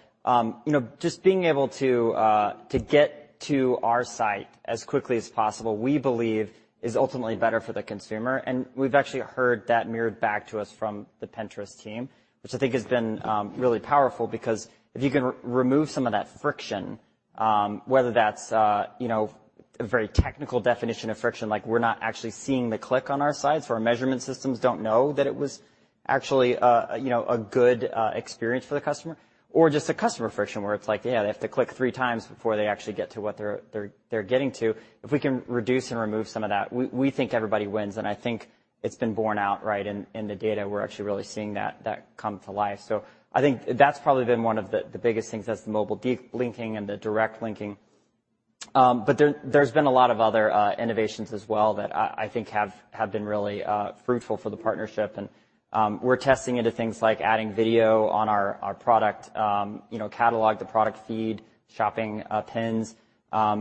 [SPEAKER 12] you know, just being able to get to our site as quickly as possible, we believe is ultimately better for the consumer, and we've actually heard that mirrored back to us from the Pinterest team, which I think has been really powerful. Because if you can remove some of that friction, whether that's, you know, a very technical definition of friction, like we're not actually seeing the click on our sites, so our measurement systems don't know that it was actually, you know, a good experience for the customer, or just a customer friction, where it's like, yeah, they have to click three times before they actually get to what they're getting to. If we can reduce and remove some of that, we think everybody wins, and I think it's been borne out, right, in the data. We're actually really seeing that come to life. So I think that's probably been one of the biggest things, that's the mobile deep linking and the direct linking. But there's been a lot of other innovations as well that I think have been really fruitful for the partnership. We're testing into things like adding video on our product, you know, catalog, the product feed, Shopping Pins,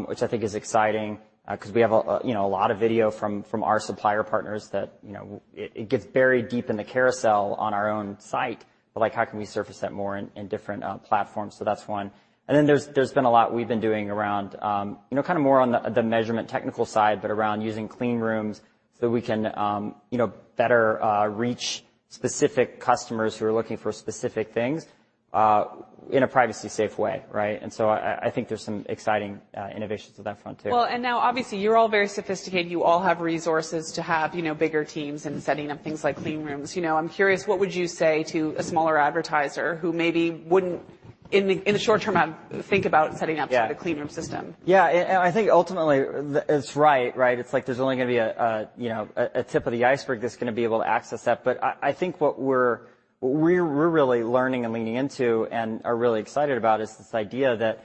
[SPEAKER 12] which I think is exciting, because we have a you know, a lot of video from our supplier partners that, you know, it gets buried deep in the carousel on our own site, but, like, how can we surface that more in different platforms? So that's one. Then there's been a lot we've been doing around, you know, kind of more on the measurement technical side, but around using Clean Rooms so we can, you know, better reach specific customers who are looking for specific things in a privacy-safe way, right? I think there's some exciting innovations on that front, too.
[SPEAKER 9] Well, and now obviously, you're all very sophisticated. You all have resources to have, you know, bigger teams and setting up things like Clean Rooms. You know, I'm curious, what would you say to a smaller advertiser who maybe wouldn't, in the short term, think about setting up-
[SPEAKER 12] Yeah...
[SPEAKER 9] the Clean Room system?
[SPEAKER 12] Yeah, and I think ultimately, the—it's right, right? It's like there's only gonna be a, you know, a tip of the iceberg that's gonna be able to access that. But I think what we're really learning and leaning into and are really excited about is this idea that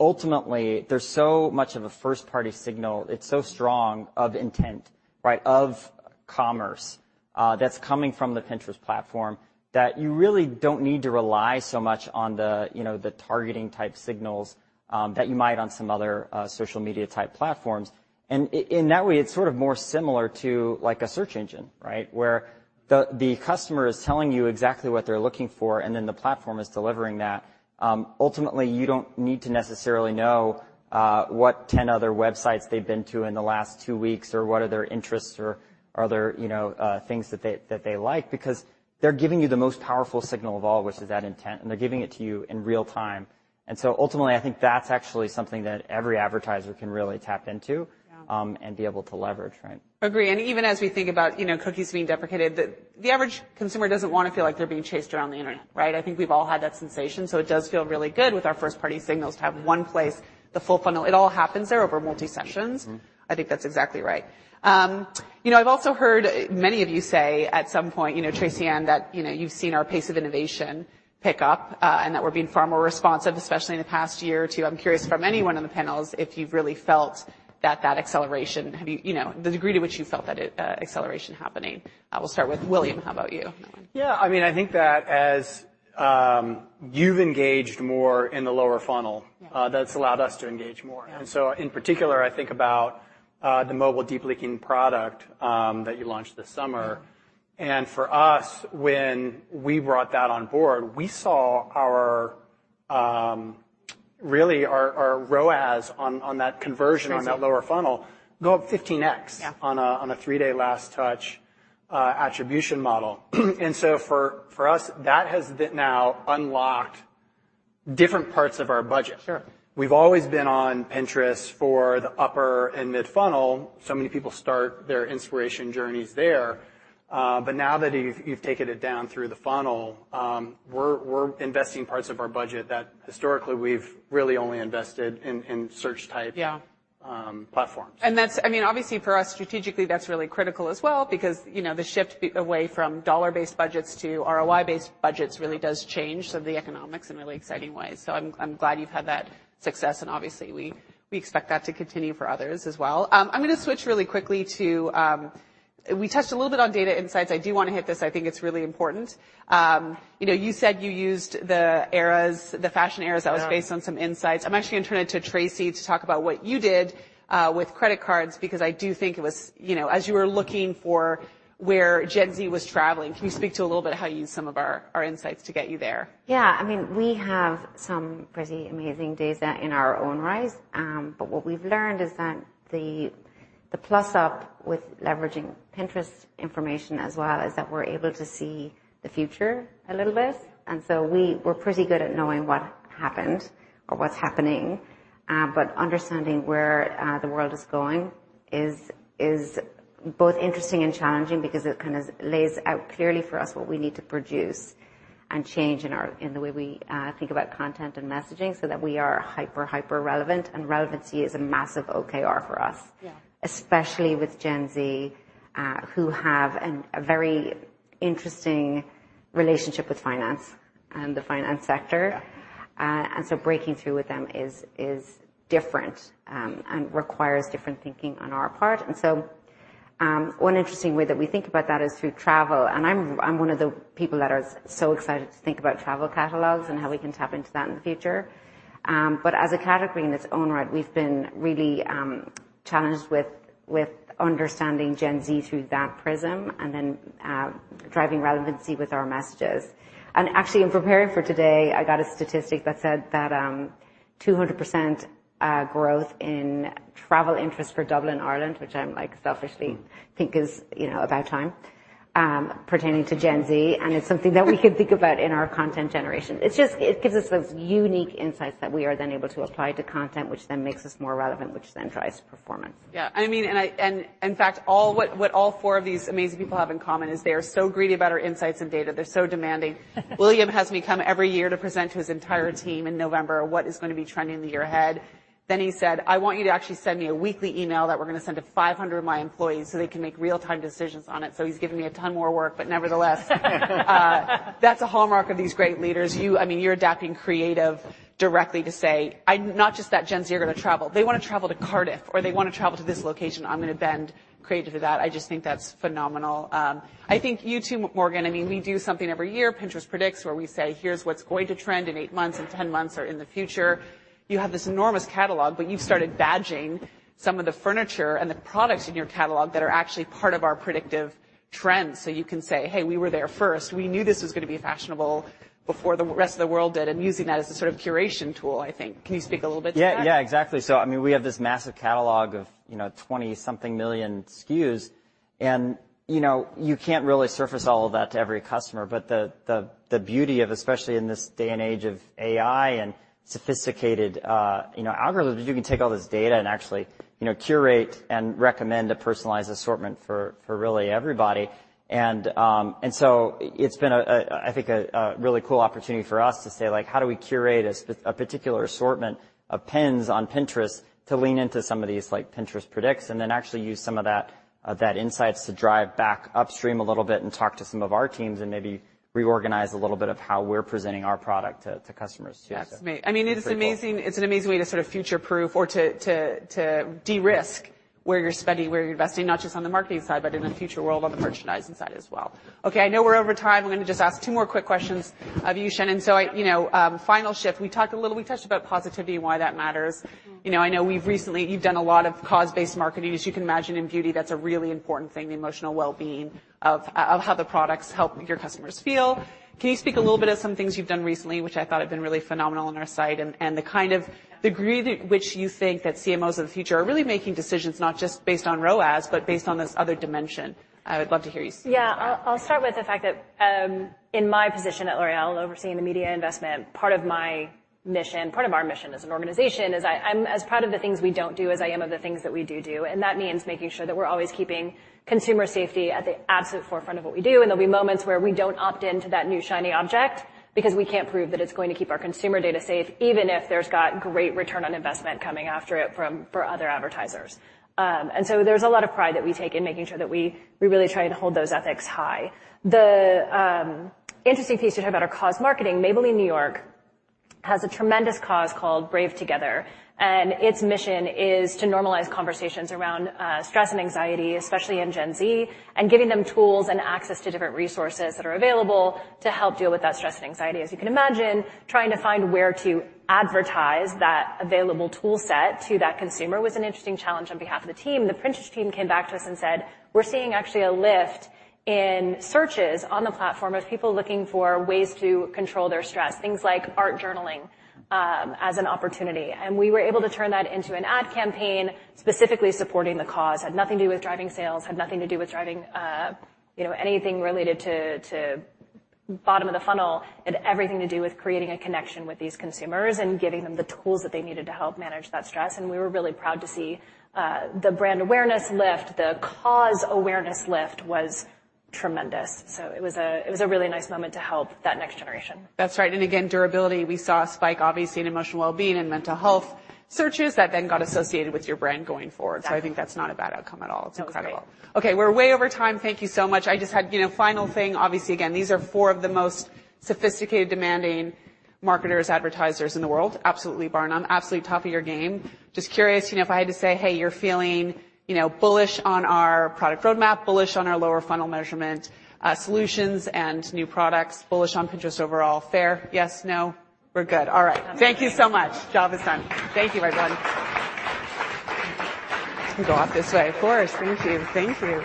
[SPEAKER 12] ultimately, there's so much of a first-party signal, it's so strong of intent, right, of commerce that's coming from the Pinterest platform, that you really don't need to rely so much on the, you know, the targeting-type signals that you might on some other social media-type platforms. And in that way, it's sort of more similar to, like, a search engine, right? Where the customer is telling you exactly what they're looking for, and then the platform is delivering that. Ultimately, you don't need to necessarily know what 10 other websites they've been to in the last two weeks or what are their interests or other, you know, things that they, that they like because they're giving you the most powerful signal of all, which is that intent, and they're giving it to you in real time. So ultimately, I think that's actually something that every advertiser can really tap into-
[SPEAKER 9] Yeah...
[SPEAKER 12] and be able to leverage, right?
[SPEAKER 9] Agree, and even as we think about, you know, cookies being deprecated, the average consumer doesn't want to feel like they're being chased around the internet, right? I think we've all had that sensation, so it does feel really good with our first-party signals to have one place, the full funnel. It all happens there over multi-sessions.
[SPEAKER 12] Mm-hmm.
[SPEAKER 9] I think that's exactly right. You know, I've also heard many of you say at some point, you know, Tracy-Ann, that, you know, you've seen our pace of innovation pick up, and that we're being far more responsive, especially in the past year or two. I'm curious from anyone on the panels if you've really felt that, that acceleration. Have you... You know, the degree to which you felt that, acceleration happening? We'll start with William. How about you?
[SPEAKER 10] Yeah, I mean, I think that as you've engaged more in the lower funnel-
[SPEAKER 9] Yeah...
[SPEAKER 10] that's allowed us to engage more.
[SPEAKER 9] Yeah.
[SPEAKER 10] In particular, I think about the mobile deep linking product that you launched this summer.
[SPEAKER 9] Yeah.
[SPEAKER 10] For us, when we brought that on board, we saw our, really our, our ROAS on that conversion-
[SPEAKER 9] Tracy...
[SPEAKER 10] on that lower funnel go up 15x-
[SPEAKER 9] Yeah...
[SPEAKER 10] on a three-day last touch attribution model. So for us, that has by now unlocked different parts of our budget.
[SPEAKER 9] Sure.
[SPEAKER 10] We've always been on-... Pinterest for the upper and mid-funnel. So many people start their inspiration journeys there, but now that you've taken it down through the funnel, we're investing parts of our budget that historically we've really only invested in search-type-
[SPEAKER 9] Yeah
[SPEAKER 10] -um, platforms.
[SPEAKER 9] That's, I mean, obviously, for us, strategically, that's really critical as well because, you know, the shift away from dollar-based budgets to ROI-based budgets really does change some of the economics in really exciting ways. I'm, I'm glad you've had that success, and obviously, we, we expect that to continue for others as well. I'm gonna switch really quickly to... We touched a little bit on data insights. I do wanna hit this. I think it's really important. You know, you said you used the eras, the fashion eras-
[SPEAKER 10] Yeah...
[SPEAKER 9] that was based on some insights. I'm actually going to turn it to Tracy to talk about what you did with credit cards because I do think it was, you know, as you were looking for where Gen Z was traveling, can you speak to a little bit of how you used some of our, our insights to get you there?
[SPEAKER 11] Yeah. I mean, we have some pretty amazing data in our own right. But what we've learned is that the, the plus-up with leveraging Pinterest information as well, is that we're able to see the future a little bit, and so we were pretty good at knowing what happened or what's happening. But understanding where the world is going is both interesting and challenging because it kind of lays out clearly for us what we need to produce and change in our- in the way we think about content and messaging so that we are hyper, hyper relevant, and relevancy is a massive OKR for us.
[SPEAKER 9] Yeah.
[SPEAKER 11] Especially with Gen Z, who have a very interesting relationship with finance and the finance sector.
[SPEAKER 9] Yeah.
[SPEAKER 11] And so breaking through with them is different and requires different thinking on our part. And so one interesting way that we think about that is through travel, and I'm one of the people that are so excited to think about Travel Catalogs and how we can tap into that in the future. But as a category in its own right, we've been really challenged with understanding Gen Z through that prism and then driving relevancy with our messages. And actually, in preparing for today, I got a statistic that said that 200% growth in travel interest for Dublin, Ireland, which I'm like selfishly think is, you know, about time pertaining to Gen Z, and it's something that we can think about in our content generation. It gives us those unique insights that we are then able to apply to content, which then makes us more relevant, which then drives performance.
[SPEAKER 9] Yeah, I mean, in fact, what all four of these amazing people have in common is they are so greedy about our insights and data. They're so demanding. William has me come every year to present to his entire team in November what is going to be trending in the year ahead. Then he said, "I want you to actually send me a weekly email that we're going to send to 500 of my employees so they can make real-time decisions on it." So he's given me a ton more work, but nevertheless, that's a hallmark of these great leaders. You, I mean, you're adapting creative directly to say: not just that Gen Z are gonna travel. They want to travel to Cardiff, or they want to travel to this location. I'm going to bend creative to that. I just think that's phenomenal. I think you, too, Morgan. I mean, we do something every year, Pinterest Predicts, where we say, "Here's what's going to trend in eight months and 10 months or in the future." You have this enormous catalog, but you've started badging some of the furniture and the products in your catalog that are actually part of our predictive trends. So you can say, "Hey, we were there first. We knew this was going to be fashionable before the rest of the world did," and using that as a sort of curation tool, I think. Can you speak a little bit to that?
[SPEAKER 12] Yeah, yeah, exactly. So, I mean, we have this massive catalog of, you know, 20-something million SKUs, and, you know, you can't really surface all of that to every customer. But the, the, the beauty of, especially in this day and age of AI and sophisticated, you know, algorithms, is you can take all this data and actually, you know, curate and recommend a personalized assortment for, for really everybody. and so it's been a, I think, a really cool opportunity for us to say, like: How do we curate a particular assortment of pins on Pinterest to lean into some of these, like, Pinterest Predicts, and then actually use some of that insights to drive back upstream a little bit and talk to some of our teams and maybe reorganize a little bit of how we're presenting our product to customers, too?
[SPEAKER 9] Yes, I mean, it is amazing-
[SPEAKER 12] Pretty cool.
[SPEAKER 9] It's an amazing way to sort of future-proof or to de-risk where you're spending, where you're investing, not just on the marketing side, but in the future world, on the merchandising side as well. Okay, I know we're over time. I'm going to just ask two more quick questions of you, Shenan. So I, you know, final shift. We talked a little - we touched about positivity and why that matters.
[SPEAKER 13] Mm-hmm.
[SPEAKER 9] You know, I know we've recently- you've done a lot of cause-based marketing. As you can imagine, in beauty, that's a really important thing, the emotional well-being of, of how the products help your customers feel. Can you speak a little bit of some things you've done recently, which I thought had been really phenomenal on our site, and, and the kind of the degree that which you think that CMOs of the future are really making decisions, not just based on ROAS, but based on this other dimension? I would love to hear you speak on that.
[SPEAKER 13] Yeah. I'll start with the fact that in my position at L'Oréal, overseeing the media investment, part of my mission, part of our mission as an organization, is I'm as proud of the things we don't do as I am of the things that we do do, and that means making sure that we're always keeping consumer safety at the absolute forefront of what we do. And there'll be moments where we don't opt into that new, shiny object because we can't prove that it's going to keep our consumer data safe, even if there's got great return on investment coming after it from, for other advertisers. And so there's a lot of pride that we take in making sure that we really try to hold those ethics high. The interesting piece to talk about our cause marketing: Maybelline New York has a tremendous cause called Brave Together, and its mission is to normalize conversations around stress and anxiety, especially in Gen Z, and giving them tools and access to different resources that are available to help deal with that stress and anxiety. As you can imagine, trying to find where to advertise that available tool set to that consumer was an interesting challenge on behalf of the team. The Pinterest team came back to us and said: We're seeing actually a lift in searches on the platform of people looking for ways to control their stress, things like art journaling as an opportunity. We were able to turn that into an ad campaign, specifically supporting the cause. Had nothing to do with driving sales, had nothing to do with driving, you know, anything related to bottom of the funnel. It had everything to do with creating a connection with these consumers and giving them the tools that they needed to help manage that stress. And we were really proud to see the brand awareness lift. The cause awareness lift was tremendous. So it was a, it was a really nice moment to help that next generation.
[SPEAKER 9] That's right. And again, durability, we saw a spike, obviously, in emotional well-being and mental health searches that then got associated with your brand going forward.
[SPEAKER 13] Exactly.
[SPEAKER 9] So I think that's not a bad outcome at all.
[SPEAKER 13] No, it's great.
[SPEAKER 9] It's incredible. Okay, we're way over time. Thank you so much. I just had, you know, final thing, obviously, again, these are four of the most sophisticated, demanding marketers, advertisers in the world. Absolutely, bar none, absolute top of your game. Just curious, you know, if I had to say, "Hey, you're feeling, you know, bullish on our product roadmap, bullish on our lower funnel measurement, solutions and new products, bullish on Pinterest overall," fair? Yes, no? We're good. All right. Thank you so much. Job is done. Thank you, everyone. You can go off this way. Of course. Thank you. Thank you.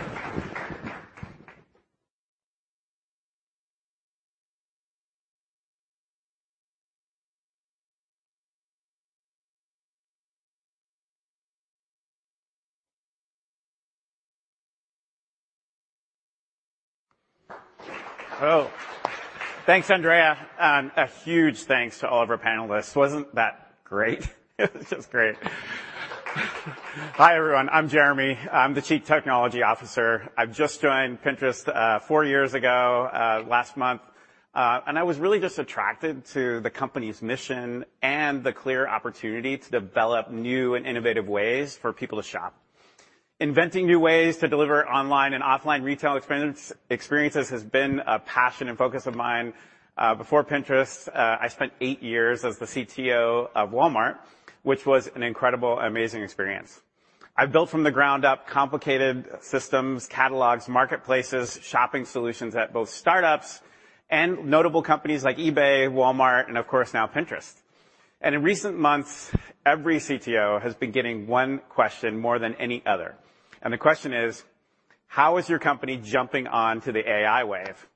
[SPEAKER 14] Oh, thanks, Andréa, and a huge thanks to all of our panelists. Wasn't that great? It was just great. Hi, everyone, I'm Jeremy. I'm the Chief Technology Officer. I've just joined Pinterest four years ago last month, and I was really just attracted to the company's mission and the clear opportunity to develop new and innovative ways for people to shop. Inventing new ways to deliver online and offline retail experiences has been a passion and focus of mine. Before Pinterest, I spent eight years as the CTO of Walmart, which was an incredible, amazing experience. I've built from the ground up complicated systems, catalogs, marketplaces, shopping solutions at both startups and notable companies like eBay, Walmart, and of course, now Pinterest. In recent months, every CTO has been getting one question more than any other, and the question is: How is your company jumping on to the AI wave?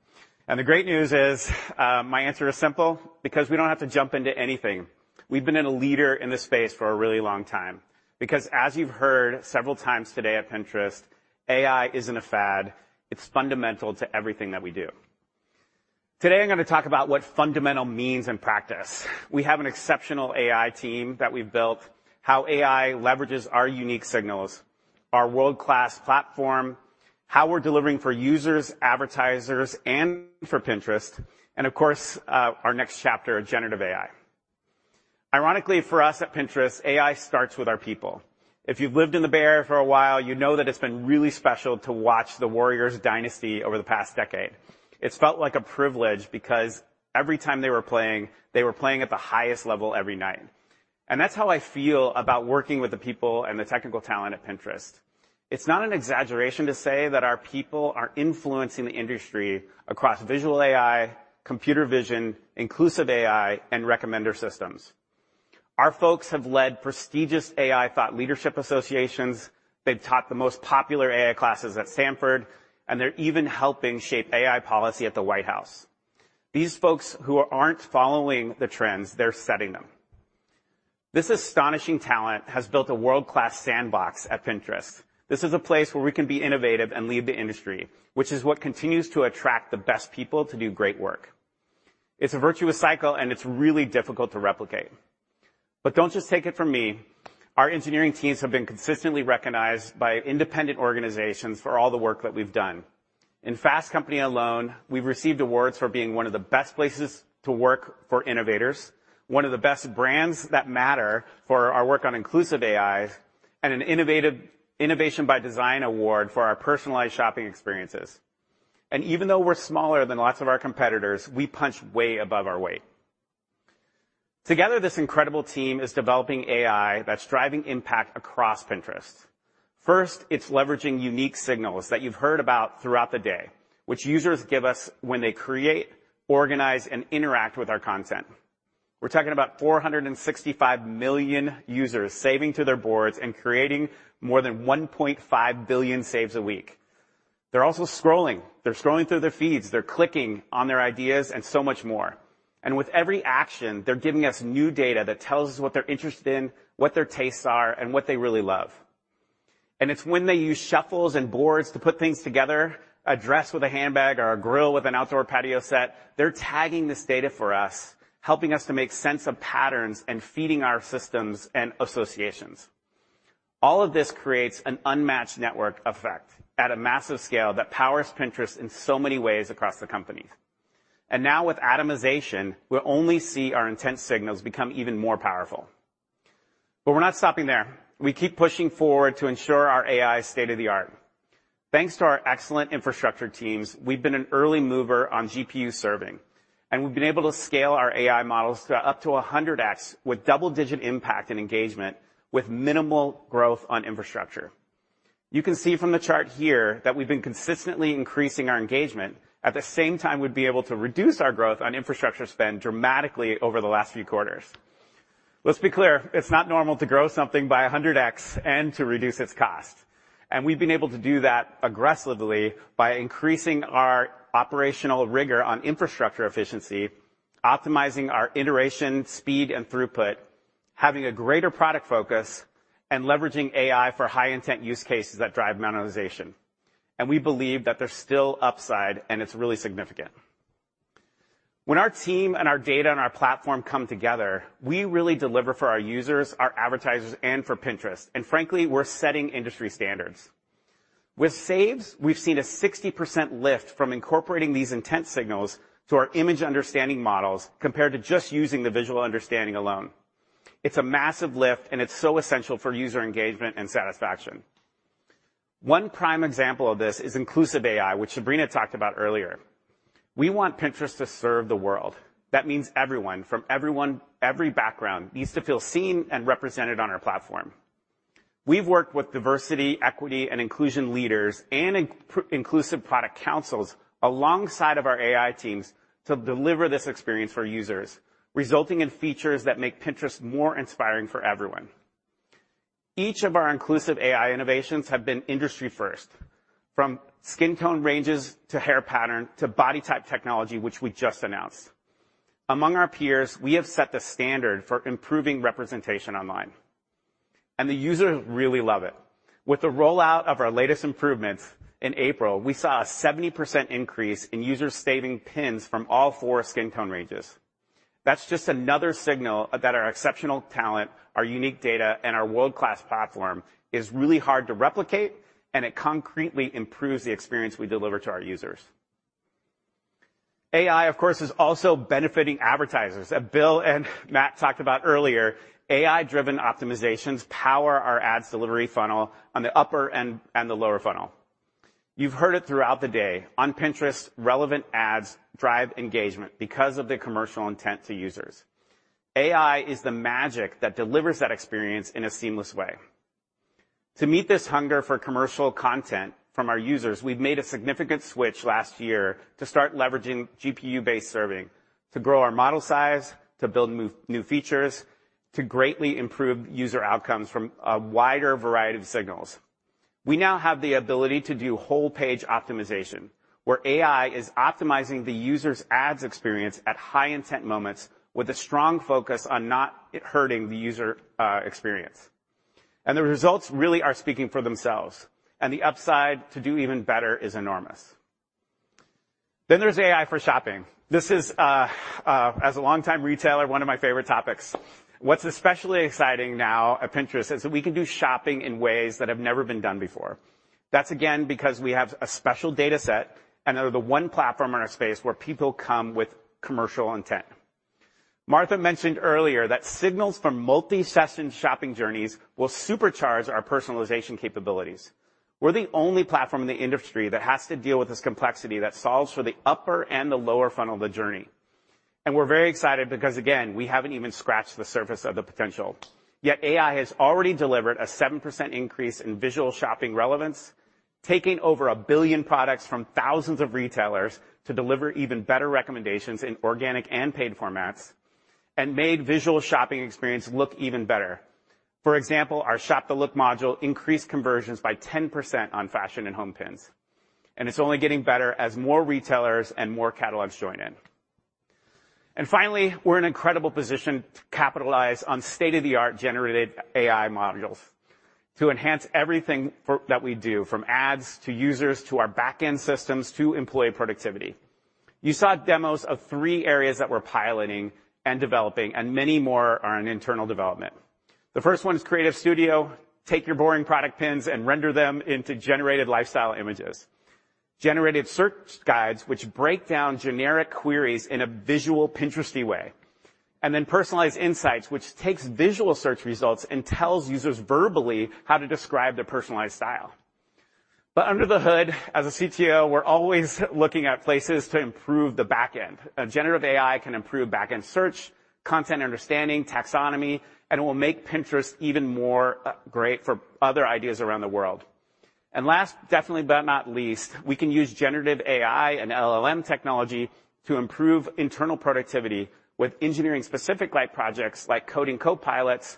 [SPEAKER 14] The great news is, my answer is simple, because we don't have to jump into anything. We've been a leader in this space for a really long time, because as you've heard several times today at Pinterest, AI isn't a fad, it's fundamental to everything that we do. Today, I'm going to talk about what fundamental means in practice. We have an exceptional AI team that we've built, how AI leverages our unique signals, our world-class platform, how we're delivering for users, advertisers, and for Pinterest, and of course, our next chapter, generative AI. Ironically, for us at Pinterest, AI starts with our people. If you've lived in the Bay Area for a while, you know that it's been really special to watch the Warriors dynasty over the past decade. It's felt like a privilege because every time they were playing, they were playing at the highest level every night. That's how I feel about working with the people and the technical talent at Pinterest. It's not an exaggeration to say that our people are influencing the industry across visual AI, computer vision, inclusive AI, and recommender systems. Our folks have led prestigious AI thought leadership associations, they've taught the most popular AI classes at Stanford, and they're even helping shape AI policy at the White House. These folks who aren't following the trends, they're setting them. This astonishing talent has built a world-class sandbox at Pinterest. This is a place where we can be innovative and lead the industry, which is what continues to attract the best people to do great work. It's a virtuous cycle, and it's really difficult to replicate. But don't just take it from me. Our engineering teams have been consistently recognized by independent organizations for all the work that we've done. In Fast Company alone, we've received awards for being one of the best places to work for innovators, one of the best brands that matter for our work on inclusive AI, and an Innovation by Design award for our personalized shopping experiences. And even though we're smaller than lots of our competitors, we punch way above our weight. Together, this incredible team is developing AI that's driving impact across Pinterest. First, it's leveraging unique signals that you've heard about throughout the day, which users give us when they create, organize, and interact with our content. We're talking about 465 million users saving to their boards and creating more than 1.5 billion saves a week. They're also scrolling. They're scrolling through their feeds, they're clicking on their ideas and so much more. And with every action, they're giving us new data that tells us what they're interested in, what their tastes are, and what they really love. And it's when they use Shuffles and boards to put things together, a dress with a handbag or a grill with an outdoor patio set, they're tagging this data for us, helping us to make sense of patterns and feeding our systems and associations. All of this creates an unmatched network effect at a massive scale that powers Pinterest in so many ways across the company. Now with atomization, we'll only see our intent signals become even more powerful. But we're not stopping there. We keep pushing forward to ensure our AI is state-of-the-art. Thanks to our excellent infrastructure teams, we've been an early mover on GPU serving, and we've been able to scale our AI models to up to 100x, with double-digit impact and engagement, with minimal growth on infrastructure. You can see from the chart here that we've been consistently increasing our engagement. At the same time, we've been able to reduce our growth on infrastructure spend dramatically over the last few quarters. Let's be clear, it's not normal to grow something by 100x and to reduce its cost. We've been able to do that aggressively by increasing our operational rigor on infrastructure efficiency, optimizing our iteration, speed, and throughput, having a greater product focus and leveraging AI for high intent use cases that drive monetization. We believe that there's still upside, and it's really significant. When our team and our data and our platform come together, we really deliver for our users, our advertisers, and for Pinterest, and frankly, we're setting industry standards. With saves, we've seen a 60% lift from incorporating these intent signals to our image understanding models compared to just using the visual understanding alone. It's a massive lift, and it's so essential for user engagement and satisfaction. One prime example of this is inclusive AI, which Sabrina talked about earlier. We want Pinterest to serve the world. That means everyone, from everyone, every background, needs to feel seen and represented on our platform. We've worked with diversity, equity, and inclusion leaders and inclusive product councils alongside of our AI teams to deliver this experience for users, resulting in features that make Pinterest more inspiring for everyone. Each of our inclusive AI innovations have been industry first, from skin tone ranges, to hair pattern, to body type technology, which we just announced. Among our peers, we have set the standard for improving representation online, and the users really love it. With the rollout of our latest improvements in April, we saw a 70% increase in users saving pins from all four skin tone ranges. That's just another signal that our exceptional talent, our unique data, and our world-class platform is really hard to replicate, and it concretely improves the experience we deliver to our users. AI, of course, is also benefiting advertisers. As Bill and Matt talked about earlier, AI-driven optimizations power our ads delivery funnel on the upper and, and the lower funnel. You've heard it throughout the day. On Pinterest, relevant ads drive engagement because of the commercial intent to users. AI is the magic that delivers that experience in a seamless way. To meet this hunger for commercial content from our users, we've made a significant switch last year to start leveraging GPU-based serving, to grow our model size, to build new, new features, to greatly improve user outcomes from a wider variety of signals. We now have the ability to do Whole Page Optimization, where AI is optimizing the user's ads experience at high intent moments with a strong focus on not hurting the user experience. The results really are speaking for themselves, and the upside to do even better is enormous. Then there's AI for shopping. This is, as a longtime retailer, one of my favorite topics. What's especially exciting now at Pinterest is that we can do shopping in ways that have never been done before. That's again, because we have a special data set and are the one platform in our space where people come with commercial intent. Martha mentioned earlier that signals from multi-session shopping journeys will supercharge our personalization capabilities. We're the only platform in the industry that has to deal with this complexity that solves for the upper and the lower funnel of the journey. We're very excited because, again, we haven't even scratched the surface of the potential. Yet AI has already delivered a 7% increase in visual shopping relevance, taking over a billion products from thousands of retailers to deliver even better recommendations in organic and paid formats, and made the visual shopping experience look even better. For example, our Shop the Look module increased conversions by 10% on fashion and home pins, and it's only getting better as more retailers and more catalogs join in. Finally, we're in an incredible position to capitalize on state-of-the-art generative AI modules to enhance everything for that we do, from ads, to users, to our back-end systems, to employee productivity. You saw demos of three areas that we're piloting and developing, and many more are in internal development. The first one is Creative Studio. Take your boring Product Pins and render them into generated lifestyle images. Generated search guides, which break down generic queries in a visual, Pinteresty way, and then personalized insights, which takes visual search results and tells users verbally how to describe their personalized style. But under the hood, as a CTO, we're always looking at places to improve the back end. A generative AI can improve back-end search, content understanding, taxonomy, and will make Pinterest even more great for other ideas around the world. And last, definitely, but not least, we can use generative AI and LLM technology to improve internal productivity with engineering-specific like projects like coding copilots,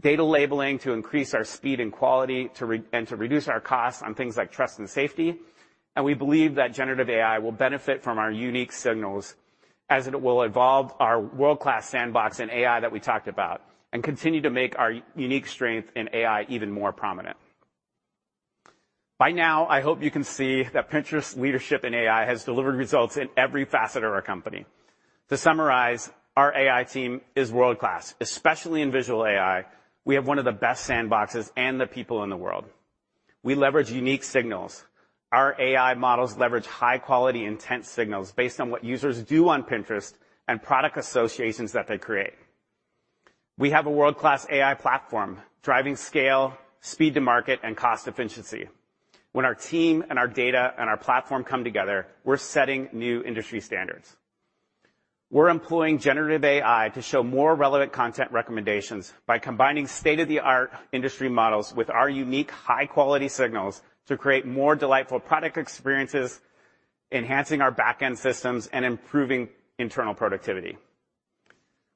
[SPEAKER 14] data labeling to increase our speed and quality, and to reduce our costs on things like trust and safety. And we believe that generative AI will benefit from our unique signals as it will evolve our world-class sandbox and AI that we talked about and continue to make our unique strength in AI even more prominent. By now, I hope you can see that Pinterest's leadership in AI has delivered results in every facet of our company. To summarize, our AI team is world-class, especially in visual AI. We have one of the best sandboxes and the people in the world. We leverage unique signals. Our AI models leverage high-quality, intent signals based on what users do on Pinterest and product associations that they create. We have a world-class AI platform, driving scale, speed to market, and cost efficiency. When our team and our data and our platform come together, we're setting new industry standards. We're employing generative AI to show more relevant content recommendations by combining state-of-the-art industry models with our unique, high-quality signals to create more delightful product experiences, enhancing our back-end systems, and improving internal productivity.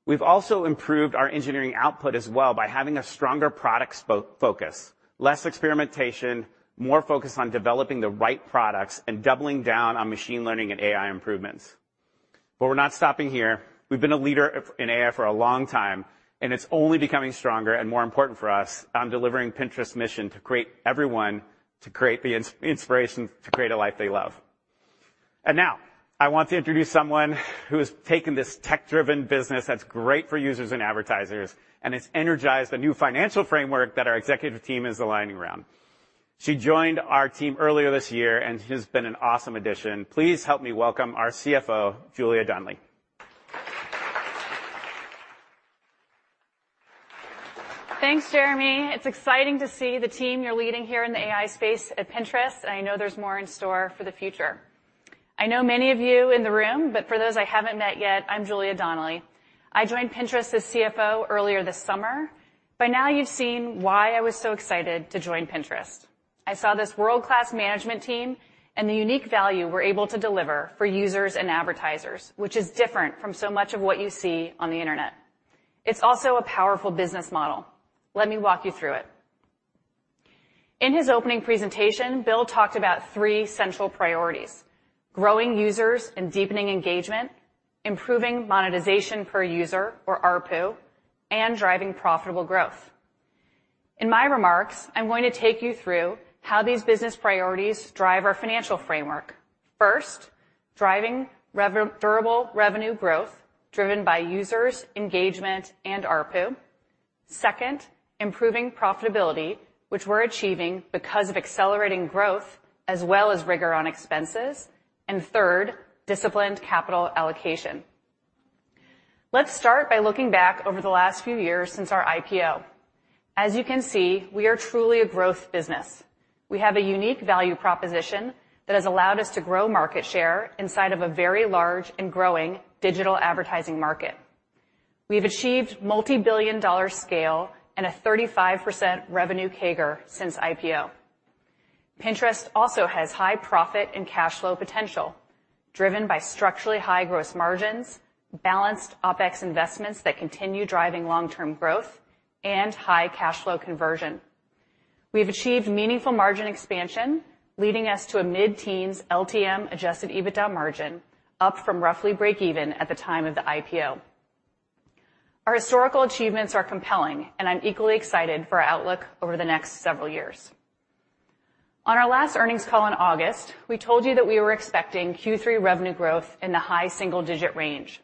[SPEAKER 14] We've also improved our engineering output as well by having a stronger product focus, less experimentation, more focus on developing the right products, and doubling down on machine learning and AI improvements. But we're not stopping here. We've been a leader in AI for a long time, and it's only becoming stronger and more important for us on delivering Pinterest's mission to help everyone create the inspiration to create a life they love. And now I want to introduce someone who has taken this tech-driven business that's great for users and advertisers, and has energized the new financial framework that our executive team is aligning around. She joined our team earlier this year, and she has been an awesome addition. Please help me welcome our CFO, Julia Donnelly.
[SPEAKER 15] Thanks, Jeremy. It's exciting to see the team you're leading here in the AI space at Pinterest, and I know there's more in store for the future. I know many of you in the room, but for those I haven't met yet, I'm Julia Donnelly. I joined Pinterest as CFO earlier this summer. By now, you've seen why I was so excited to join Pinterest. I saw this world-class management team and the unique value we're able to deliver for users and advertisers, which is different from so much of what you see on the internet. It's also a powerful business model. Let me walk you through it. In his opening presentation, Bill talked about three central priorities: growing users and deepening engagement, improving monetization per user, or ARPU, and driving profitable growth. In my remarks, I'm going to take you through how these business priorities drive our financial framework. First, driving durable revenue growth driven by users, engagement, and ARPU. Second, improving profitability, which we're achieving because of accelerating growth, as well as rigor on expenses, and third, disciplined capital allocation. Let's start by looking back over the last few years since our IPO. As you can see, we are truly a growth business. We have a unique value proposition that has allowed us to grow market share inside of a very large and growing digital advertising market. We've achieved multibillion-dollar scale and a 35% revenue CAGR since IPO. Pinterest also has high profit and cash flow potential, driven by structurally high gross margins, balanced OpEx investments that continue driving long-term growth, and high cash flow conversion. We have achieved meaningful margin expansion, leading us to a mid-teens LTM adjusted EBITDA margin, up from roughly breakeven at the time of the IPO. Our historical achievements are compelling, and I'm equally excited for our outlook over the next several years. On our last earnings call in August, we told you that we were expecting Q3 revenue growth in the high single-digit range.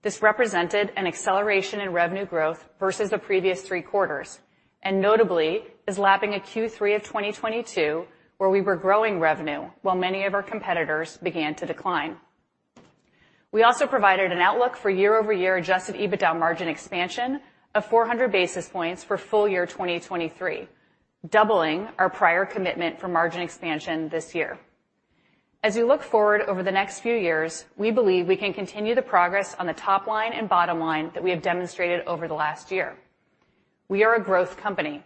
[SPEAKER 15] This represented an acceleration in revenue growth versus the previous three quarters and notably, is lapping a Q3 of 2022, where we were growing revenue while many of our competitors began to decline. We also provided an outlook for year-over-year adjusted EBITDA margin expansion of 400 basis points for full year 2023, doubling our prior commitment for margin expansion this year. As we look forward over the next few years, we believe we can continue the progress on the top line and bottom line that we have demonstrated over the last year. We are a growth company.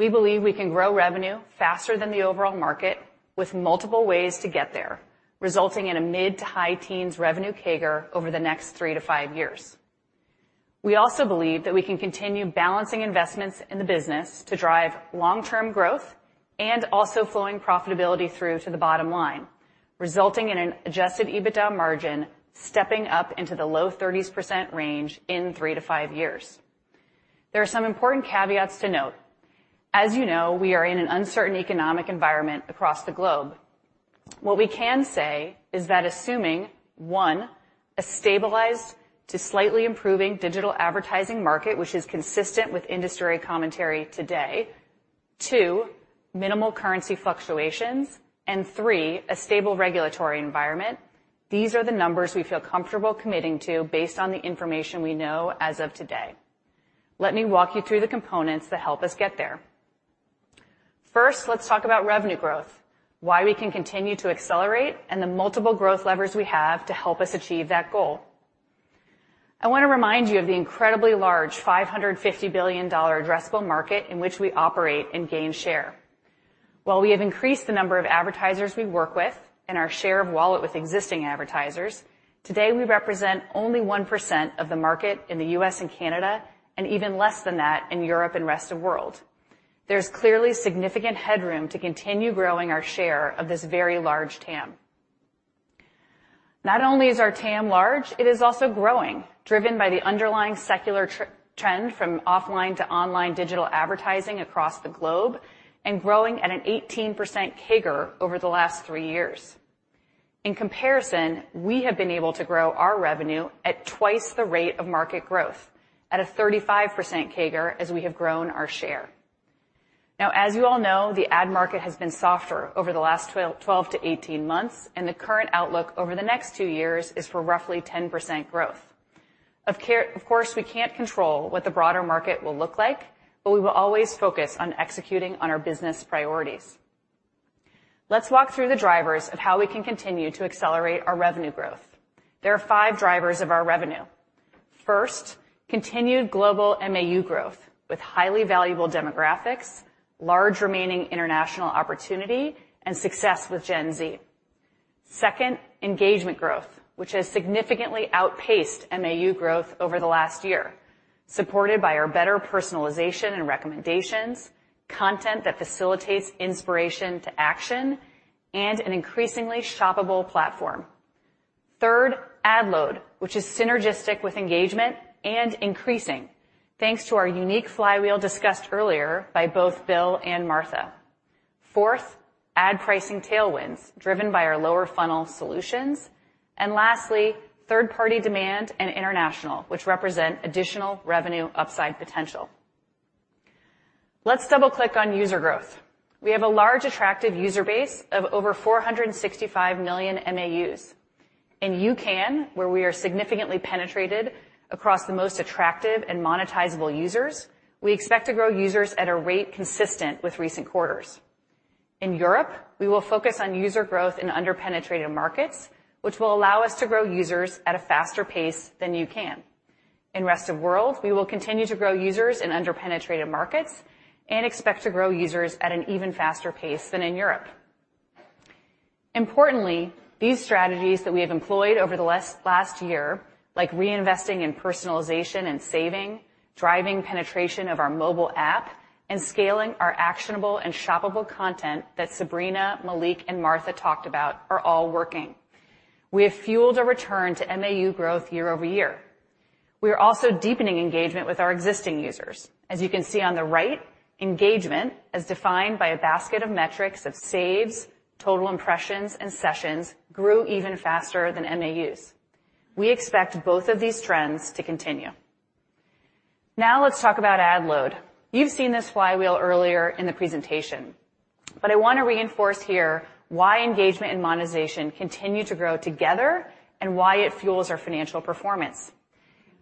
[SPEAKER 15] We believe we can grow revenue faster than the overall market with multiple ways to get there, resulting in a mid to high-teens revenue CAGR over the next three to five years. We also believe that we can continue balancing investments in the business to drive long-term growth and also flowing profitability through to the bottom line, resulting in an adjusted EBITDA margin stepping up into the low 30s% range in three to five years. There are some important caveats to note. As you know, we are in an uncertain economic environment across the globe. What we can say is that assuming one, a stabilized to slightly improving digital advertising market, which is consistent with industry commentary today, two, minimal currency fluctuations, and three, a stable regulatory environment, these are the numbers we feel comfortable committing to based on the information we know as of today. Let me walk you through the components that help us get there. First, let's talk about revenue growth, why we can continue to accelerate, and the multiple growth levers we have to help us achieve that goal. I want to remind you of the incredibly large $550 billion addressable market in which we operate and gain share. While we have increased the number of advertisers we work with and our share of wallet with existing advertisers, today, we represent only 1% of the market in the U.S. and Canada, and even less than that in Europe and rest of world. There's clearly significant headroom to continue growing our share of this very large TAM. Not only is our TAM large, it is also growing, driven by the underlying secular trend from offline to online digital advertising across the globe and growing at an 18% CAGR over the last three years. In comparison, we have been able to grow our revenue at twice the rate of market growth at a 35% CAGR as we have grown our share. Now, as you all know, the ad market has been softer over the last 12 to 18 months, and the current outlook over the next two years is for roughly 10% growth. Of course, we can't control what the broader market will look like, but we will always focus on executing on our business priorities. Let's walk through the drivers of how we can continue to accelerate our revenue growth. There are five drivers of our revenue. First, continued global MAU growth with highly valuable demographics, large remaining international opportunity, and success with Gen Z. Second, engagement growth, which has significantly outpaced MAU growth over the last year, supported by our better personalization and recommendations, content that facilitates inspiration to action, and an increasingly shoppable platform. Third, ad load, which is synergistic with engagement and increasing thanks to our unique flywheel discussed earlier by both Bill and Martha. Fourth, ad pricing tailwinds, driven by our lower funnel solutions. And lastly, third-party demand and international, which represent additional revenue upside potential. Let's double-click on user growth. We have a large, attractive user base of over 465 million MAUs. In UCAN, where we are significantly penetrated across the most attractive and monetizable users, we expect to grow users at a rate consistent with recent quarters. In Europe, we will focus on user growth in under-penetrated markets, which will allow us to grow users at a faster pace than UCAN. In rest of world, we will continue to grow users in under-penetrated markets and expect to grow users at an even faster pace than in Europe. Importantly, these strategies that we have employed over the last year, like reinvesting in personalization and saving, driving penetration of our mobile app, and scaling our actionable and shoppable content that Sabrina, Malik, and Martha talked about, are all working. We have fueled a return to MAU growth year-over-year. We are also deepening engagement with our existing users. As you can see on the right, engagement, as defined by a basket of metrics of saves, total impressions, and sessions, grew even faster than MAUs. We expect both of these trends to continue. Now let's talk about ad load. You've seen this flywheel earlier in the presentation, but I want to reinforce here why engagement and monetization continue to grow together and why it fuels our financial performance.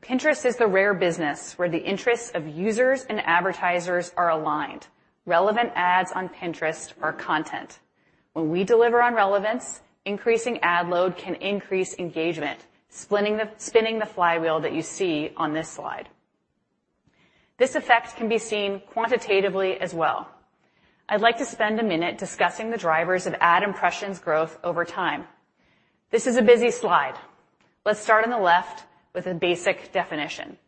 [SPEAKER 15] Pinterest is the rare business where the interests of users and advertisers are aligned. Relevant ads on Pinterest are content. When we deliver on relevance, increasing ad load can increase engagement, spinning the flywheel that you see on this slide. This effect can be seen quantitatively as well. I'd like to spend a minute discussing the drivers of ad impressions growth over time. This is a busy slide. Let's start on the left with a basic definition.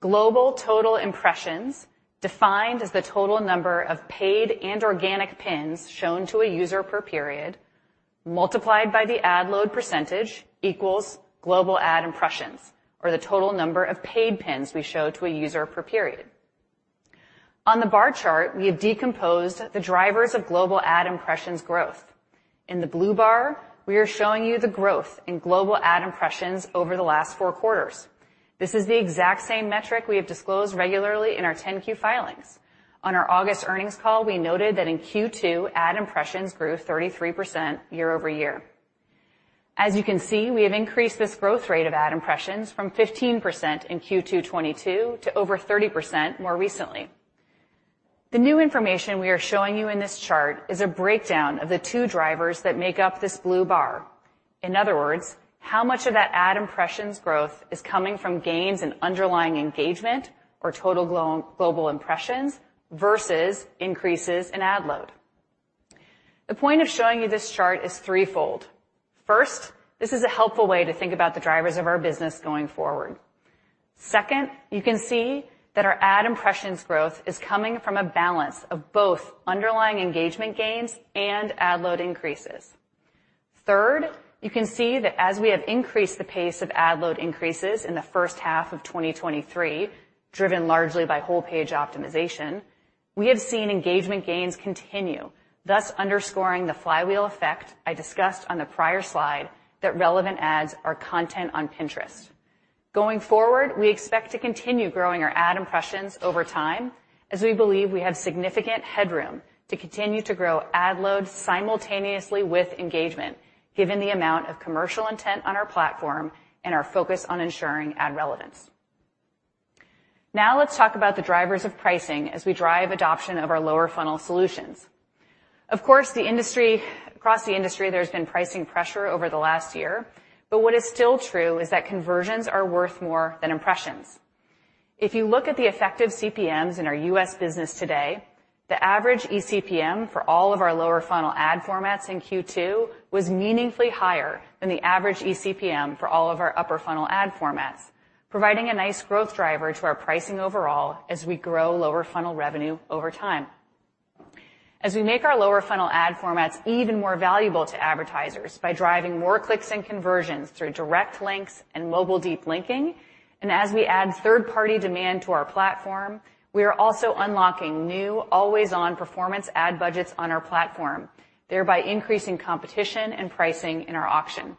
[SPEAKER 15] Global total impressions, defined as the total number of paid and organic pins shown to a user per period, multiplied by the ad load percentage equals global ad impressions, or the total number of paid pins we show to a user per period. On the bar chart, we have decomposed the drivers of global ad impressions growth. In the blue bar, we are showing you the growth in global ad impressions over the last four quarters. This is the exact same metric we have disclosed regularly in our 10-Q filings. On our August earnings call, we noted that in Q2, ad impressions grew 33% year-over-year. As you can see, we have increased this growth rate of ad impressions from 15% in Q2 2022 to over 30% more recently. The new information we are showing you in this chart is a breakdown of the two drivers that make up this blue bar. In other words, how much of that ad impressions growth is coming from gains in underlying engagement or total global impressions versus increases in ad load? The point of showing you this chart is threefold. First, this is a helpful way to think about the drivers of our business going forward. Second, you can see that our ad impressions growth is coming from a balance of both underlying engagement gains and ad load increases. Third, you can see that as we have increased the pace of ad load increases in the first half of 2023, driven largely by Whole Page Optimization, we have seen engagement gains continue, thus underscoring the flywheel effect I discussed on the prior slide, that relevant ads are content on Pinterest. Going forward, we expect to continue growing our ad impressions over time, as we believe we have significant headroom to continue to grow ad load simultaneously with engagement, given the amount of commercial intent on our platform and our focus on ensuring ad relevance. Now let's talk about the drivers of pricing as we drive adoption of our lower funnel solutions. Of course, the industry, across the industry, there's been pricing pressure over the last year, but what is still true is that conversions are worth more than impressions. If you look at the effective CPMs in our U.S. business today, the average eCPM for all of our lower funnel ad formats in Q2 was meaningfully higher than the average eCPM for all of our upper funnel ad formats, providing a nice growth driver to our pricing overall as we grow lower funnel revenue over time. As we make our lower funnel ad formats even more valuable to advertisers by driving more clicks and conversions through direct links and mobile deep linking, and as we add third-party demand to our platform, we are also unlocking new always-on performance ad budgets on our platform, thereby increasing competition and pricing in our auction.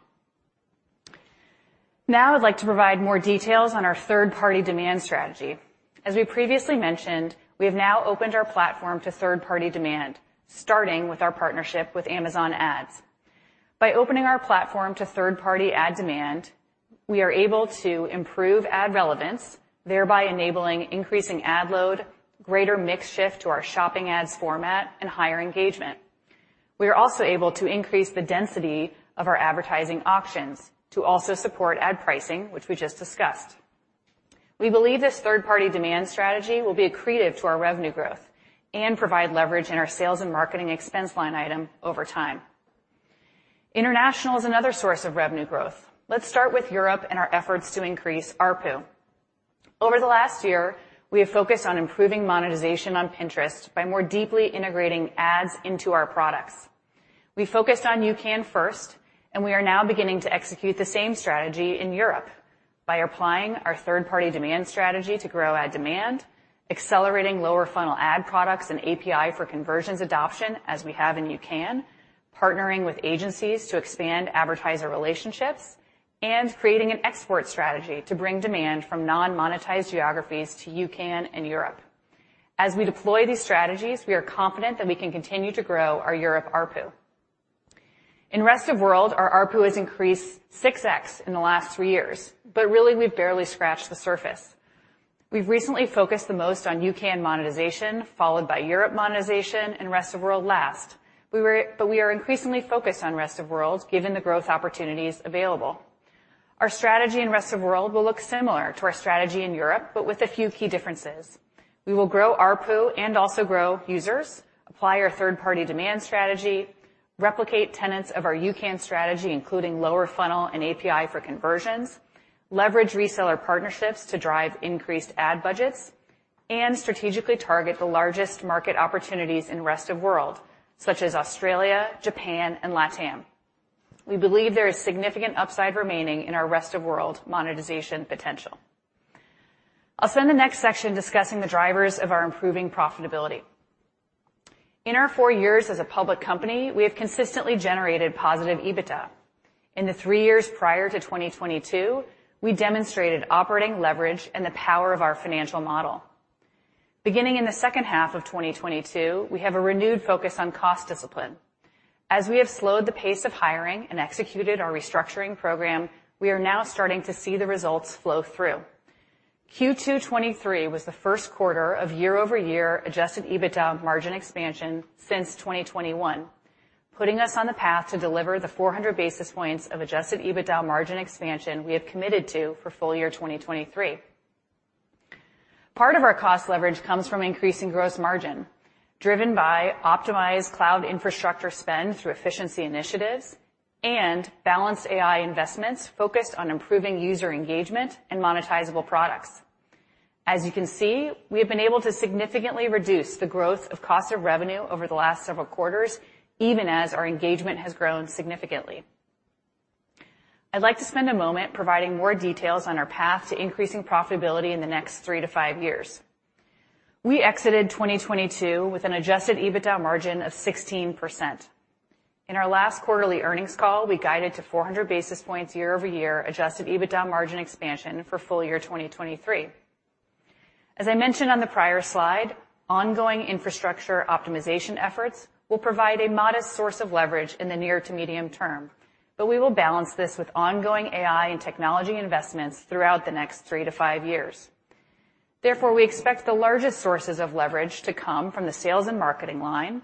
[SPEAKER 15] Now I'd like to provide more details on our third-party demand strategy. As we previously mentioned, we have now opened our platform to third-party demand, starting with our partnership with Amazon Ads. By opening our platform to third-party ad demand, we are able to improve ad relevance, thereby enabling increasing ad load, greater mix shift to our shopping ads format, and higher engagement. We are also able to increase the density of our advertising auctions to also support ad pricing, which we just discussed. We believe this third-party demand strategy will be accretive to our revenue growth and provide leverage in our sales and marketing expense line item over time. International is another source of revenue growth. Let's start with Europe and our efforts to increase ARPU. Over the last year, we have focused on improving monetization on Pinterest by more deeply integrating ads into our products. We focused on UCAN first, and we are now beginning to execute the same strategy in Europe by applying our third-party demand strategy to grow ad demand, accelerating lower funnel ad products and API for Conversions adoption, as we have in UCAN, partnering with agencies to expand advertiser relationships, and creating an export strategy to bring demand from non-monetized geographies to UCAN and Europe. As we deploy these strategies, we are confident that we can continue to grow our Europe ARPU. In rest of world, our ARPU has increased 6x in the last three years, but really, we've barely scratched the surface. We've recently focused the most on UCAN monetization, followed by Europe monetization and rest of world last. We were but we are increasingly focused on rest of world, given the growth opportunities available. Our strategy in rest of world will look similar to our strategy in Europe, but with a few key differences. We will grow ARPU and also grow users, apply our third-party demand strategy, replicate tenets of our UCAN strategy, including lower funnel and API for Conversions, leverage reseller partnerships to drive increased ad budgets, and strategically target the largest market opportunities in rest of world, such as Australia, Japan, and LATAM. We believe there is significant upside remaining in our rest of world monetization potential. I'll spend the next section discussing the drivers of our improving profitability. In our four years as a public company, we have consistently generated positive EBITDA. In the three years prior to 2022, we demonstrated operating leverage and the power of our financial model. Beginning in the second half of 2022, we have a renewed focus on cost discipline. As we have slowed the pace of hiring and executed our restructuring program, we are now starting to see the results flow through. Q2 2023 was the first quarter of year-over-year adjusted EBITDA margin expansion since 2021, putting us on the path to deliver the 400 basis points of adjusted EBITDA margin expansion we have committed to for full year 2023. Part of our cost leverage comes from increasing gross margin, driven by optimized cloud infrastructure spend through efficiency initiatives and balanced AI investments focused on improving user engagement and monetizable products. As you can see, we have been able to significantly reduce the growth of cost of revenue over the last several quarters, even as our engagement has grown significantly. I'd like to spend a moment providing more details on our path to increasing profitability in the next three to five years. We exited 2022 with an adjusted EBITDA margin of 16%. In our last quarterly earnings call, we guided to 400 basis points year-over-year adjusted EBITDA margin expansion for full year 2023. As I mentioned on the prior slide, ongoing infrastructure optimization efforts will provide a modest source of leverage in the near to medium term, but we will balance this with ongoing AI and technology investments throughout the next three to five years. Therefore, we expect the largest sources of leverage to come from the sales and marketing line,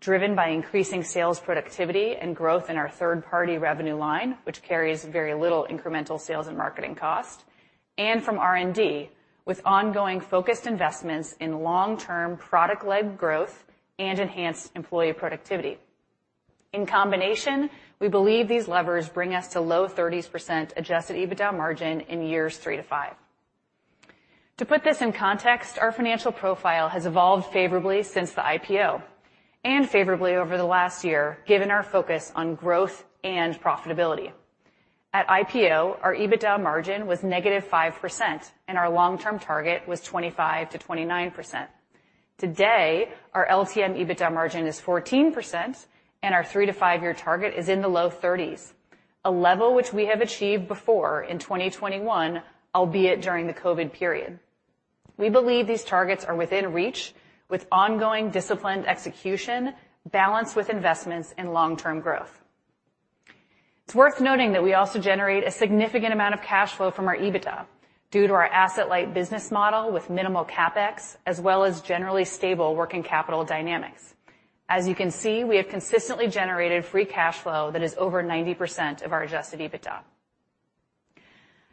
[SPEAKER 15] driven by increasing sales productivity and growth in our third-party revenue line, which carries very little incremental sales and marketing cost, and from R&D, with ongoing focused investments in long-term product-led growth and enhanced employee productivity. In combination, we believe these levers bring us to low 30s% adjusted EBITDA margin in years three to five. To put this in context, our financial profile has evolved favorably since the IPO and favorably over the last year, given our focus on growth and profitability. At IPO, our EBITDA margin was -5% and our long-term target was 25%-29%. Today, our LTM EBITDA margin is 14% and our three to five-year target is in the low 30s, a level which we have achieved before in 2021, albeit during the COVID period. We believe these targets are within reach with ongoing disciplined execution, balanced with investments in long-term growth. It's worth noting that we also generate a significant amount of cash flow from our EBITDA due to our asset-light business model with minimal CapEx, as well as generally stable working capital dynamics. As you can see, we have consistently generated free cash flow that is over 90% of our adjusted EBITDA.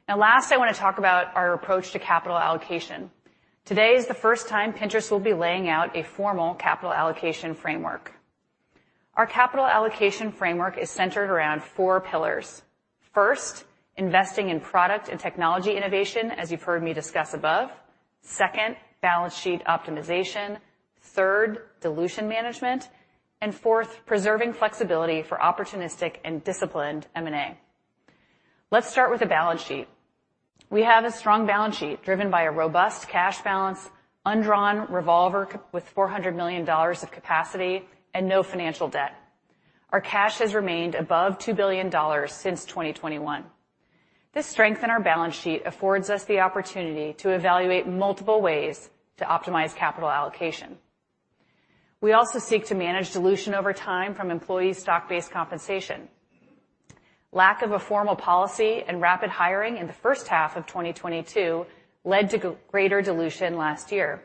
[SPEAKER 15] Now, last, I want to talk about our approach to capital allocation. Today is the first time Pinterest will be laying out a formal capital allocation framework. Our capital allocation framework is centered around four pillars. First, investing in product and technology innovation, as you've heard me discuss above. Second, balance sheet optimization. Third, dilution management, and fourth, preserving flexibility for opportunistic and disciplined M&A. Let's start with the balance sheet. We have a strong balance sheet driven by a robust cash balance, undrawn revolver with $400 million of capacity, and no financial debt. Our cash has remained above $2 billion since 2021. This strength in our balance sheet affords us the opportunity to evaluate multiple ways to optimize capital allocation. We also seek to manage dilution over time from employee stock-based compensation. Lack of a formal policy and rapid hiring in the first half of 2022 led to greater dilution last year.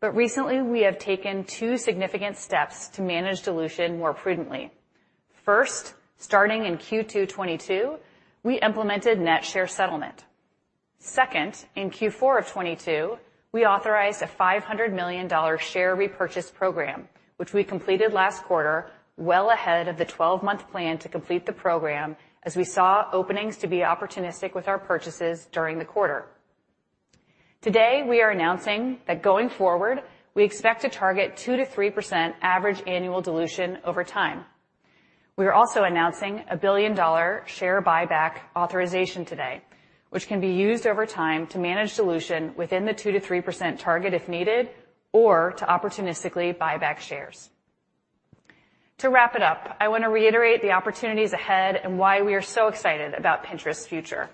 [SPEAKER 15] But recently, we have taken two significant steps to manage dilution more prudently. First, starting in Q2 2022, we implemented net share settlement. Second, in Q4 of 2022, we authorized a $500 million share repurchase program, which we completed last quarter, well ahead of the 12-month plan to complete the program, as we saw openings to be opportunistic with our purchases during the quarter. Today, we are announcing that going forward, we expect to target 2%-3% average annual dilution over time. We are also announcing a $1 billion share buyback authorization today, which can be used over time to manage dilution within the 2%-3% target, if needed, or to opportunistically buy back shares. To wrap it up, I want to reiterate the opportunities ahead and why we are so excited about Pinterest's future.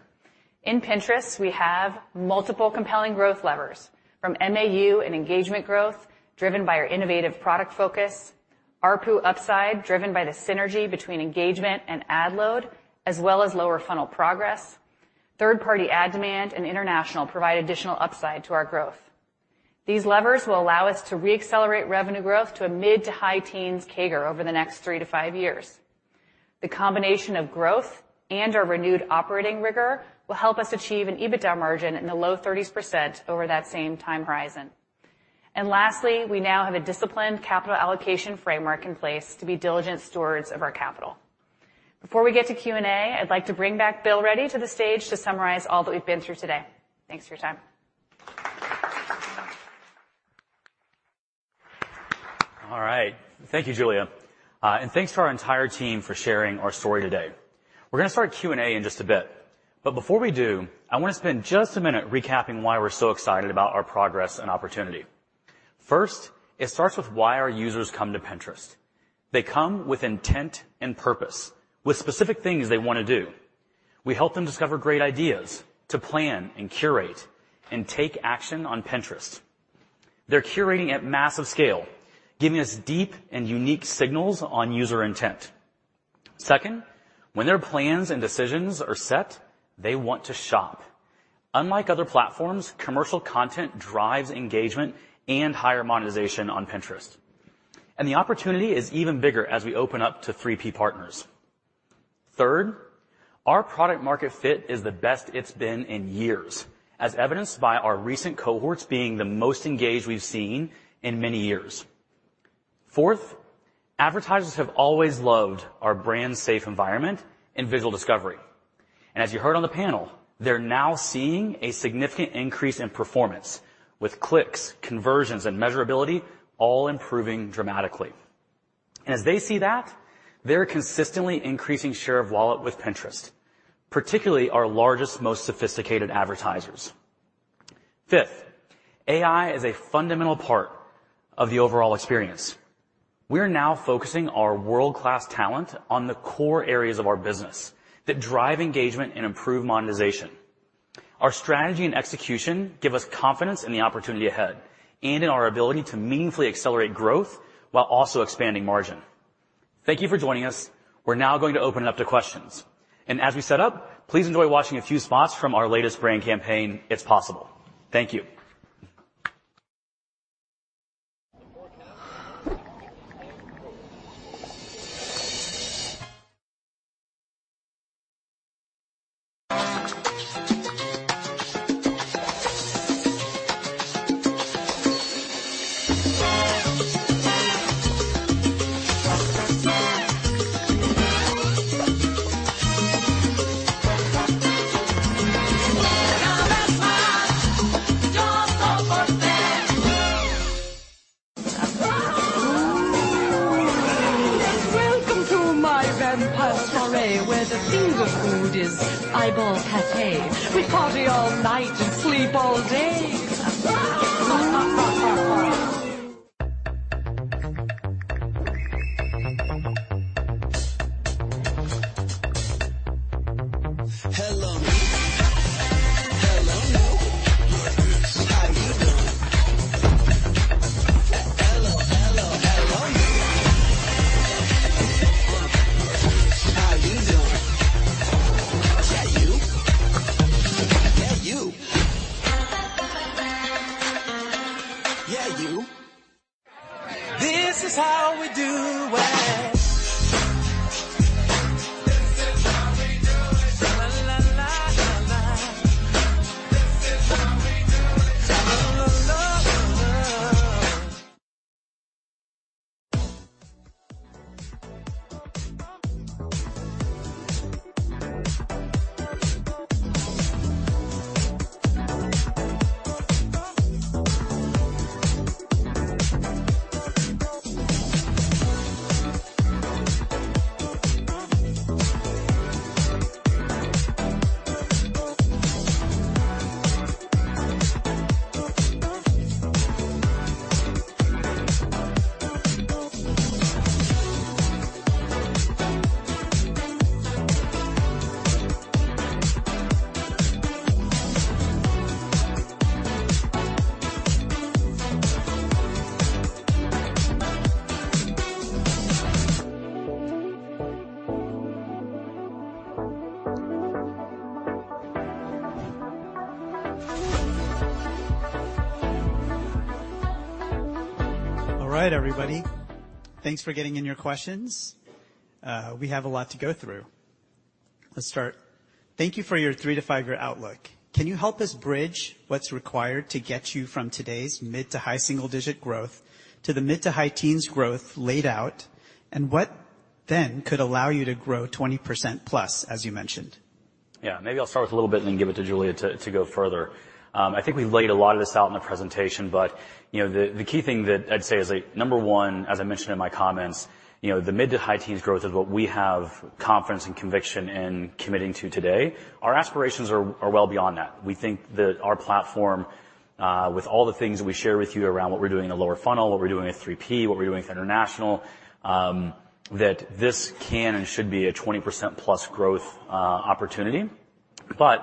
[SPEAKER 15] In Pinterest, we have multiple compelling growth levers, from MAU and engagement growth, driven by our innovative product focus, ARPU upside, driven by the synergy between engagement and ad load, as well as lower funnel progress. Third-party ad demand and international provide additional upside to our growth. These levers will allow us to reaccelerate revenue growth to a mid- to high-teens CAGR over the next three to five years. The combination of growth and our renewed operating rigor will help us achieve an EBITDA margin in the low 30s% over that same time horizon. And lastly, we now have a disciplined capital allocation framework in place to be diligent stewards of our capital. Before we get to Q&A, I'd like to bring back Bill Ready to the stage to summarize all that we've been through today. Thanks for your time.
[SPEAKER 3] All right. Thank you, Julia. And thanks to our entire team for sharing our story today. We're going to start Q&A in just a bit, but before we do, I want to spend just a minute recapping why we're so excited about our progress and opportunity. First, it starts with why our users come to Pinterest. They come with intent and purpose, with specific things they want to do. We help them discover great ideas, to plan and curate and take action on Pinterest. They're curating at massive scale, giving us deep and unique signals on user intent. Second, when their plans and decisions are set, they want to shop. Unlike other platforms, commercial content drives engagement and higher monetization on Pinterest, and the opportunity is even bigger as we open up to 3P partners. Third, our product market fit is the best it's been in years, as evidenced by our recent cohorts being the most engaged we've seen in many years. Fourth, advertisers have always loved our brand-safe environment and visual discovery, and as you heard on the panel, they're now seeing a significant increase in performance, with clicks, conversions, and measurability all improving dramatically. And as they see that, they're consistently increasing share of wallet with Pinterest, particularly our largest, most sophisticated advertisers. Fifth, AI is a fundamental part of the overall experience. We are now focusing our world-class talent on the core areas of our business that drive engagement and improve monetization. Our strategy and execution give us confidence in the opportunity ahead and in our ability to meaningfully accelerate growth while also expanding margin. Thank you for joining us. We're now going to open it up to questions, and as we set up, please enjoy watching a few spots from our latest brand campaign, It's Possible. Thank you!
[SPEAKER 2] Welcome to my vampire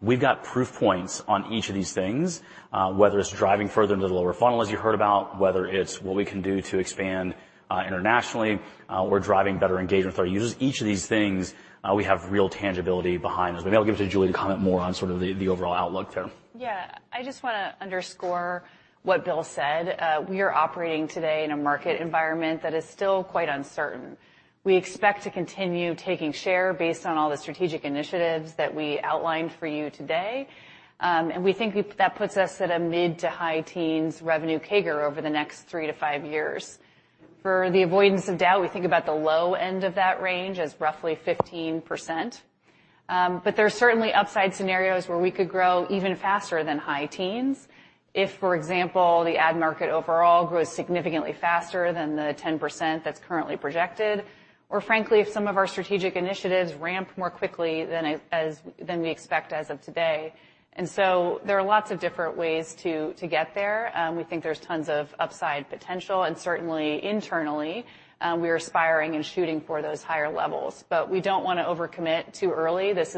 [SPEAKER 2] soirée, where the finger food is eyeball pâté. We party all night and sleep all day. Hello, me. Hello, you. How you doing? Hello, hello, hello, me. How you doing? Yeah, you. Yeah, you. Yeah, you. This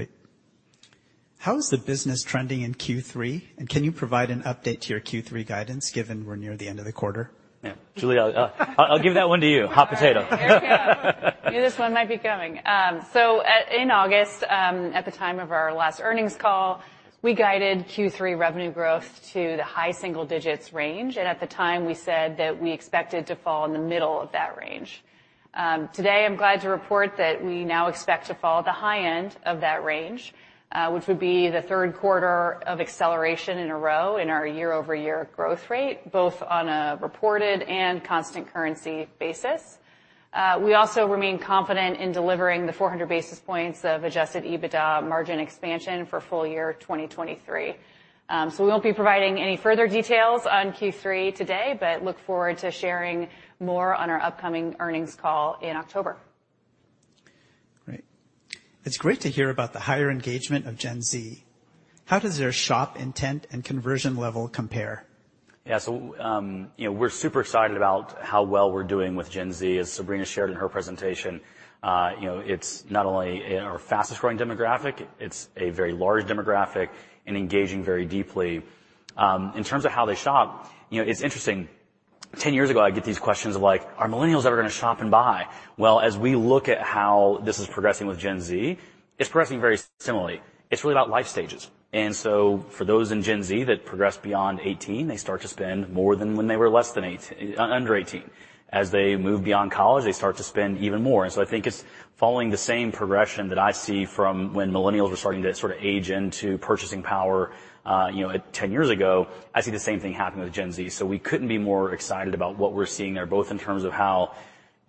[SPEAKER 2] is how we do it. This is how we do it. La, la, la, la, la. This is how we do it. La, la, la, la, la.
[SPEAKER 3] I'll give that one to you. Hot potato.
[SPEAKER 15] Here we go. Knew this one might be coming. So in August, at the time of our last earnings call, we guided Q3 revenue growth to the high single digits range, and at the time, we said that we expected to fall in the middle of that range. Today, I'm glad to report that we now expect to fall at the high end of that range, which would be the third quarter of acceleration in a row in our year-over-year growth rate, both on a reported and constant currency basis. We also remain confident in delivering 400 basis points of adjusted EBITDA margin expansion for full year 2023. So we won't be providing any further details on Q3 today, but look forward to sharing more on our upcoming earnings call in October.
[SPEAKER 16] Great. It's great to hear about the higher engagement of Gen Z. How does their shop intent and conversion level compare?
[SPEAKER 3] Yeah. So, you know, we're super excited about how well we're doing with Gen Z. As Sabrina shared in her presentation, you know, it's not only our fastest-growing demographic, it's a very large demographic and engaging very deeply. In terms of how they shop, you know, it's interesting. 10 years ago, I'd get these questions of like: Are millennials ever gonna shop and buy? Well, as we look at how this is progressing with Gen Z, it's progressing very similarly. It's really about life stages. And so for those in Gen Z that progress beyond 18, they start to spend more than when they were less than under 18. As they move beyond college, they start to spend even more, and so I think it's following the same progression that I see from when millennials were starting to sort of age into purchasing power, you know, 10 years ago. I see the same thing happening with Gen Z. So we couldn't be more excited about what we're seeing there, both in terms of how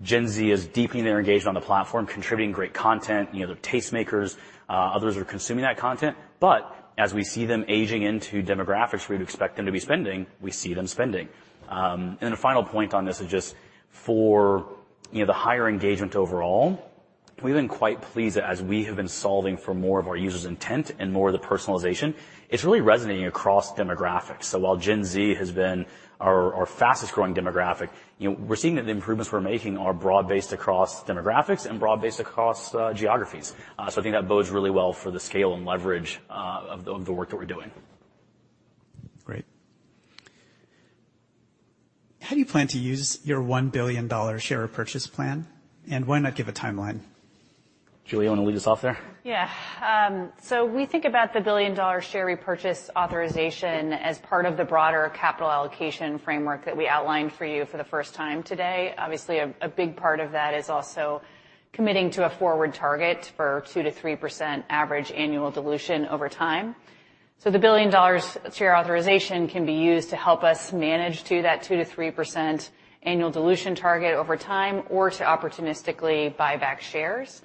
[SPEAKER 3] Gen Z is deepening their engagement on the platform, contributing great content, you know, they're tastemakers, others are consuming that content, but as we see them aging into demographics, we'd expect them to be spending, we see them spending. And then a final point on this is just for, you know, the higher engagement overall, we've been quite pleased that as we have been solving for more of our users' intent and more of the personalization, it's really resonating across demographics. So while Gen Z has been our fastest-growing demographic, you know, we're seeing that the improvements we're making are broad-based across demographics and broad-based across geographies. I think that bodes really well for the scale and leverage of the work that we're doing.
[SPEAKER 16] Great. How do you plan to use your $1 billion share purchase plan, and why not give a timeline?
[SPEAKER 3] Julia, you wanna lead us off there?
[SPEAKER 15] Yeah. So we think about the billion-dollar share repurchase authorization as part of the broader capital allocation framework that we outlined for you for the first time today. Obviously, a big part of that is also committing to a forward target for 2%-3% average annual dilution over time. So the $1 billion share authorization can be used to help us manage to that 2%-3% annual dilution target over time or to opportunistically buy back shares.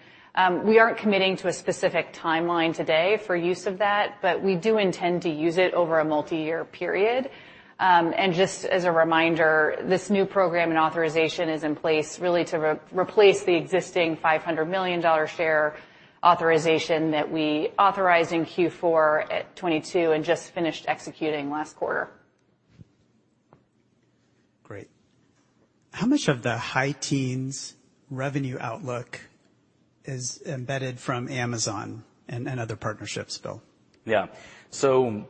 [SPEAKER 15] We aren't committing to a specific timeline today for use of that, but we do intend to use it over a multiyear period. And just as a reminder, this new program and authorization is in place really to replace the existing $500 million share authorization that we authorized in Q4 2022 and just finished executing last quarter....
[SPEAKER 16] Great. How much of the high teens revenue outlook is embedded from Amazon and other partnerships, Bill?
[SPEAKER 3] Yeah. So, you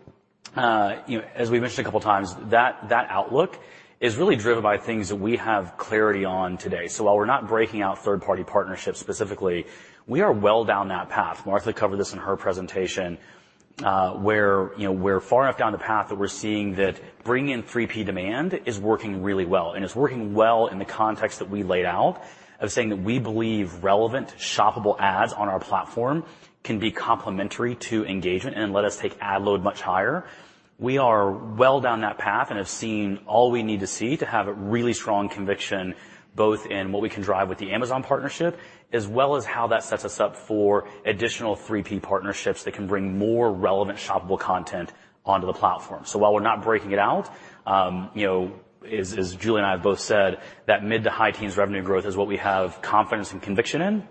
[SPEAKER 3] know, as we mentioned a couple of times, that outlook is really driven by things that we have clarity on today. So while we're not breaking out third-party partnerships specifically, we are well down that path. Martha covered this in her presentation, where, you know, we're far enough down the path that we're seeing that bringing in 3P demand is working really well, and it's working well in the context that we laid out of saying that we believe relevant, shoppable ads on our platform can be complementary to engagement and let us take ad load much higher. We are well down that path and have seen all we need to see to have a really strong conviction, both in what we can drive with the Amazon partnership, as well as how that sets us up for additional 3P partnerships that can bring more relevant, shoppable content onto the platform. So while we're not breaking it out, you know, as Julia and I have both said, that mid- to high-teens revenue growth is what we have confidence and conviction in,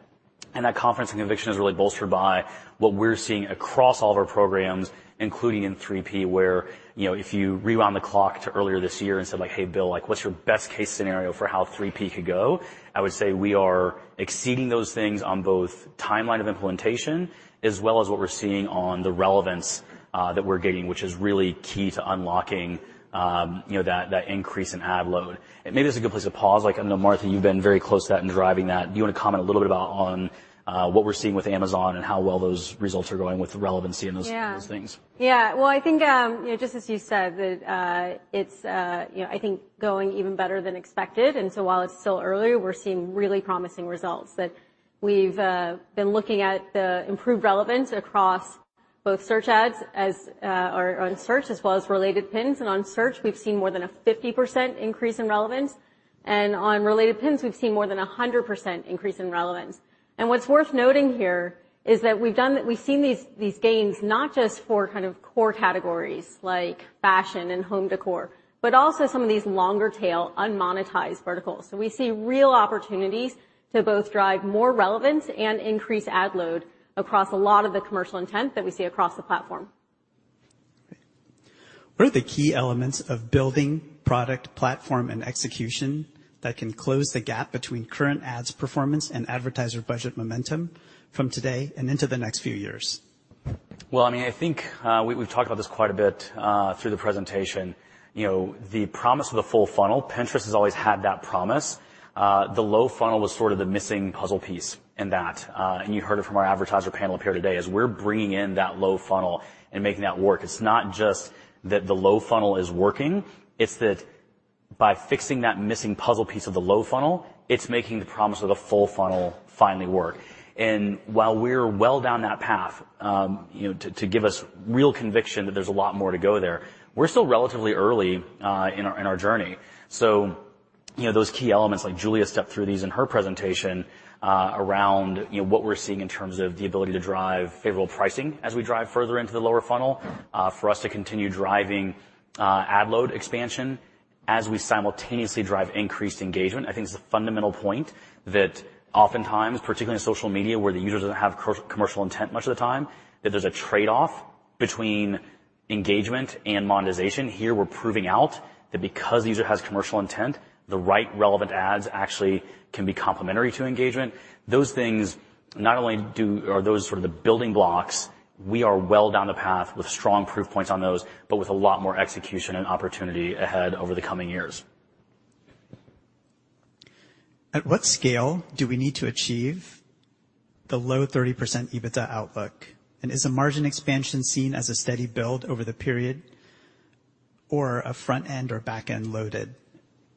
[SPEAKER 3] and that confidence and conviction is really bolstered by what we're seeing across all of our programs, including in 3P, where you know, if you rewound the clock to earlier this year and said, like: "Hey, Bill, like, what's your best-case scenario for how 3P could go?" I would say we are exceeding those things on both timeline of implementation as well as what we're seeing on the relevance that we're getting, which is really key to unlocking you know, that increase in ad load. And maybe it's a good place to pause. Like, I know, Martha, you've been very close to that in driving that. Do you want to comment a little bit about on what we're seeing with Amazon and how well those results are going with the relevancy in those-
[SPEAKER 6] Yeah
[SPEAKER 3] -things?
[SPEAKER 6] Yeah. Well, I think, you know, just as you said, that, it's, you know, I think going even better than expected. And so while it's still early, we're seeing really promising results that we've been looking at the improved relevance across both search ads as, or on search as well as Related Pins. And on search, we've seen more than a 50% increase in relevance, and on Related Pins, we've seen more than a 100% increase in relevance. And what's worth noting here is that we've done that... We've seen these, these gains not just for kind of core categories like fashion and home decor, but also some of these longer-tail, unmonetized verticals. So we see real opportunities to both drive more relevance and increase ad load across a lot of the commercial intent that we see across the platform.
[SPEAKER 16] Great. What are the key elements of building product, platform, and execution that can close the gap between current ads, performance, and advertiser budget momentum from today and into the next few years?
[SPEAKER 3] Well, I mean, I think, we've talked about this quite a bit, through the presentation. You know, the promise of the full funnel, Pinterest has always had that promise. The low funnel was sort of the missing puzzle piece in that, and you heard it from our advertiser panel up here today. As we're bringing in that low funnel and making that work, it's not just that the low funnel is working, it's that by fixing that missing puzzle piece of the low funnel, it's making the promise of the full funnel finally work. And while we're well down that path, you know, to give us real conviction that there's a lot more to go there, we're still relatively early, in our journey. So, you know, those key elements, like Julia stepped through these in her presentation, around, you know, what we're seeing in terms of the ability to drive favorable pricing as we drive further into the lower funnel, for us to continue driving, ad load expansion as we simultaneously drive increased engagement. I think it's a fundamental point that oftentimes, particularly in social media, where the users doesn't have commercial intent much of the time, that there's a trade-off between engagement and monetization. Here, we're proving out that because the user has commercial intent, the right relevant ads actually can be complementary to engagement. Those things not only are those sort of the building blocks, we are well down the path with strong proof points on those, but with a lot more execution and opportunity ahead over the coming years.
[SPEAKER 16] At what scale do we need to achieve the low 30% EBITDA outlook? And is the margin expansion seen as a steady build over the period or a front-end or back-end loaded?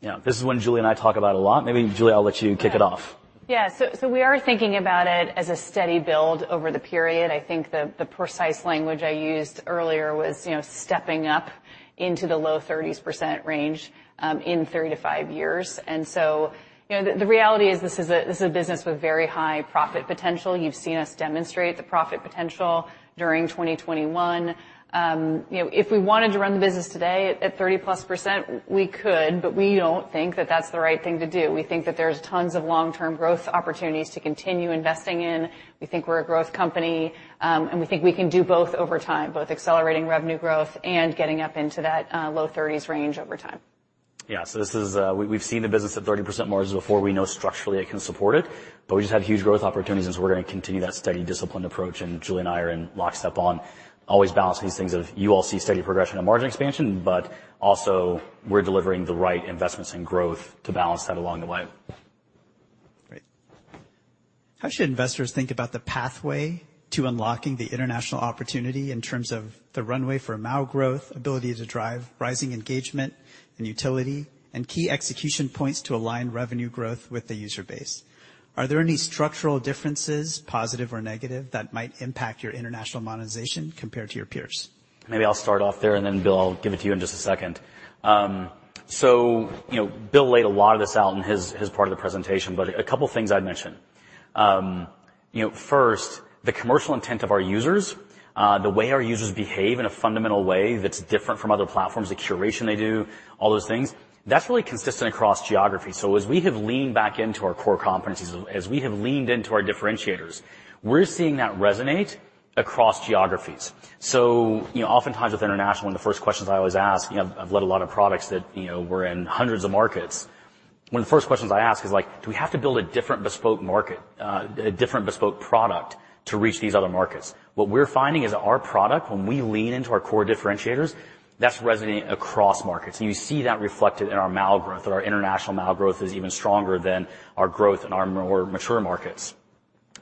[SPEAKER 3] Yeah, this is one Julia and I talk about a lot. Maybe, Julia, I'll let you kick it off.
[SPEAKER 15] Yeah. So we are thinking about it as a steady build over the period. I think the precise language I used earlier was, you know, stepping up into the low 30s% range in three to five years. And so, you know, the reality is this is a business with very high profit potential. You've seen us demonstrate the profit potential during 2021. You know, if we wanted to run the business today at 30+%, we could, but we don't think that that's the right thing to do. We think that there's tons of long-term growth opportunities to continue investing in. We think we're a growth company, and we think we can do both over time, both accelerating revenue growth and getting up into that low 30s% range over time.
[SPEAKER 3] Yeah. So this is. We’ve seen the business at 30% margins before. We know structurally it can support it, but we just have huge growth opportunities, and so we’re going to continue that steady, disciplined approach, and Julia and I are in lockstep on always balancing these things of you all see steady progression and margin expansion, but also we’re delivering the right investments and growth to balance that along the way.
[SPEAKER 16] Great. How should investors think about the pathway to unlocking the international opportunity in terms of the runway for amount growth, ability to drive rising engagement and utility, and key execution points to align revenue growth with the user base? Are there any structural differences, positive or negative, that might impact your international monetization compared to your peers?
[SPEAKER 3] Maybe I'll start off there, and then, Bill, I'll give it to you in just a second. So, you know, Bill laid a lot of this out in his, his part of the presentation, but a couple of things I'd mention. You know, first, the commercial intent of our users, the way our users behave in a fundamental way that's different from other platforms, the curation they do, all those things, that's really consistent across geographies. So as we have leaned back into our core competencies, as we have leaned into our differentiators, we're seeing that resonate.... across geographies. So, you know, oftentimes with international, and the first questions I always ask, you know, I've led a lot of products that, you know, were in hundreds of markets. One of the first questions I ask is like: Do we have to build a different bespoke market, a different bespoke product to reach these other markets? What we're finding is that our product, when we lean into our core differentiators, that's resonating across markets, and you see that reflected in our MAU growth, that our international MAU growth is even stronger than our growth in our more mature markets.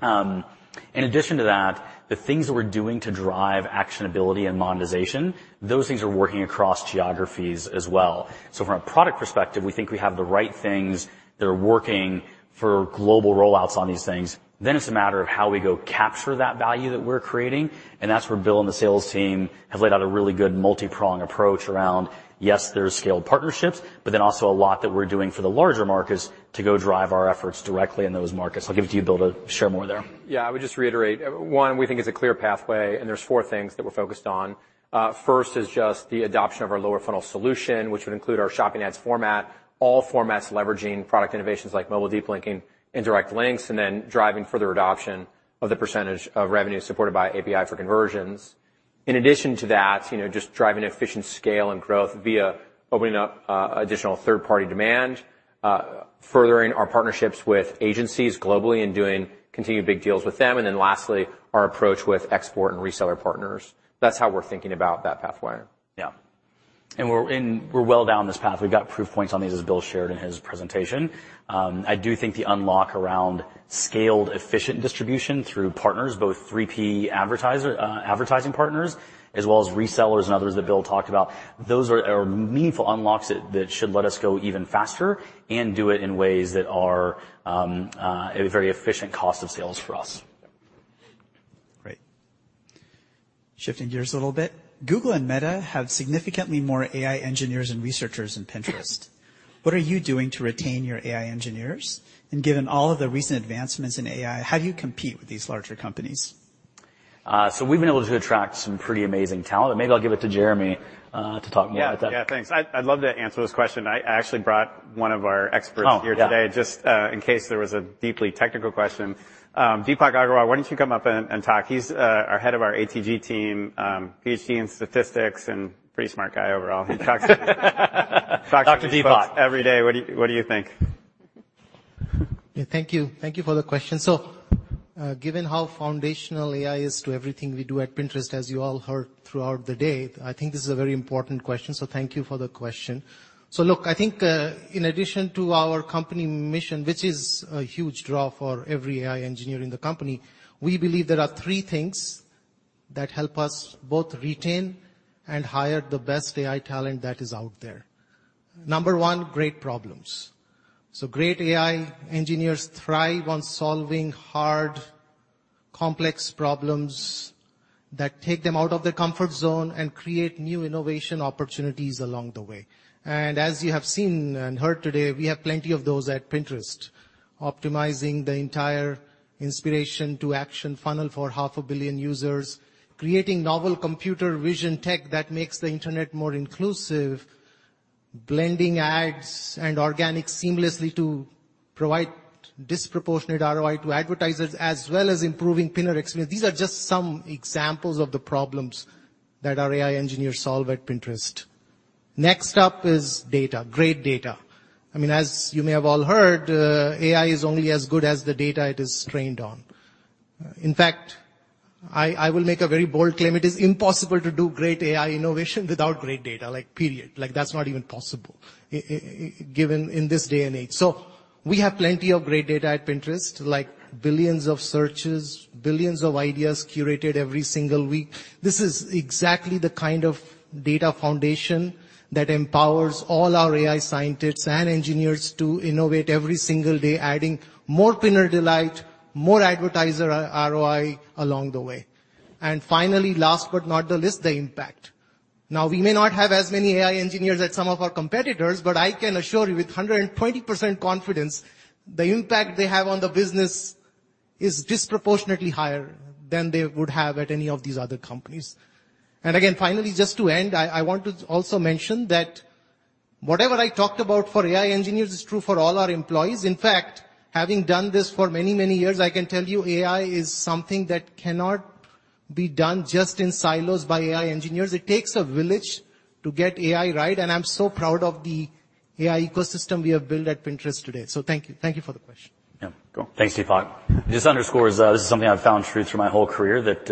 [SPEAKER 3] In addition to that, the things that we're doing to drive actionability and monetization, those things are working across geographies as well. So from a product perspective, we think we have the right things that are working for global rollouts on these things. Then it's a matter of how we go capture that value that we're creating, and that's where Bill and the sales team have laid out a really good multi-prong approach around, yes, there's scaled partnerships, but then also a lot that we're doing for the larger markets to go drive our efforts directly in those markets. I'll give it to you, Bill, to share more there.
[SPEAKER 7] Yeah, I would just reiterate, one, we think it's a clear pathway, and there's four things that we're focused on. First is just the adoption of our lower-funnel solution, which would include our shopping ads format, all formats leveraging product innovations like mobile deep linking and direct links, and then driving further adoption of the percentage of revenue supported by API for Conversions. In addition to that, you know, just driving efficient scale and growth via opening up additional third-party demand, furthering our partnerships with agencies globally and doing continued big deals with them. And then lastly, our approach with export and reseller partners. That's how we're thinking about that pathway.
[SPEAKER 3] Yeah. And we're well down this path. We've got proof points on these, as Bill shared in his presentation. I do think the unlock around scaled, efficient distribution through partners, both 3P advertiser advertising partners, as well as resellers and others that Bill talked about, those are meaningful unlocks that should let us go even faster and do it in ways that are a very efficient cost of sales for us.
[SPEAKER 16] Great. Shifting gears a little bit. Google and Meta have significantly more AI engineers and researchers than Pinterest. What are you doing to retain your AI engineers? And given all of the recent advancements in AI, how do you compete with these larger companies?
[SPEAKER 3] We've been able to attract some pretty amazing talent, and maybe I'll give it to Jeremy to talk more about that.
[SPEAKER 14] Yeah. Yeah, thanks. I'd love to answer this question. I actually brought one of our experts-
[SPEAKER 3] Oh, yeah...
[SPEAKER 14] here today, just in case there was a deeply technical question. Deepak Agarwal, why don't you come up and talk? He's our head of our ATG team, Ph.D. in statistics and pretty smart guy overall. He talks to-
[SPEAKER 3] Dr. Deepak.
[SPEAKER 14] Every day. What do you, what do you think?
[SPEAKER 17] Yeah, thank you. Thank you for the question. So, given how foundational AI is to everything we do at Pinterest, as you all heard throughout the day, I think this is a very important question, so thank you for the question. So look, I think, in addition to our company mission, which is a huge draw for every AI engineer in the company, we believe there are three things that help us both retain and hire the best AI talent that is out there. Number one, great problems. So great AI engineers thrive on solving hard, complex problems that take them out of their comfort zone and create new innovation opportunities along the way. As you have seen and heard today, we have plenty of those at Pinterest, optimizing the entire inspiration to action funnel for 500 million users, creating novel computer vision tech that makes the internet more inclusive, blending ads and organic seamlessly to provide disproportionate ROI to advertisers, as well as improving Pinner experience. These are just some examples of the problems that our AI engineers solve at Pinterest. Next up is data, great data. I mean, as you may have all heard, AI is only as good as the data it is trained on. In fact, I will make a very bold claim: It is impossible to do great AI innovation without great data, like, period. Like, that's not even possible given in this day and age. So we have plenty of great data at Pinterest, like billions of searches, billions of ideas curated every single week. This is exactly the kind of data foundation that empowers all our AI scientists and engineers to innovate every single day, adding more Pinner delight, more advertiser ROI along the way. And finally, last but not the least, the impact. Now, we may not have as many AI engineers as some of our competitors, but I can assure you with 120% confidence, the impact they have on the business is disproportionately higher than they would have at any of these other companies. And again, finally, just to end, I want to also mention that whatever I talked about for AI engineers is true for all our employees. In fact, having done this for many, many years, I can tell you, AI is something that cannot be done just in silos by AI engineers. It takes a village to get AI right, and I'm so proud of the AI ecosystem we have built at Pinterest today. So thank you. Thank you for the question.
[SPEAKER 14] Yeah, cool.
[SPEAKER 3] Thanks, Deepak. This underscores, this is something I've found true through my whole career, that,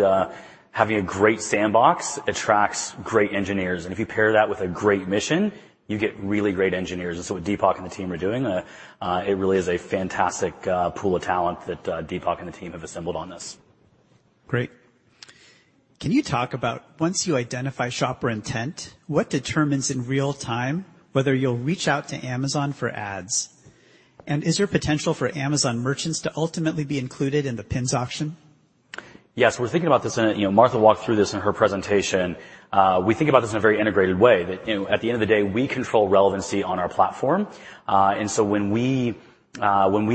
[SPEAKER 3] having a great sandbox attracts great engineers, and if you pair that with a great mission, you get really great engineers. That's what Deepak and the team are doing. It really is a fantastic pool of talent that Deepak and the team have assembled on this.
[SPEAKER 16] Great. Can you talk about once you identify shopper intent, what determines in real time whether you'll reach out to Amazon for ads? And is there potential for Amazon merchants to ultimately be included in the pins auction?
[SPEAKER 3] Yes, we're thinking about this in a... You know, Martha walked through this in her presentation. We think about this in a very integrated way, that, you know, at the end of the day, we control relevancy on our platform. And so when we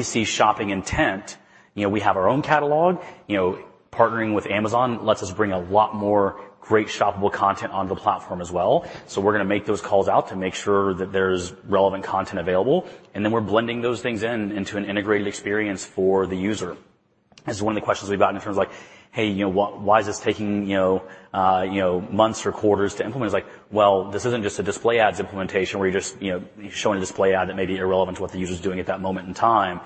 [SPEAKER 3] see shopping intent, you know, we have our own catalog. You know, partnering with Amazon lets us bring a lot more great shoppable content onto the platform as well. So we're going to make those calls out to make sure that there's relevant content available, and then we're blending those things in into an integrated experience for the user. That's one of the questions we've gotten in terms of like, "Hey, you know, why is this taking, you know, months or quarters to implement?" It's like, well, this isn't just a display ads implementation, where you're just, you know, showing a display ad that may be irrelevant to what the user is doing at that moment in time.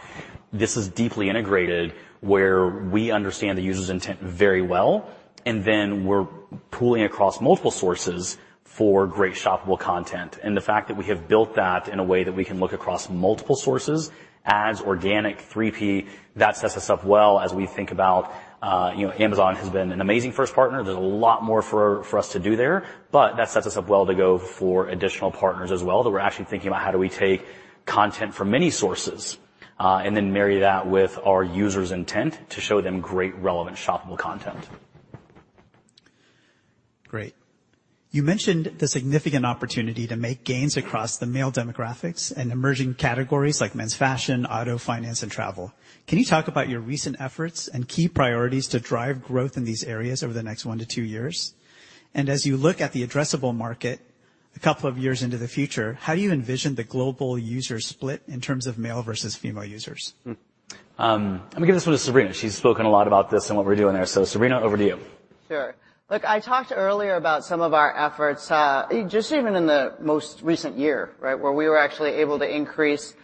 [SPEAKER 3] This is deeply integrated, where we understand the user's intent very well, and then we're pooling across multiple sources for great shoppable content. And the fact that we have built that in a way that we can look across multiple sources, ads, organic, 3P, that sets us up well as we think about, you know, Amazon has been an amazing first partner. There's a lot more for us to do there, but that sets us up well to go for additional partners as well, that we're actually thinking about how do we take content from many sources, and then marry that with our users' intent to show them great, relevant, shoppable content.
[SPEAKER 16] Great. You mentioned the significant opportunity to make gains across the male demographics and emerging categories like men's fashion, auto, finance, and travel. Can you talk about your recent efforts and key priorities to drive growth in these areas over the next one to two years? And as you look at the addressable market a couple of years into the future, how do you envision the global user split in terms of male versus female users?
[SPEAKER 3] I'm going to give this one to Sabrina. She's spoken a lot about this and what we're doing there. Sabrina, over to you.
[SPEAKER 4] Sure. Look, I talked earlier about some of our efforts, just even in the most recent year, right? Where we were actually able to increase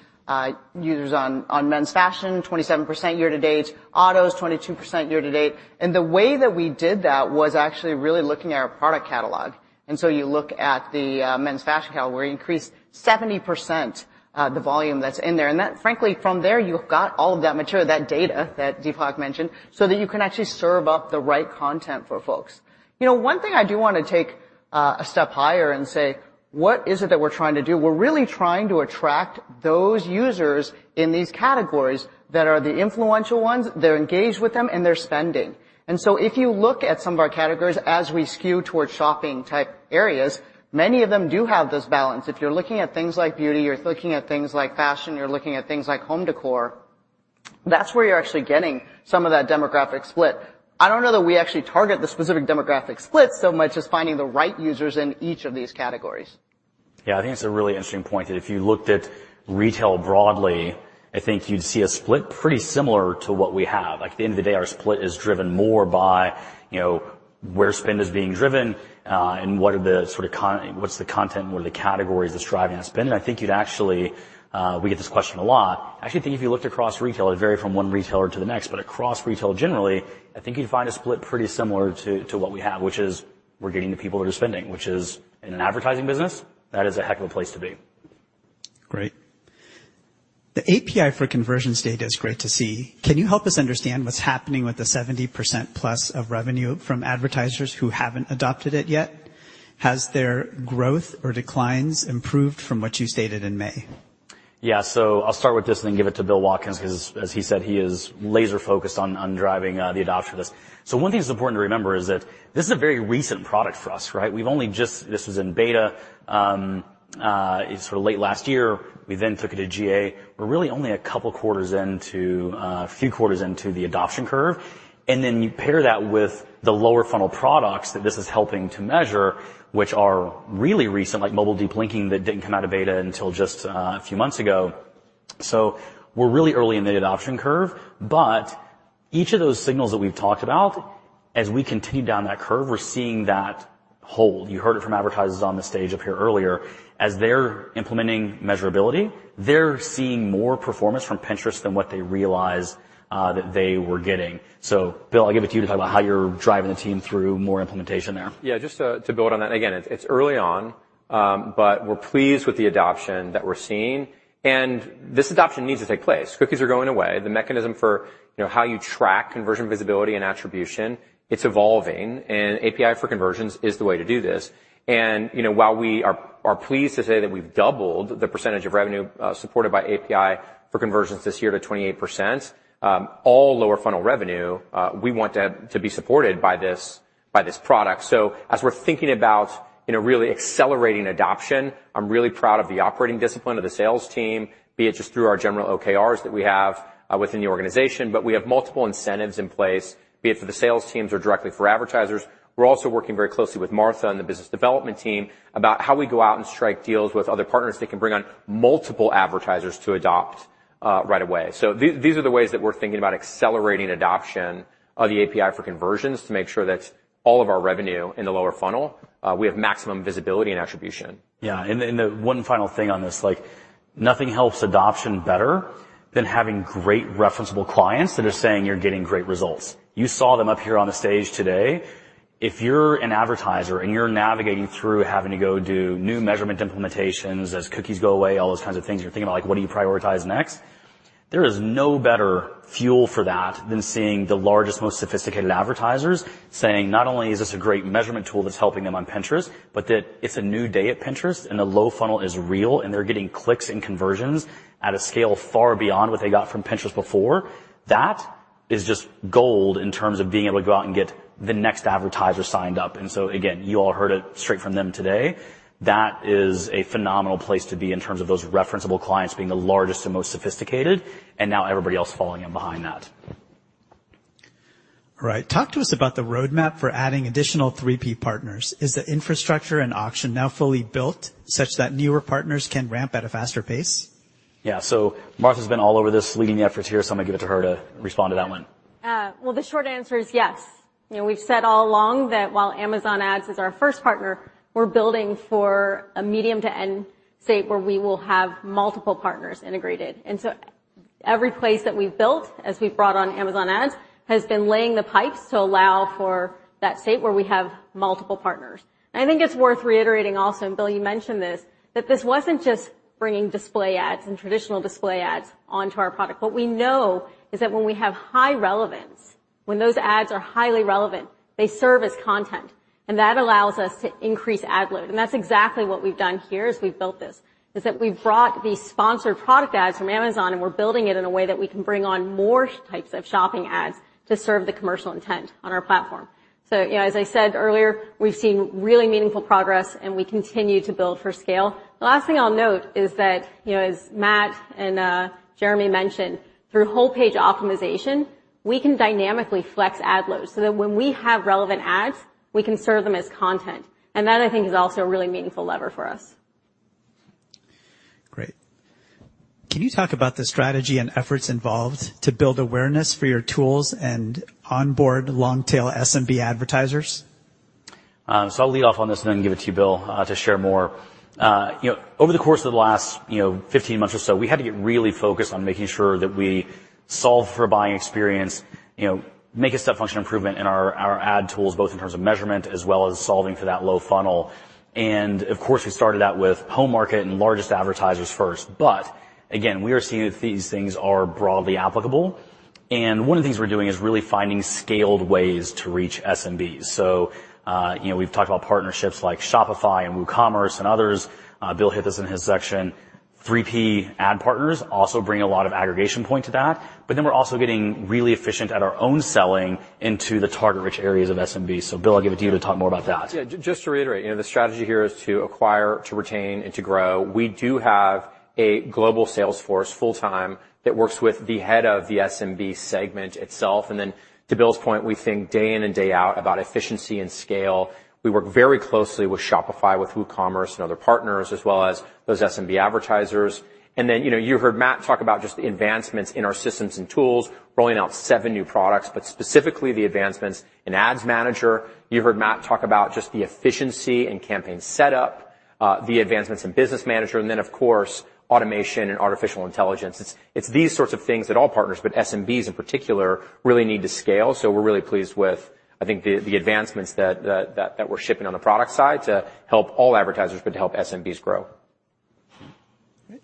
[SPEAKER 4] users on men's fashion, 27% year to date, autos, 22% year to date. And the way that we did that was actually really looking at our product catalog. And so you look at the men's fashion catalog, where we increased 70%, the volume that's in there. And that, frankly, from there, you've got all of that material, that data that Deepak mentioned, so that you can actually serve up the right content for folks. You know, one thing I do want to take a step higher and say, "What is it that we're trying to do?" We're really trying to attract those users in these categories that are the influential ones, they're engaged with them, and they're spending. And so if you look at some of our categories as we skew towards shopping-type areas, many of them do have this balance. If you're looking at things like beauty, you're looking at things like fashion, you're looking at things like home decor, that's where you're actually getting some of that demographic split. I don't know that we actually target the specific demographic split so much as finding the right users in each of these categories.
[SPEAKER 3] Yeah, I think it's a really interesting point, that if you looked at retail broadly, I think you'd see a split pretty similar to what we have. Like, at the end of the day, our split is driven more by, you know, where spend is being driven, and what are the sort of content, what are the categories that's driving that spend? And I think you'd actually. We get this question a lot. I actually think if you looked across retail, it'd vary from one retailer to the next, but across retail, generally, I think you'd find a split pretty similar to what we have, which is we're getting the people that are spending, which is in an advertising business, that is a heck of a place to be.
[SPEAKER 16] Great. The API for Conversions data is great to see. Can you help us understand what's happening with the 70%+ of revenue from advertisers who haven't adopted it yet? Has their growth or declines improved from what you stated in May?
[SPEAKER 3] Yeah. So I'll start with this and then give it to Bill Watkins, because as he said, he is laser-focused on driving the adoption of this. So one thing that's important to remember is that this is a very recent product for us, right? We've only just... This was in beta sort of late last year. We then took it to GA. We're really only a couple quarters into few quarters into the adoption curve. And then you pair that with the lower-funnel products that this is helping to measure, which are really recent, like mobile deep linking that didn't come out of beta until just a few months ago. So we're really early in the adoption curve, but each of those signals that we've talked about, as we continue down that curve, we're seeing that whole. You heard it from advertisers on the stage up here earlier. As they're implementing measurability, they're seeing more performance from Pinterest than what they realized that they were getting. So Bill, I'll give it to you to talk about how you're driving the team through more implementation there.
[SPEAKER 7] Yeah, just to build on that. Again, it's early on, but we're pleased with the adoption that we're seeing, and this adoption needs to take place. Cookies are going away. The mechanism for, you know, how you track conversion, visibility, and attribution, it's evolving, and API for Conversions is the way to do this. And, you know, while we are pleased to say that we've doubled the percentage of revenue supported by API for Conversions this year to 28%, all lower-funnel revenue, we want that to be supported by this, by this product. So as we're thinking about, you know, really accelerating adoption, I'm really proud of the operating discipline of the sales team, be it just through our general OKRs that we have within the organization, but we have multiple incentives in place, be it for the sales teams or directly for advertisers. We're also working very closely with Martha and the business development team about how we go out and strike deals with other partners that can bring on multiple advertisers to adopt right away. So these, these are the ways that we're thinking about accelerating adoption of the API for Conversions to make sure that all of our revenue in the lower funnel, we have maximum visibility and attribution.
[SPEAKER 3] Yeah, and then, and one final thing on this, like, nothing helps adoption better than having great referenceable clients that are saying you're getting great results. You saw them up here on the stage today. If you're an advertiser and you're navigating through having to go do new measurement implementations as cookies go away, all those kinds of things, you're thinking about, like, what do you prioritize next? There is no better fuel for that than seeing the largest, most sophisticated advertisers saying, not only is this a great measurement tool that's helping them on Pinterest, but that it's a new day at Pinterest, and the low funnel is real, and they're getting clicks and conversions at a scale far beyond what they got from Pinterest before. That is just gold in terms of being able to go out and get the next advertiser signed up. And so again, you all heard it straight from them today. That is a phenomenal place to be in terms of those referenceable clients being the largest and most sophisticated, and now everybody else falling in behind that....
[SPEAKER 16] Right. Talk to us about the roadmap for adding additional 3P partners. Is the infrastructure and auction now fully built, such that newer partners can ramp at a faster pace?
[SPEAKER 3] Yeah. So Martha's been all over this, leading the efforts here, so I'm gonna give it to her to respond to that one.
[SPEAKER 6] Well, the short answer is yes. You know, we've said all along that while Amazon Ads is our first partner, we're building for a medium to end state, where we will have multiple partners integrated. And so every place that we've built, as we've brought on Amazon Ads, has been laying the pipes to allow for that state where we have multiple partners. And I think it's worth reiterating also, and Bill, you mentioned this, that this wasn't just bringing display ads and traditional display ads onto our product. What we know is that when we have high relevance, when those ads are highly relevant, they serve as content, and that allows us to increase ad load. And that's exactly what we've done here as we've built this, is that we've brought these sponsored product ads from Amazon, and we're building it in a way that we can bring on more types of shopping ads to serve the commercial intent on our platform. So, you know, as I said earlier, we've seen really meaningful progress, and we continue to build for scale. The last thing I'll note is that, you know, as Matt and Jeremy mentioned, through Whole Page Optimization, we can dynamically flex ad loads, so that when we have relevant ads, we can serve them as content. And that, I think, is also a really meaningful lever for us.
[SPEAKER 16] Great. Can you talk about the strategy and efforts involved to build awareness for your tools and onboard long-tail SMB advertisers?
[SPEAKER 3] So I'll lead off on this, and then give it to you, Bill, to share more. You know, over the course of the last 15 months or so, we had to get really focused on making sure that we solve for buying experience, you know, make a step function improvement in our ad tools, both in terms of measurement as well as solving for that low funnel. Of course, we started out with home market and largest advertisers first. But again, we are seeing that these things are broadly applicable, and one of the things we're doing is really finding scaled ways to reach SMBs. So, you know, we've talked about partnerships like Shopify and WooCommerce and others. Bill hit this in his section. 3P ad partners also bring a lot of aggregation point to that, but then we're also getting really efficient at our own selling into the target-rich areas of SMB. So Bill, I'll give it to you to talk more about that.
[SPEAKER 7] Yeah, just to reiterate, you know, the strategy here is to acquire, to retain, and to grow. We do have a global sales force, full-time, that works with the head of the SMB segment itself. And then, to Bill's point, we think day in and day out about efficiency and scale. We work very closely with Shopify, with WooCommerce and other partners, as well as those SMB advertisers. And then, you know, you heard Matt talk about just the advancements in our systems and tools, rolling out seven new products, but specifically the advancements in Ads Manager. You heard Matt talk about just the efficiency and campaign setup, the advancements in Business Manager and then, of course, automation and artificial intelligence. It's these sorts of things that all partners, but SMBs in particular, really need to scale. We're really pleased with, I think, the advancements that we're shipping on the product side to help all advertisers, but to help SMBs grow.
[SPEAKER 16] Great.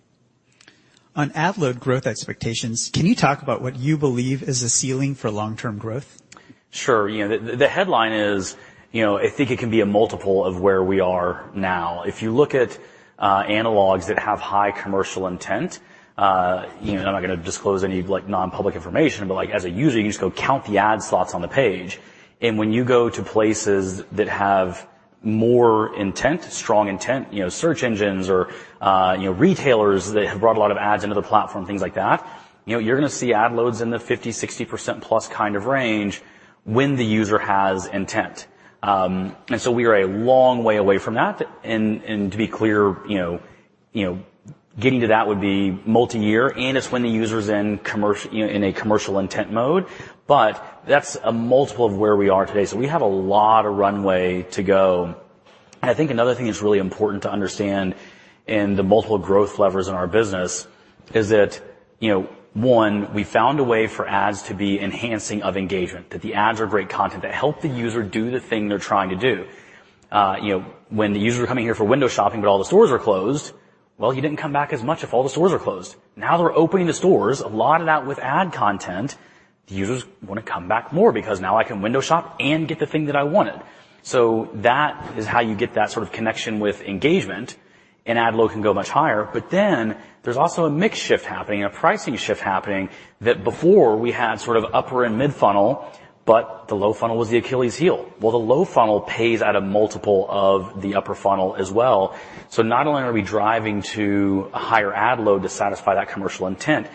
[SPEAKER 16] On ad load growth expectations, can you talk about what you believe is the ceiling for long-term growth?
[SPEAKER 3] Sure. You know, the headline is, you know, I think it can be a multiple of where we are now. If you look at analogs that have high commercial intent, you know, I'm not gonna disclose any, like, non-public information, but, like, as a user, you just go count the ad slots on the page, and when you go to places that have more intent, strong intent, you know, search engines or, you know, retailers that have brought a lot of ads into the platform, things like that, you know, you're gonna see ad loads in the 50%-60% plus kind of range when the user has intent. And so we are a long way away from that. And to be clear, you know, getting to that would be multi-year, and it's when the user's in commercial... You know, in a commercial intent mode. But that's a multiple of where we are today, so we have a lot of runway to go. And I think another thing that's really important to understand in the multiple growth levers in our business is that, you know, one, we found a way for ads to be enhancing of engagement, that the ads are great content that help the user do the thing they're trying to do. You know, when the user are coming here for window shopping, but all the stores are closed, well, you didn't come back as much if all the stores are closed. Now, they're opening the stores, a lot of that with ad content, the users wanna come back more because now I can window shop and get the thing that I wanted. So that is how you get that sort of connection with engagement, and ad load can go much higher. But then there's also a mix shift happening, a pricing shift happening, that before we had sort of upper and mid-funnel, but the lower funnel was the Achilles heel. Well, the lower funnel pays at a multiple of the upper funnel as well. So not only are we driving to a higher ad load to satisfy that commercial intent,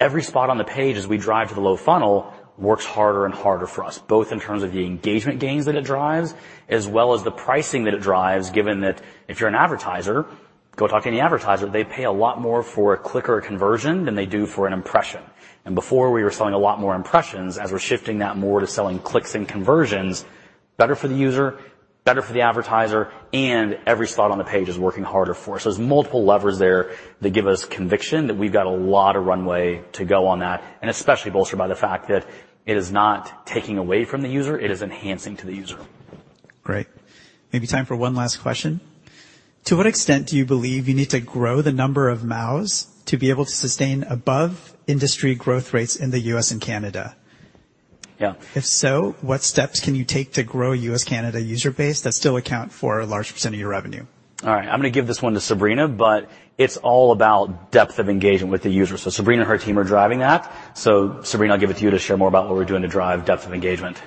[SPEAKER 3] every spot on the page, as we drive to the lower funnel, works harder and harder for us, both in terms of the engagement gains that it drives, as well as the pricing that it drives, given that if you're an advertiser, go talk to any advertiser, they pay a lot more for a click or a conversion than they do for an impression. Before, we were selling a lot more impressions, as we're shifting that more to selling clicks and conversions, better for the user, better for the advertiser, and every spot on the page is working harder for us. There's multiple levers there that give us conviction that we've got a lot of runway to go on that, and especially bolstered by the fact that it is not taking away from the user, it is enhancing to the user.
[SPEAKER 16] Great. Maybe time for one last question. To what extent do you believe you need to grow the number of MAUs to be able to sustain above industry growth rates in the U.S. and Canada?
[SPEAKER 3] Yeah.
[SPEAKER 16] If so, what steps can you take to grow U.S., Canada user base that still account for a large percent of your revenue?
[SPEAKER 3] All right, I'm gonna give this one to Sabrina, but it's all about depth of engagement with the user. So Sabrina and her team are driving that. So Sabrina, I'll give it to you to share more about what we're doing to drive depth of engagement.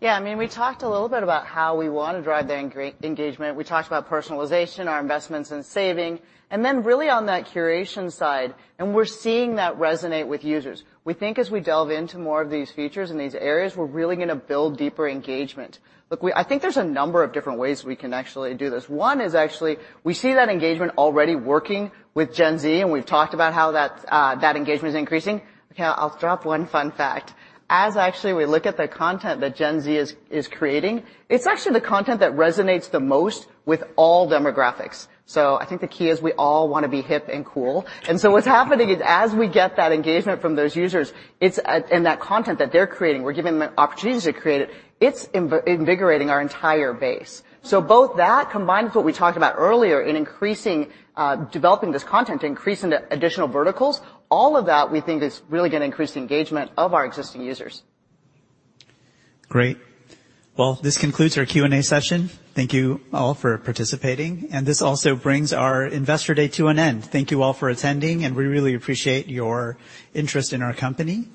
[SPEAKER 4] Yeah, I mean, we talked a little bit about how we wanna drive the engagement. We talked about personalization, our investments in saving, and then really on that curation side, and we're seeing that resonate with users. We think as we delve into more of these features and these areas, we're really gonna build deeper engagement. Look, I think there's a number of different ways we can actually do this. One is actually, we see that engagement already working with Gen Z, and we've talked about how that engagement is increasing. Okay, I'll drop one fun fact. As actually we look at the content that Gen Z is creating, it's actually the content that resonates the most with all demographics. So I think the key is we all wanna be hip and cool. What's happening is, as we get that engagement from those users, it's, and that content that they're creating, we're giving them the opportunities to create it, it's invigorating our entire base. Both that, combined with what we talked about earlier in increasing, developing this content, increasing the additional verticals, all of that, we think is really gonna increase the engagement of our existing users.
[SPEAKER 1] Great. Well, this concludes our Q&A session. Thank you all for participating, and this also brings our Investor Day to an end. Thank you all for attending, and we really appreciate your interest in our company.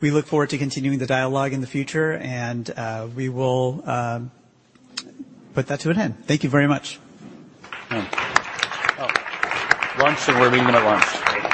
[SPEAKER 1] We look forward to continuing the dialogue in the future, and we will put that to an end. Thank you very much.
[SPEAKER 3] Oh, lunch, so we're leaving at lunch.